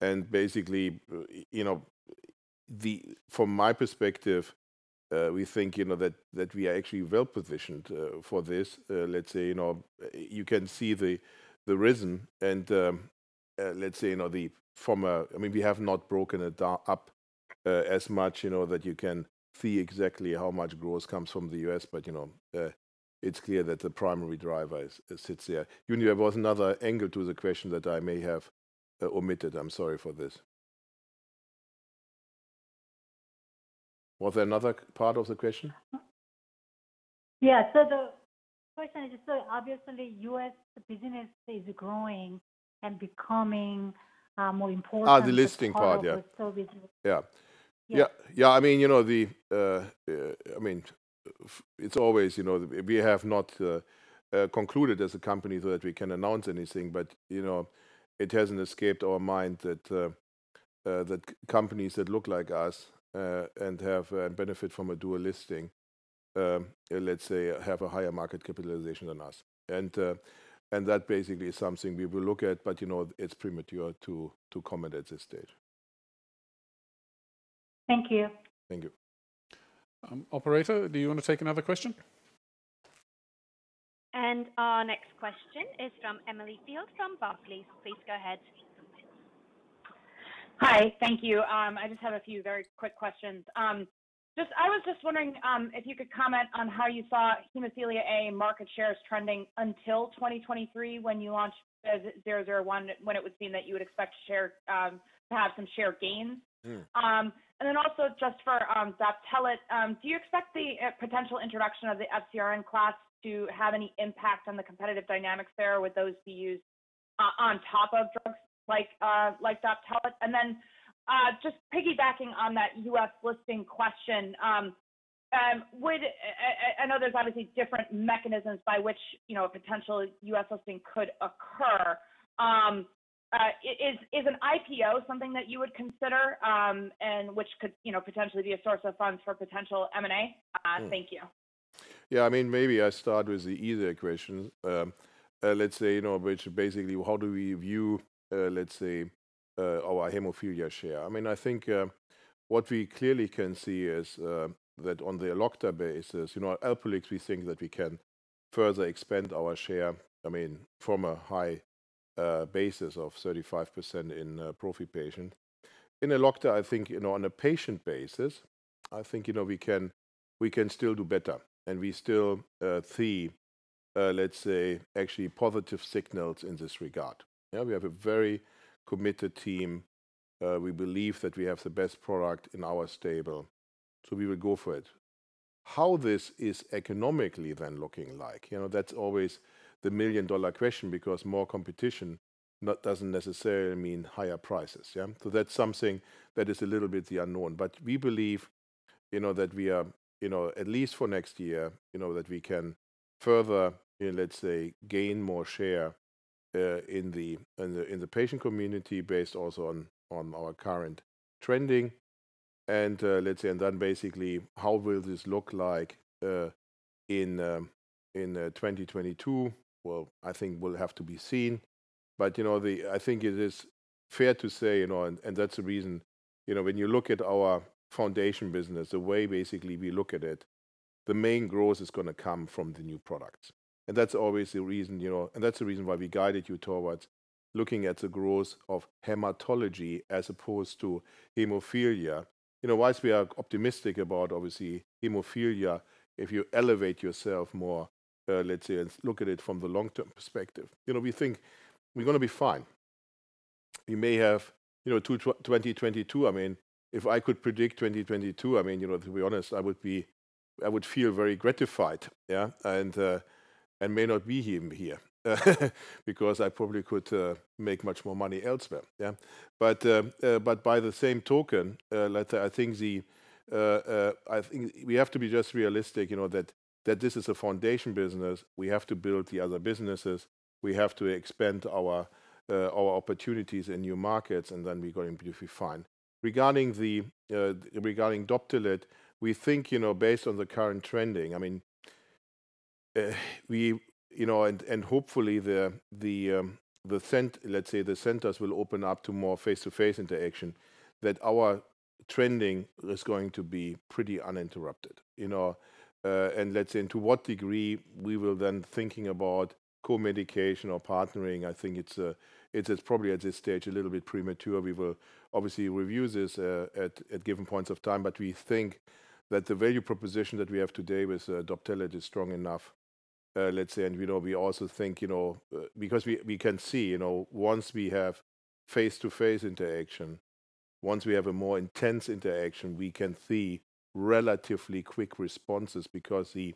and from my perspective, we think that we are actually well-positioned for this. Let's say, you can see the reason, and let's say, I mean, we have not broken it up as much that you can see exactly how much growth comes from the U.S., but it's clear that the primary driver sits there. Eun, there was another angle to the question that I may have omitted. I'm sorry for this. Was there another part of the question? Yeah. The question is, obviously, U.S. business is growing and becoming more important. The listing part. Yeah As part of the Sobi group. Yeah. Yeah. Yeah. I mean, we have not concluded as a company that we can announce anything, but it hasn't escaped our mind that companies that look like us and benefit from a dual listing, let's say, have a higher market capitalization than us. And that basically is something we will look at, but it's premature to comment at this stage. Thank you. Thank you. Operator, do you want to take another question? Our next question is from Emily Field from Barclays. Please go ahead. Hi. Thank you. I just have a few very quick questions. I was just wondering if you could comment on how you saw hemophilia A market shares trending until 2023 when you launched BIVV001, when it was seen that you would expect to have some share gains. Also, just for Doptelet, do you expect the potential introduction of the FcRn in class to have any impact on the competitive dynamics there? Would those be used on top of drugs like Doptelet? Just piggybacking on that U.S. listing question, I know there's obviously different mechanisms by which a potential U.S. listing could occur. Is an IPO something that you would consider, and which could potentially be a source of funds for potential M&A? Thank you. Maybe I can start with the easier question. Let's say, which basically how do we view our hemophilia share? I think what we clearly can see is that on the Elocta basis, at Alprolix, we think that we can further expand our share from a high basis of 35% in prophy patient. In Elocta, I think on a patient basis, I think we can still do better, and we still see. Let's say, actually positive signals in this regard. We have a very committed team. We believe that we have the best product in our stable, so we will go for it. How this is economically, then looking like, that's always the million-dollar question because more competition doesn't necessarily mean higher prices. That's something that is a little bit unknown. We believe that we are, at least for next year, that we can further, let's say, gain more share in the patient community based also on our current trending. Basically, how will this look like in 2022? I think it will have to be seen. I think it is fair to say, and that's the reason, when you look at our foundation business, the way basically we look at it, the main growth is going to come from the new products. That's the reason why we guided you towards looking at the growth of hematology as opposed to hemophilia. Whilst we are optimistic about, obviously, hemophilia, if you elevate yourself more, let's say, and look at it from the long-term perspective. We think we're going to be fine. 2022, if I could predict 2022, to be honest, I would feel very gratified. May not be even here because I probably could make much more money elsewhere. Yeah. By the same token, I think we have to be just realistic that this is a foundation business. We have to build the other businesses. We have to expand our opportunities in new markets, and then we're going to be fine. Regarding Doptelet, we think based on the current trending, and hopefully, let's say, the centers will open up to more face-to-face interaction, that our trending is going to be pretty uninterrupted. Let's say, and to what degree we will then thinking about co-medication or partnering, I think it's probably at this stage a little bit premature. We will obviously review this at given points of time. We think that the value proposition that we have today with Doptelet is strong enough, let's say. We also think because we can see, once we have face-to-face interaction, once we have a more intense interaction, we can see relatively quick responses because the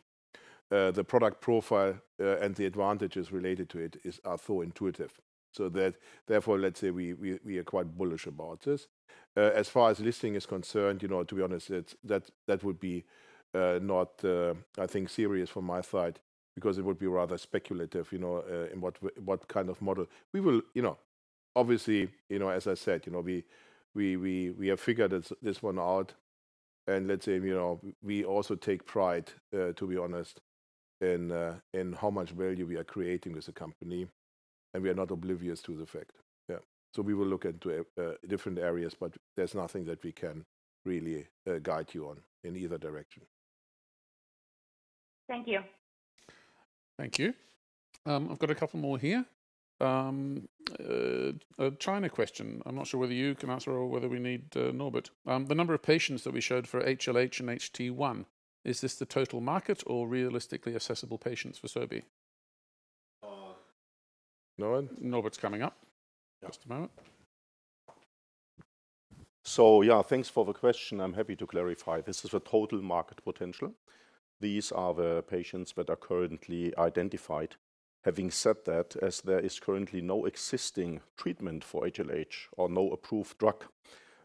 product profile and the advantages related to it are so intuitive. Therefore, let's say we are quite bullish about this. As far as listing is concerned, to be honest, that would be not, I think, serious from my side because it would be rather speculative in what kind of model. Obviously, as I said, we have figured this one out, and let's say we also take pride, to be honest, in how much value we are creating as a company, and we are not oblivious to the fact. Yeah. We will look into different areas, but there's nothing that we can really guide you on in either direction. Thank you. Thank you. I've got a couple more here. A China question. I'm not sure whether you can answer or whether we need Norbert. The number of patients that we showed for HLH and HT1, is this the total market or realistically accessible patients for Sobi? Norbert's coming up. Just a moment. Yeah, thanks for the question. I'm happy to clarify. This is the total market potential. These are the patients that are currently identified. Having said that, as there is currently no existing treatment for HLH or no approved drug,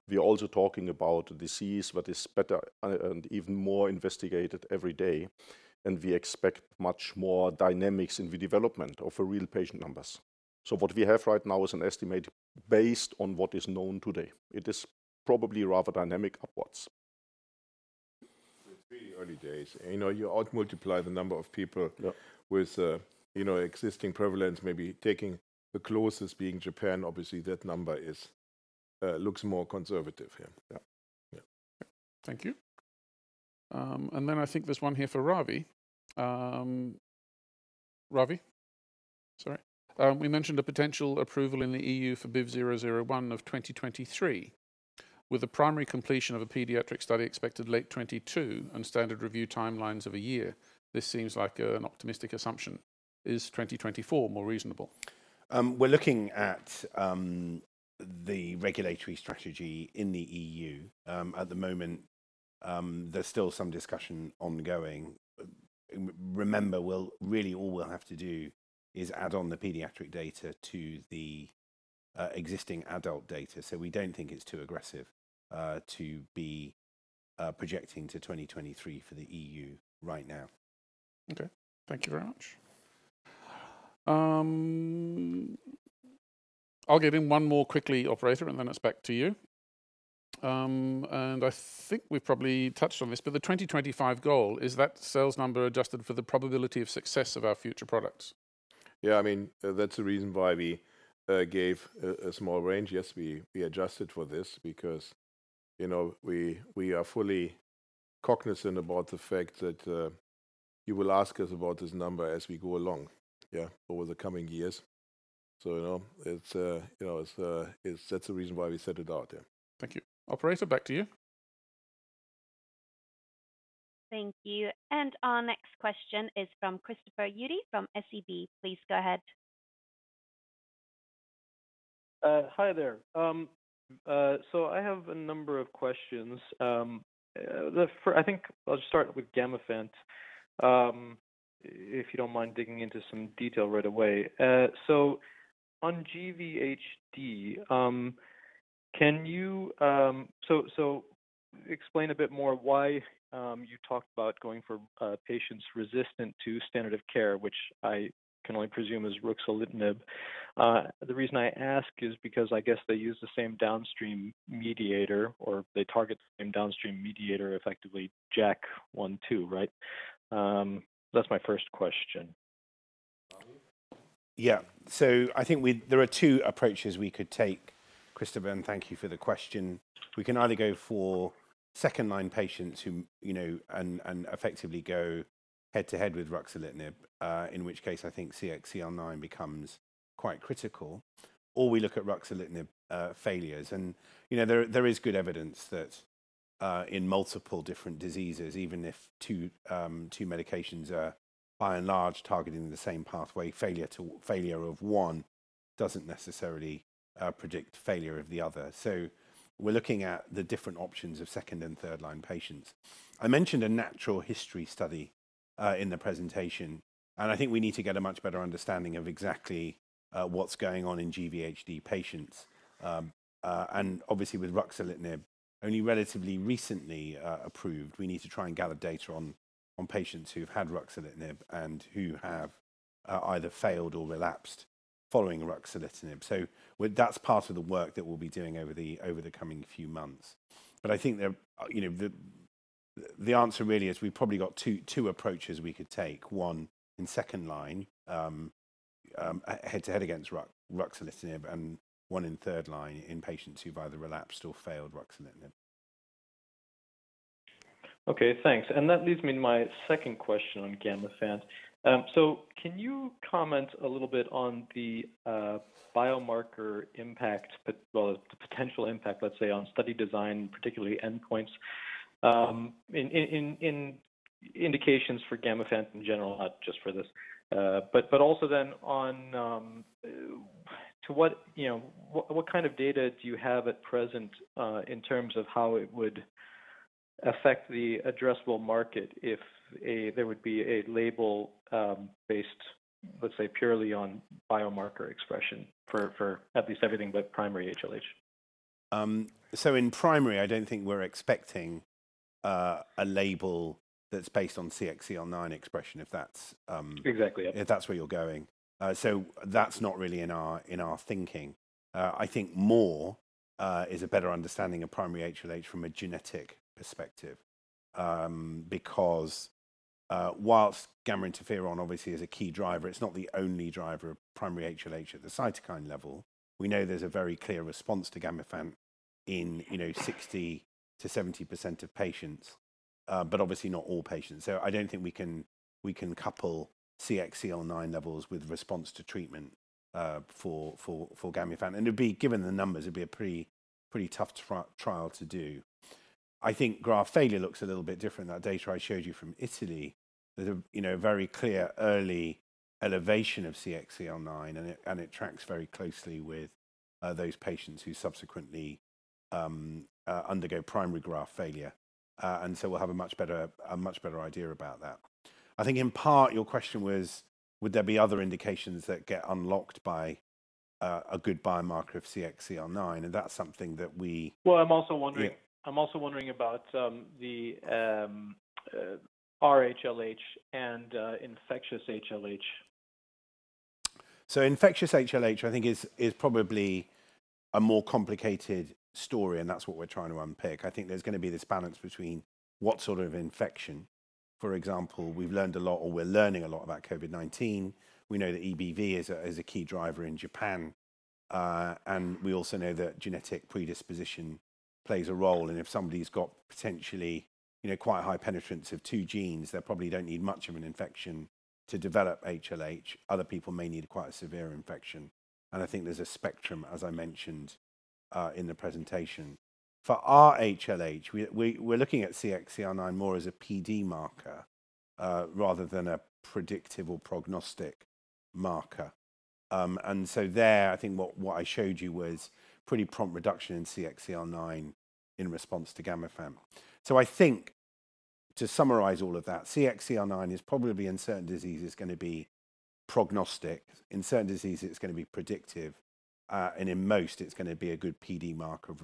we are also talking about a disease that is better and even more investigated every day, and we expect much more dynamics in the development of real patient numbers. What we have right now is an estimate based on what is known today. It is probably rather dynamic upwards. It's really early days. You ought to multiply the number of people. Yeah. With the existing prevalence, maybe taking the closest being Japan, obviously, that number looks more conservative. Yeah. Yeah. Thank you. I think there's one here for Ravi. Ravi? Sorry. We mentioned a potential approval in the EU for BIVV001 of 2023. With the primary completion of a pediatric study expected late 2022 and standard review timelines of a year, this seems like an optimistic assumption. Is 2024 more reasonable? We're looking at the regulatory strategy in the EU. At the moment, there's still some discussion ongoing. Remember, really all we'll have to do is add on the pediatric data to the existing adult data. We don't think it's too aggressive to be projecting to 2023 for the EU right now. Okay. Thank you very much. I'll get in one more quickly, operator, then it is back to you. I think we've probably touched on this, but the 2025 goal is that sales number adjusted for the probability of success of our future products? Yeah, that's the reason why we gave a small range. Yes, we adjusted for this because we are fully cognizant about the fact that you will ask us about this number as we go along over the coming years. That's the reason why we set it out. Yeah. Thank you. Operator, back to you. Thank you. Our next question is from Christopher Uhde from SEB. Please go ahead. Hi there. I have a number of questions. I think I'll just start with Gamifant, if you don't mind digging into some detail right away. On GVHD, explain a bit more why you talked about going for patients resistant to standard of care, which I can only presume is ruxolitinib. The reason I ask is because I guess they use the same downstream mediator, or they target the same downstream mediator effectively, JAK1/2, right? That's my first question. I think there are two approaches we could take, Christopher, and thank you for the question. We can either go for second-line patients and effectively go head-to-head with ruxolitinib, in which case I think CXCL9 becomes quite critical. We look at ruxolitinib failures. There is good evidence that in multiple different diseases, even if two medications are by and large targeting the same pathway, failure of one doesn't necessarily predict failure of the other. We're looking at the different options of second and third line patients. I mentioned a natural history study in the presentation, and I think we need to get a much better understanding of exactly what's going on in GVHD patients. Obviously with ruxolitinib only relatively recently approved, we need to try and gather data on patients who've had ruxolitinib and who have either failed or relapsed following ruxolitinib. That's part of the work that we'll be doing over the coming few months. I think the answer really is we've probably got two approaches we could take. One in the second line, head-to-head against ruxolitinib, and one in the third line in patients who've either relapsed or failed ruxolitinib. Okay, thanks. That leads me to my second question on Gamifant. Can you comment a little bit on the biomarker impact, well, the potential impact, let’s say, on study design, particularly endpoints, in indications for Gamifant in general, not just for this? Also, on what kind of data do you have at present in terms of how it would affect the addressable market if there would be a label-based, let’s say, purely on biomarker expression for at least everything but primary HLH? In primary, I don't think we're expecting a label that's based on CXCL9 expression. Exactly, yeah. if that's where you're going. That's not really in our thinking. I think more is a better understanding of primary HLH from a genetic perspective. Whilst gamma interferon obviously is a key driver, it's not the only driver of primary HLH at the cytokine level. We know there's a very clear response to Gamifant in 60%-70% of patients, but obviously not all patients. I don't think we can couple CXCL9 levels with response to treatment for Gamifant. Given the numbers, it'd be a pretty tough trial to do. I think graft failure looks a little bit different. That data I showed you from Italy, there's a very clear early elevation of CXCL9, and it tracks very closely with those patients who subsequently undergo primary graft failure. We'll have a much better idea about that. I think in part your question was would there be other indications that get unlocked by a good biomarker of CXCL9, and that's something that we- Well, I'm also wondering about the rHLH and infectious HLH. Infectious HLH I think, is probably a more complicated story, and that's what we're trying to unpick. I think there's going to be this balance between what sort of infection. For example, we've learned a lot, or we're learning a lot about COVID-19. We know that EBV is a key driver in Japan. We also know that genetic predisposition plays a role. If somebody's got potentially quite a high penetrance of two genes, they probably don't need much of an infection to develop HLH. Other people may need quite a severe infection, and I think there's a spectrum, as I mentioned in the presentation. For rHLH, we're looking at CXCL9 more as a PD marker rather than a predictive or prognostic marker. There, I think what I showed you was a pretty prompt reduction in CXCL9 in response to Gamifant. I think to summarize all of that, CXCL9 is probably in certain diseases going to be prognostic. In certain diseases, it's going to be predictive. In most, it's going to be a good PD marker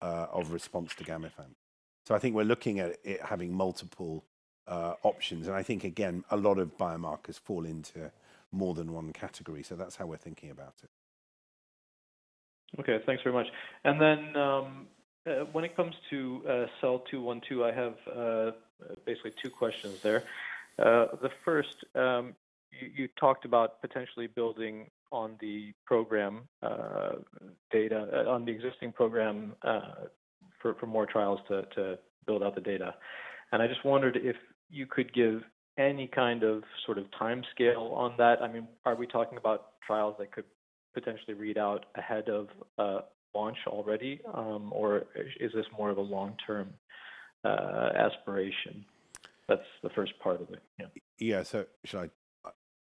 of response to Gamifant. I think we're looking at it having multiple options, and I think, again, a lot of biomarkers fall into more than one category. That's how we're thinking about it. Okay. Thanks very much. When it comes to SEL-212, I have basically two questions there. The first, you talked about potentially building on the existing program for more trials to build out the data. I just wondered if you could give any sort of timescale on that. Are we talking about trials that could potentially read out ahead of launch already, or is this more of a long-term aspiration? That's the first part of it. Yeah. Yes. Should I?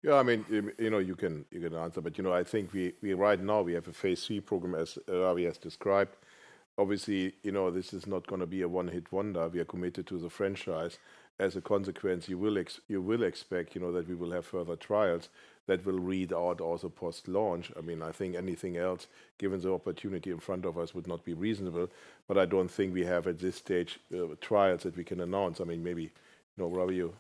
You can answer, but I think right now we have a phase III program, as Ravi Rao has described. Obviously, this is not going to be a one-hit wonder. We are committed to the franchise. You will expect that we will have further trials that will be read out also post-launch. I think anything else, given the opportunity in front of us, would not be reasonable. I don't think we have, at this stage, trials that we can announce. Maybe, Ravi Rao, you.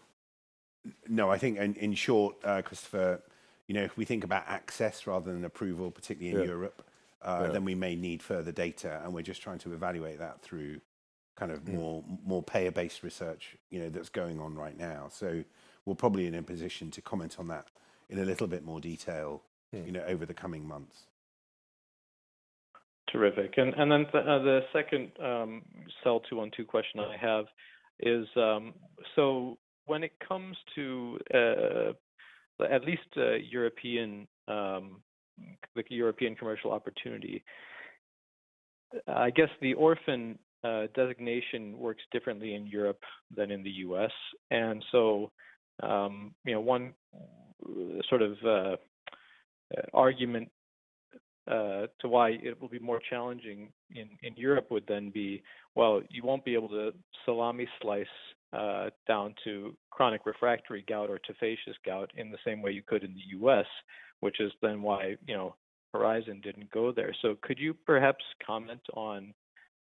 No, I think in short, Christopher, if we think about access rather than approval, particularly in Europe- Yeah. We may need further data, and we're just trying to evaluate that through more payer-based research that's going on right now. We're probably in a position to comment on that in a little bit more detail over the coming months. Terrific. The second SEL-212 question I have is, when it comes to at least the European commercial opportunity, I guess the orphan designation works differently in Europe than in the U.S. One sort of argument to why it will be more challenging in Europe would then be, well, you won't be able to salami slice down to chronic refractory gout or tophaceous gout in the same way you could in the U.S., which is then why Horizon didn't go there. Could you perhaps comment on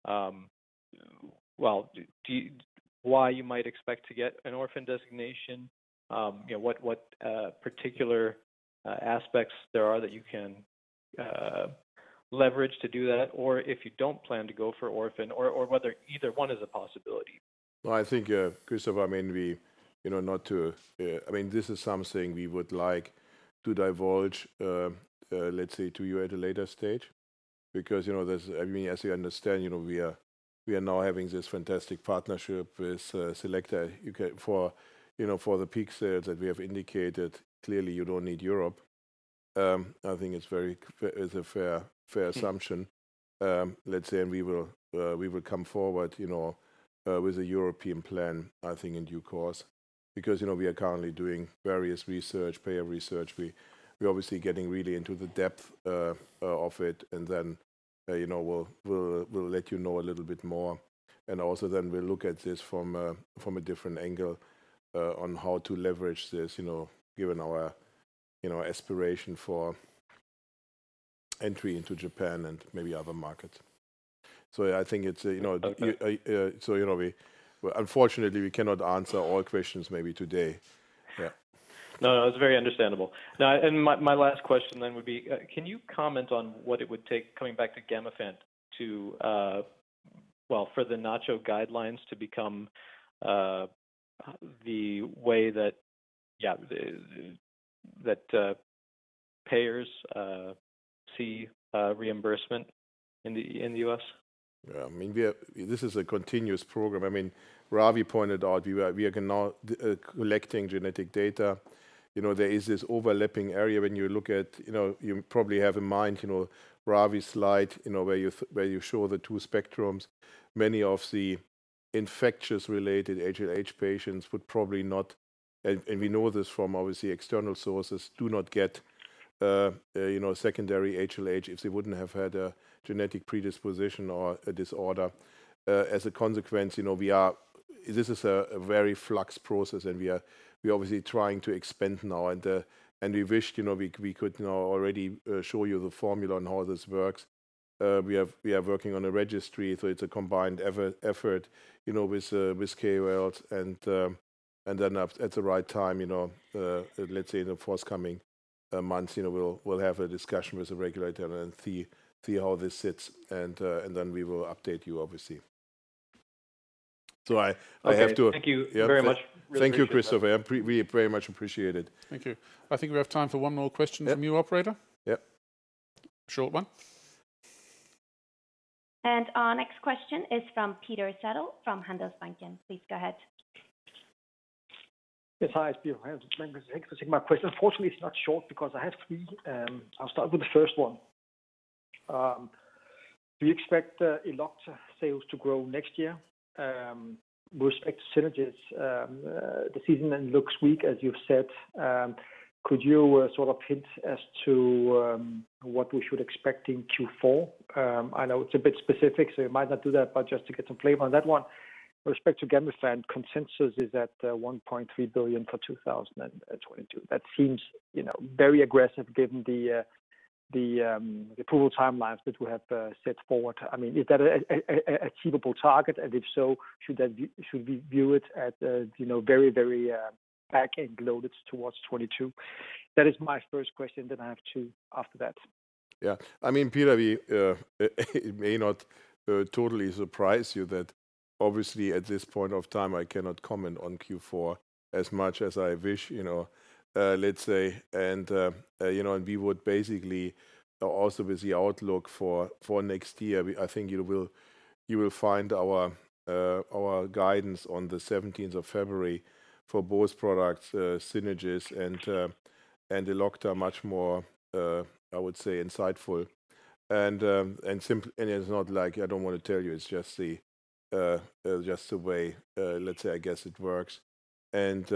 why you might expect to get an orphan designation, what particular aspects there are that you can leverage to do that, or if you don't plan to go for orphan, or whether either one is a possibility? Well, I think, Christopher, this is something we would like to divulge, let's say, to you at a later stage, because as you understand, we are now having this fantastic partnership with Selecta for the peak sales that we have indicated. You don't need Europe. I think it's a fair assumption. Let's say we will come forward with a European plan, I think, in due course, because we are currently doing various research, payer research. We're obviously getting really into the depth of it, and then we'll let you know a little bit more. Also, then we'll look at this from a different angle on how to leverage this, given our aspiration for entry into Japan and maybe other markets. Unfortunately, we cannot answer all questions, maybe today. Yeah. No, it's very understandable. My last question would be, can you comment on what it would take, coming back to Gamifant, for the NCCN guidelines to become the way that payers see reimbursement in the U.S.? Yeah. This is a continuous program. Ravi pointed out that we are now collecting genetic data. There is this overlapping area. You probably have in mind Ravi's slide, where you show the two spectrums. Many of the infectious-related HLH patients would probably not, and we know this from, obviously, external sources, do not get secondary HLH if they wouldn't have had a genetic predisposition or a disorder. As a consequence, this is a very flux process, and we are obviously trying to expand now. We wish we could already show you the formula and how this works. We are working on a registry, so it's a combined effort with KOLs. At the right time, let's say in the forthcoming months, we'll have a discussion with the regulator and see how this sits, then we will update you, obviously. Okay. Thank you very much. Thank you, Christopher. We very much appreciate it. Thank you. I think we have time for one more question from you, operator. Yeah. Short one. Our next question is from Peter Sehested from Handelsbanken. Please go ahead. Yes. Hi, it's Peter. Thanks for taking my question. Unfortunately, it's not short because I have three. I'll start with the first one. Do you expect Elocta sales to grow next year? With respect to synagis, the season then looks weak, as you've said. Could you sort of hint as to what we should expect in Q4? I know it's a bit specific, so you might not do that, but just to get some flavor on that one. With respect to Gamifant, consensus is at 1.3 billion for 2022. That seems very aggressive given the approval timelines that we have set forward. Is that an achievable target? If so, should we view it as very backend-loaded towards 2022? That is my first question. I have two after that. Yeah. Peter, it may not totally surprise you that, obviously, at this point of time, I cannot comment on Q4 as much as I wish. We would basically also with the outlook for next year, I think you will find our guidance on the 17th of February for both products, Synagis and Elocta, much more, I would say, insightful. It's not like I don't want to tell you, it's just the way, let's say, I guess it works. With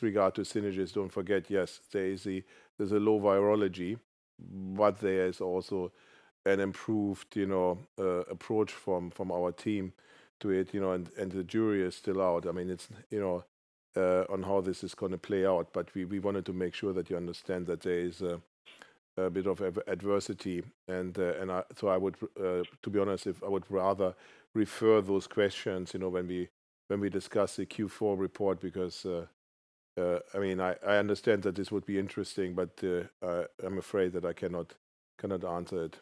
regard to Synagis, don't forget, yes, there's a low virology, but there is also an improved approach from our team to it, and the jury is still out on how this is going to play out. We wanted to make sure that you understand that there is a bit of adversity. I would, to be honest, I would rather refer those questions when we discuss the Q4 report, because I understand that this would be interesting, but I'm afraid that I cannot answer it.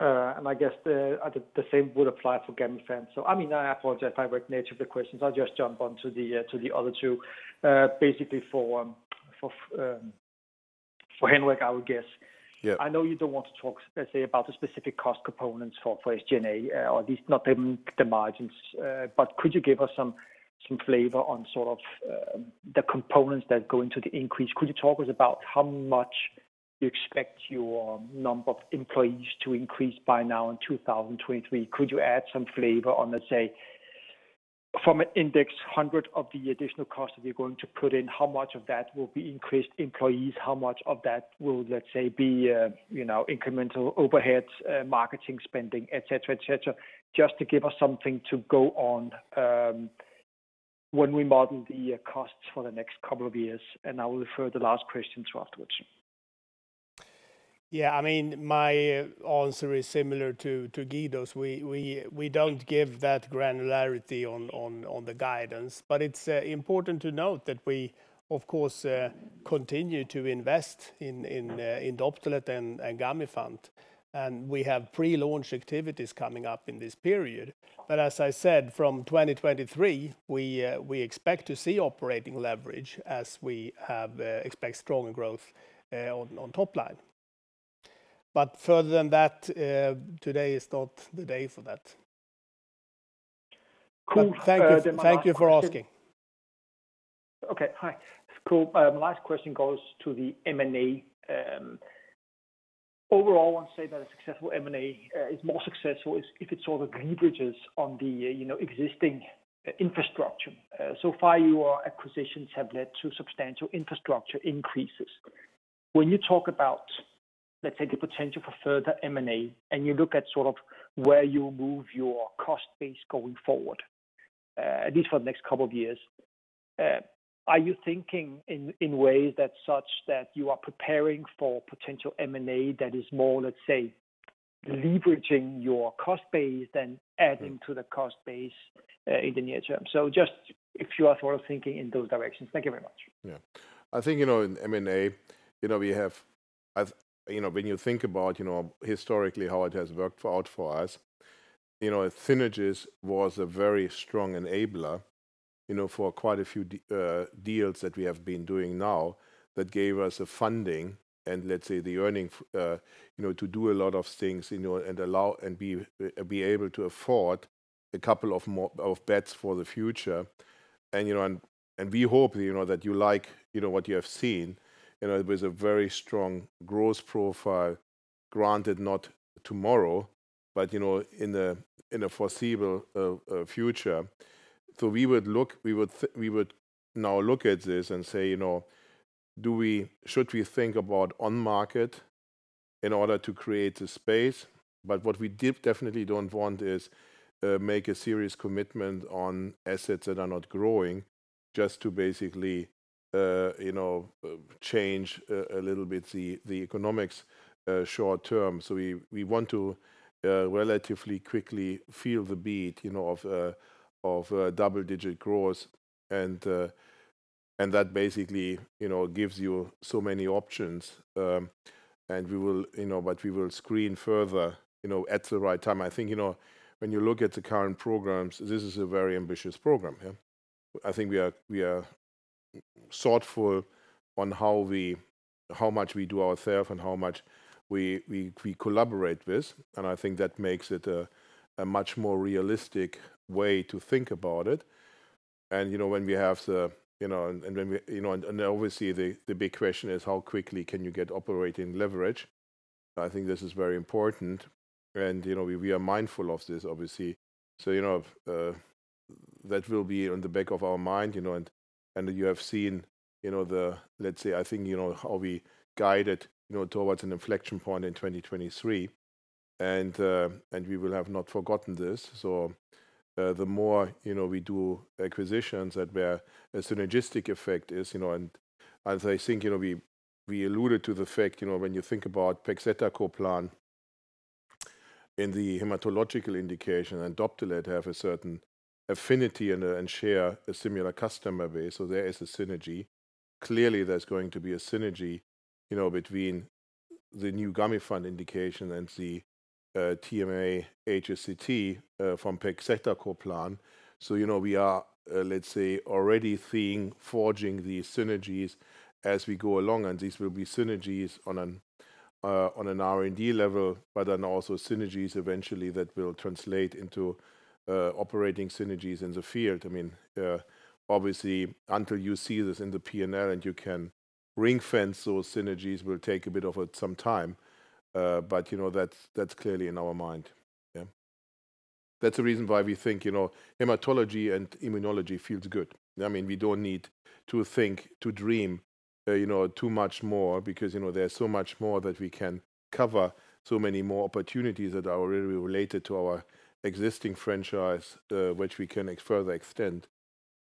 I guess the same would apply for Gamifant. I apologize if I break the nature of the questions. I'll just jump onto the other two. Basically, for Henrik, I would guess. Yeah. I know you don't want to talk, let's say, about the specific cost components for SG&A, or at least not the margins. Could you give us some flavor on sort of the components that go into the increase? Could you talk with us about how much you expect your number of employees to increase by now in 2023? Could you add some flavor on, let's say, from an index 100 of the additional cost that you're going to put in, how much of that will be increased employees? How much of that will, let's say, be incremental overheads, marketing spending, et cetera? Just to give us something to go on when we model the costs for the next couple of years, and I will refer the last question to you afterwards. Yeah, my answer is similar to Guido's. We don't give that granularity on the guidance. It's important to note that we, of course, continue to invest in Doptelet and Gamifant, and we have pre-launch activities coming up in this period. As I said, from 2023, we expect to see operating leverage as we expect strong growth on the top line. Further than that, today is not the day for that. Cool. Thank you for asking. Okay. Hi. Cool. My last question goes to the M&A. Overall, I want to say that a successful M&A is more successful if it sort of leverages on the existing infrastructure. Far, your acquisitions have led to substantial infrastructure increases. When you talk about, let's say, the potential for further M&A, and you look at sort of where you move your cost base going forward, at least for the next couple of years, are you thinking in ways that such that you are preparing for potential M&A that is more, let's say, leveraging your cost base than adding to the cost base in the near term? Just if you are sort of thinking in those directions. Thank you very much. Yeah. I think in M&A, when you think about historically how it has worked out for us, Synagis was a very strong enabler for quite a few deals that we have been doing now that gave us funding and, let's say, the earnings to do a lot of things and be able to afford a couple of bets for the future. We hope that you like what you have seen. It was a very strong growth profile, granted not tomorrow, but in the foreseeable future. We would now look at this and say, "Should we think about on-market in order to create a space?" What we definitely don't want is make a serious commitment on assets that are not growing just to basically change a little bit the economics short term. We want to relatively quickly feel the beat of double-digit growth. That basically gives you so many options. We will screen further at the right time. When you look at the current programs, this is a very ambitious program. We are thoughtful on how much we do ourselves and how much we collaborate with, and that makes it a much more realistic way to think about it. Obviously, the big question is how quickly you can get operating leverage. This is very important, and we are mindful of this, obviously. That will be on the back of our mind, and you have seen, let's say, how we guided towards an inflection point in 2023, and we will have not forget this. The more we do acquisitions where a synergistic effect is, and as I think we alluded to the fact when you think about pegcetacoplan in the hematological indication, and Doptelet have a certain affinity and share a similar customer base, so there is a synergy. Clearly, there's going to be a synergy between the new Gamifant indication and the TMA HSCT from pegcetacoplan. We are, let's say, already seeing forging these Synagis as we go along, and these will be Synagis on an R&D level, but then also Synagis eventually that will translate into operating Synagis in the field. Obviously, until you see this in the P&L and you can ring-fence those Synagis will take a bit of some time. That's clearly in our mind. That's the reason why we think hematology and immunology feel good. We don't need to think, to dream too much more because there's so much more that we can cover, so many more opportunities that are already related to our existing franchise, which we can further extend.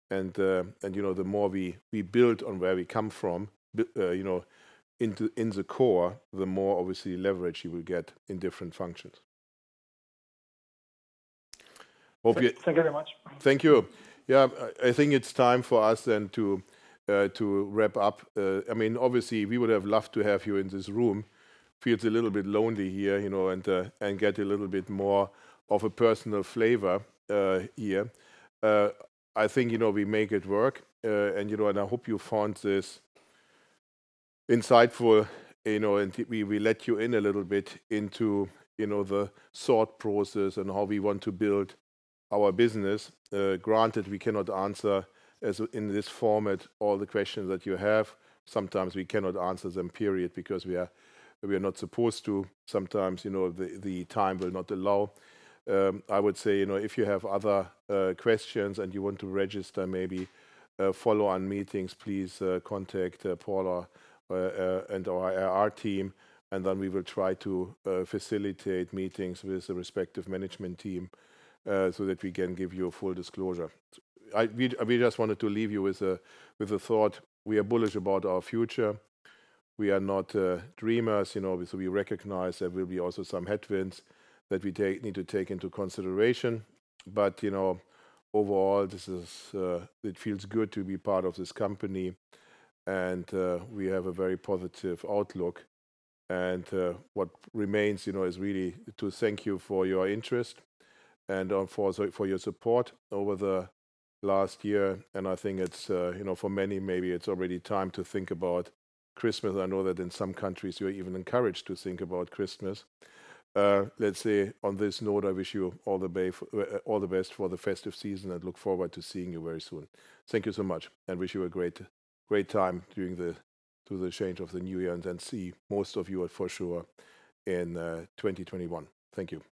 The more we build on where we come from in the core, the more obviously leverage you will get in different functions. Thank you very much. Thank you. I think it's time for us then to wrap up. Obviously, we would have loved to have you in this room. Feels a little bit lonely here, and gets a little bit more of a personal flavor here. I think we make it work, and I hope you found this insightful, and we let you in a little bit into the thought process and how we want to build our business. Granted, we cannot answer in this format all the questions that you have. Sometimes we cannot answer them, period, because we are not supposed to. Sometimes, the time will not allow. I would say, if you have other questions and you want to register, maybe follow-on meetings, please contact Paula and our team, and then we will try to facilitate meetings with the respective management team so that we can give you a full disclosure. We just wanted to leave you with a thought. We are bullish about our future. We are not dreamers. Obviously, we recognize there will be also some headwinds that we need to take into consideration. Overall, it feels good to be part of this company, and we have a very positive outlook. What remains is really to thank you for your interest and for your support over the last year. I think for many, maybe it's already time to think about Christmas. I know that in some countries you are even encouraged to think about Christmas. Let's say on this note, I wish you all the best for the festive season and look forward to seeing you very soon. Thank you so much, and wish you a great time through the change of the new year, and then see most of you for sure in 2021. Thank you.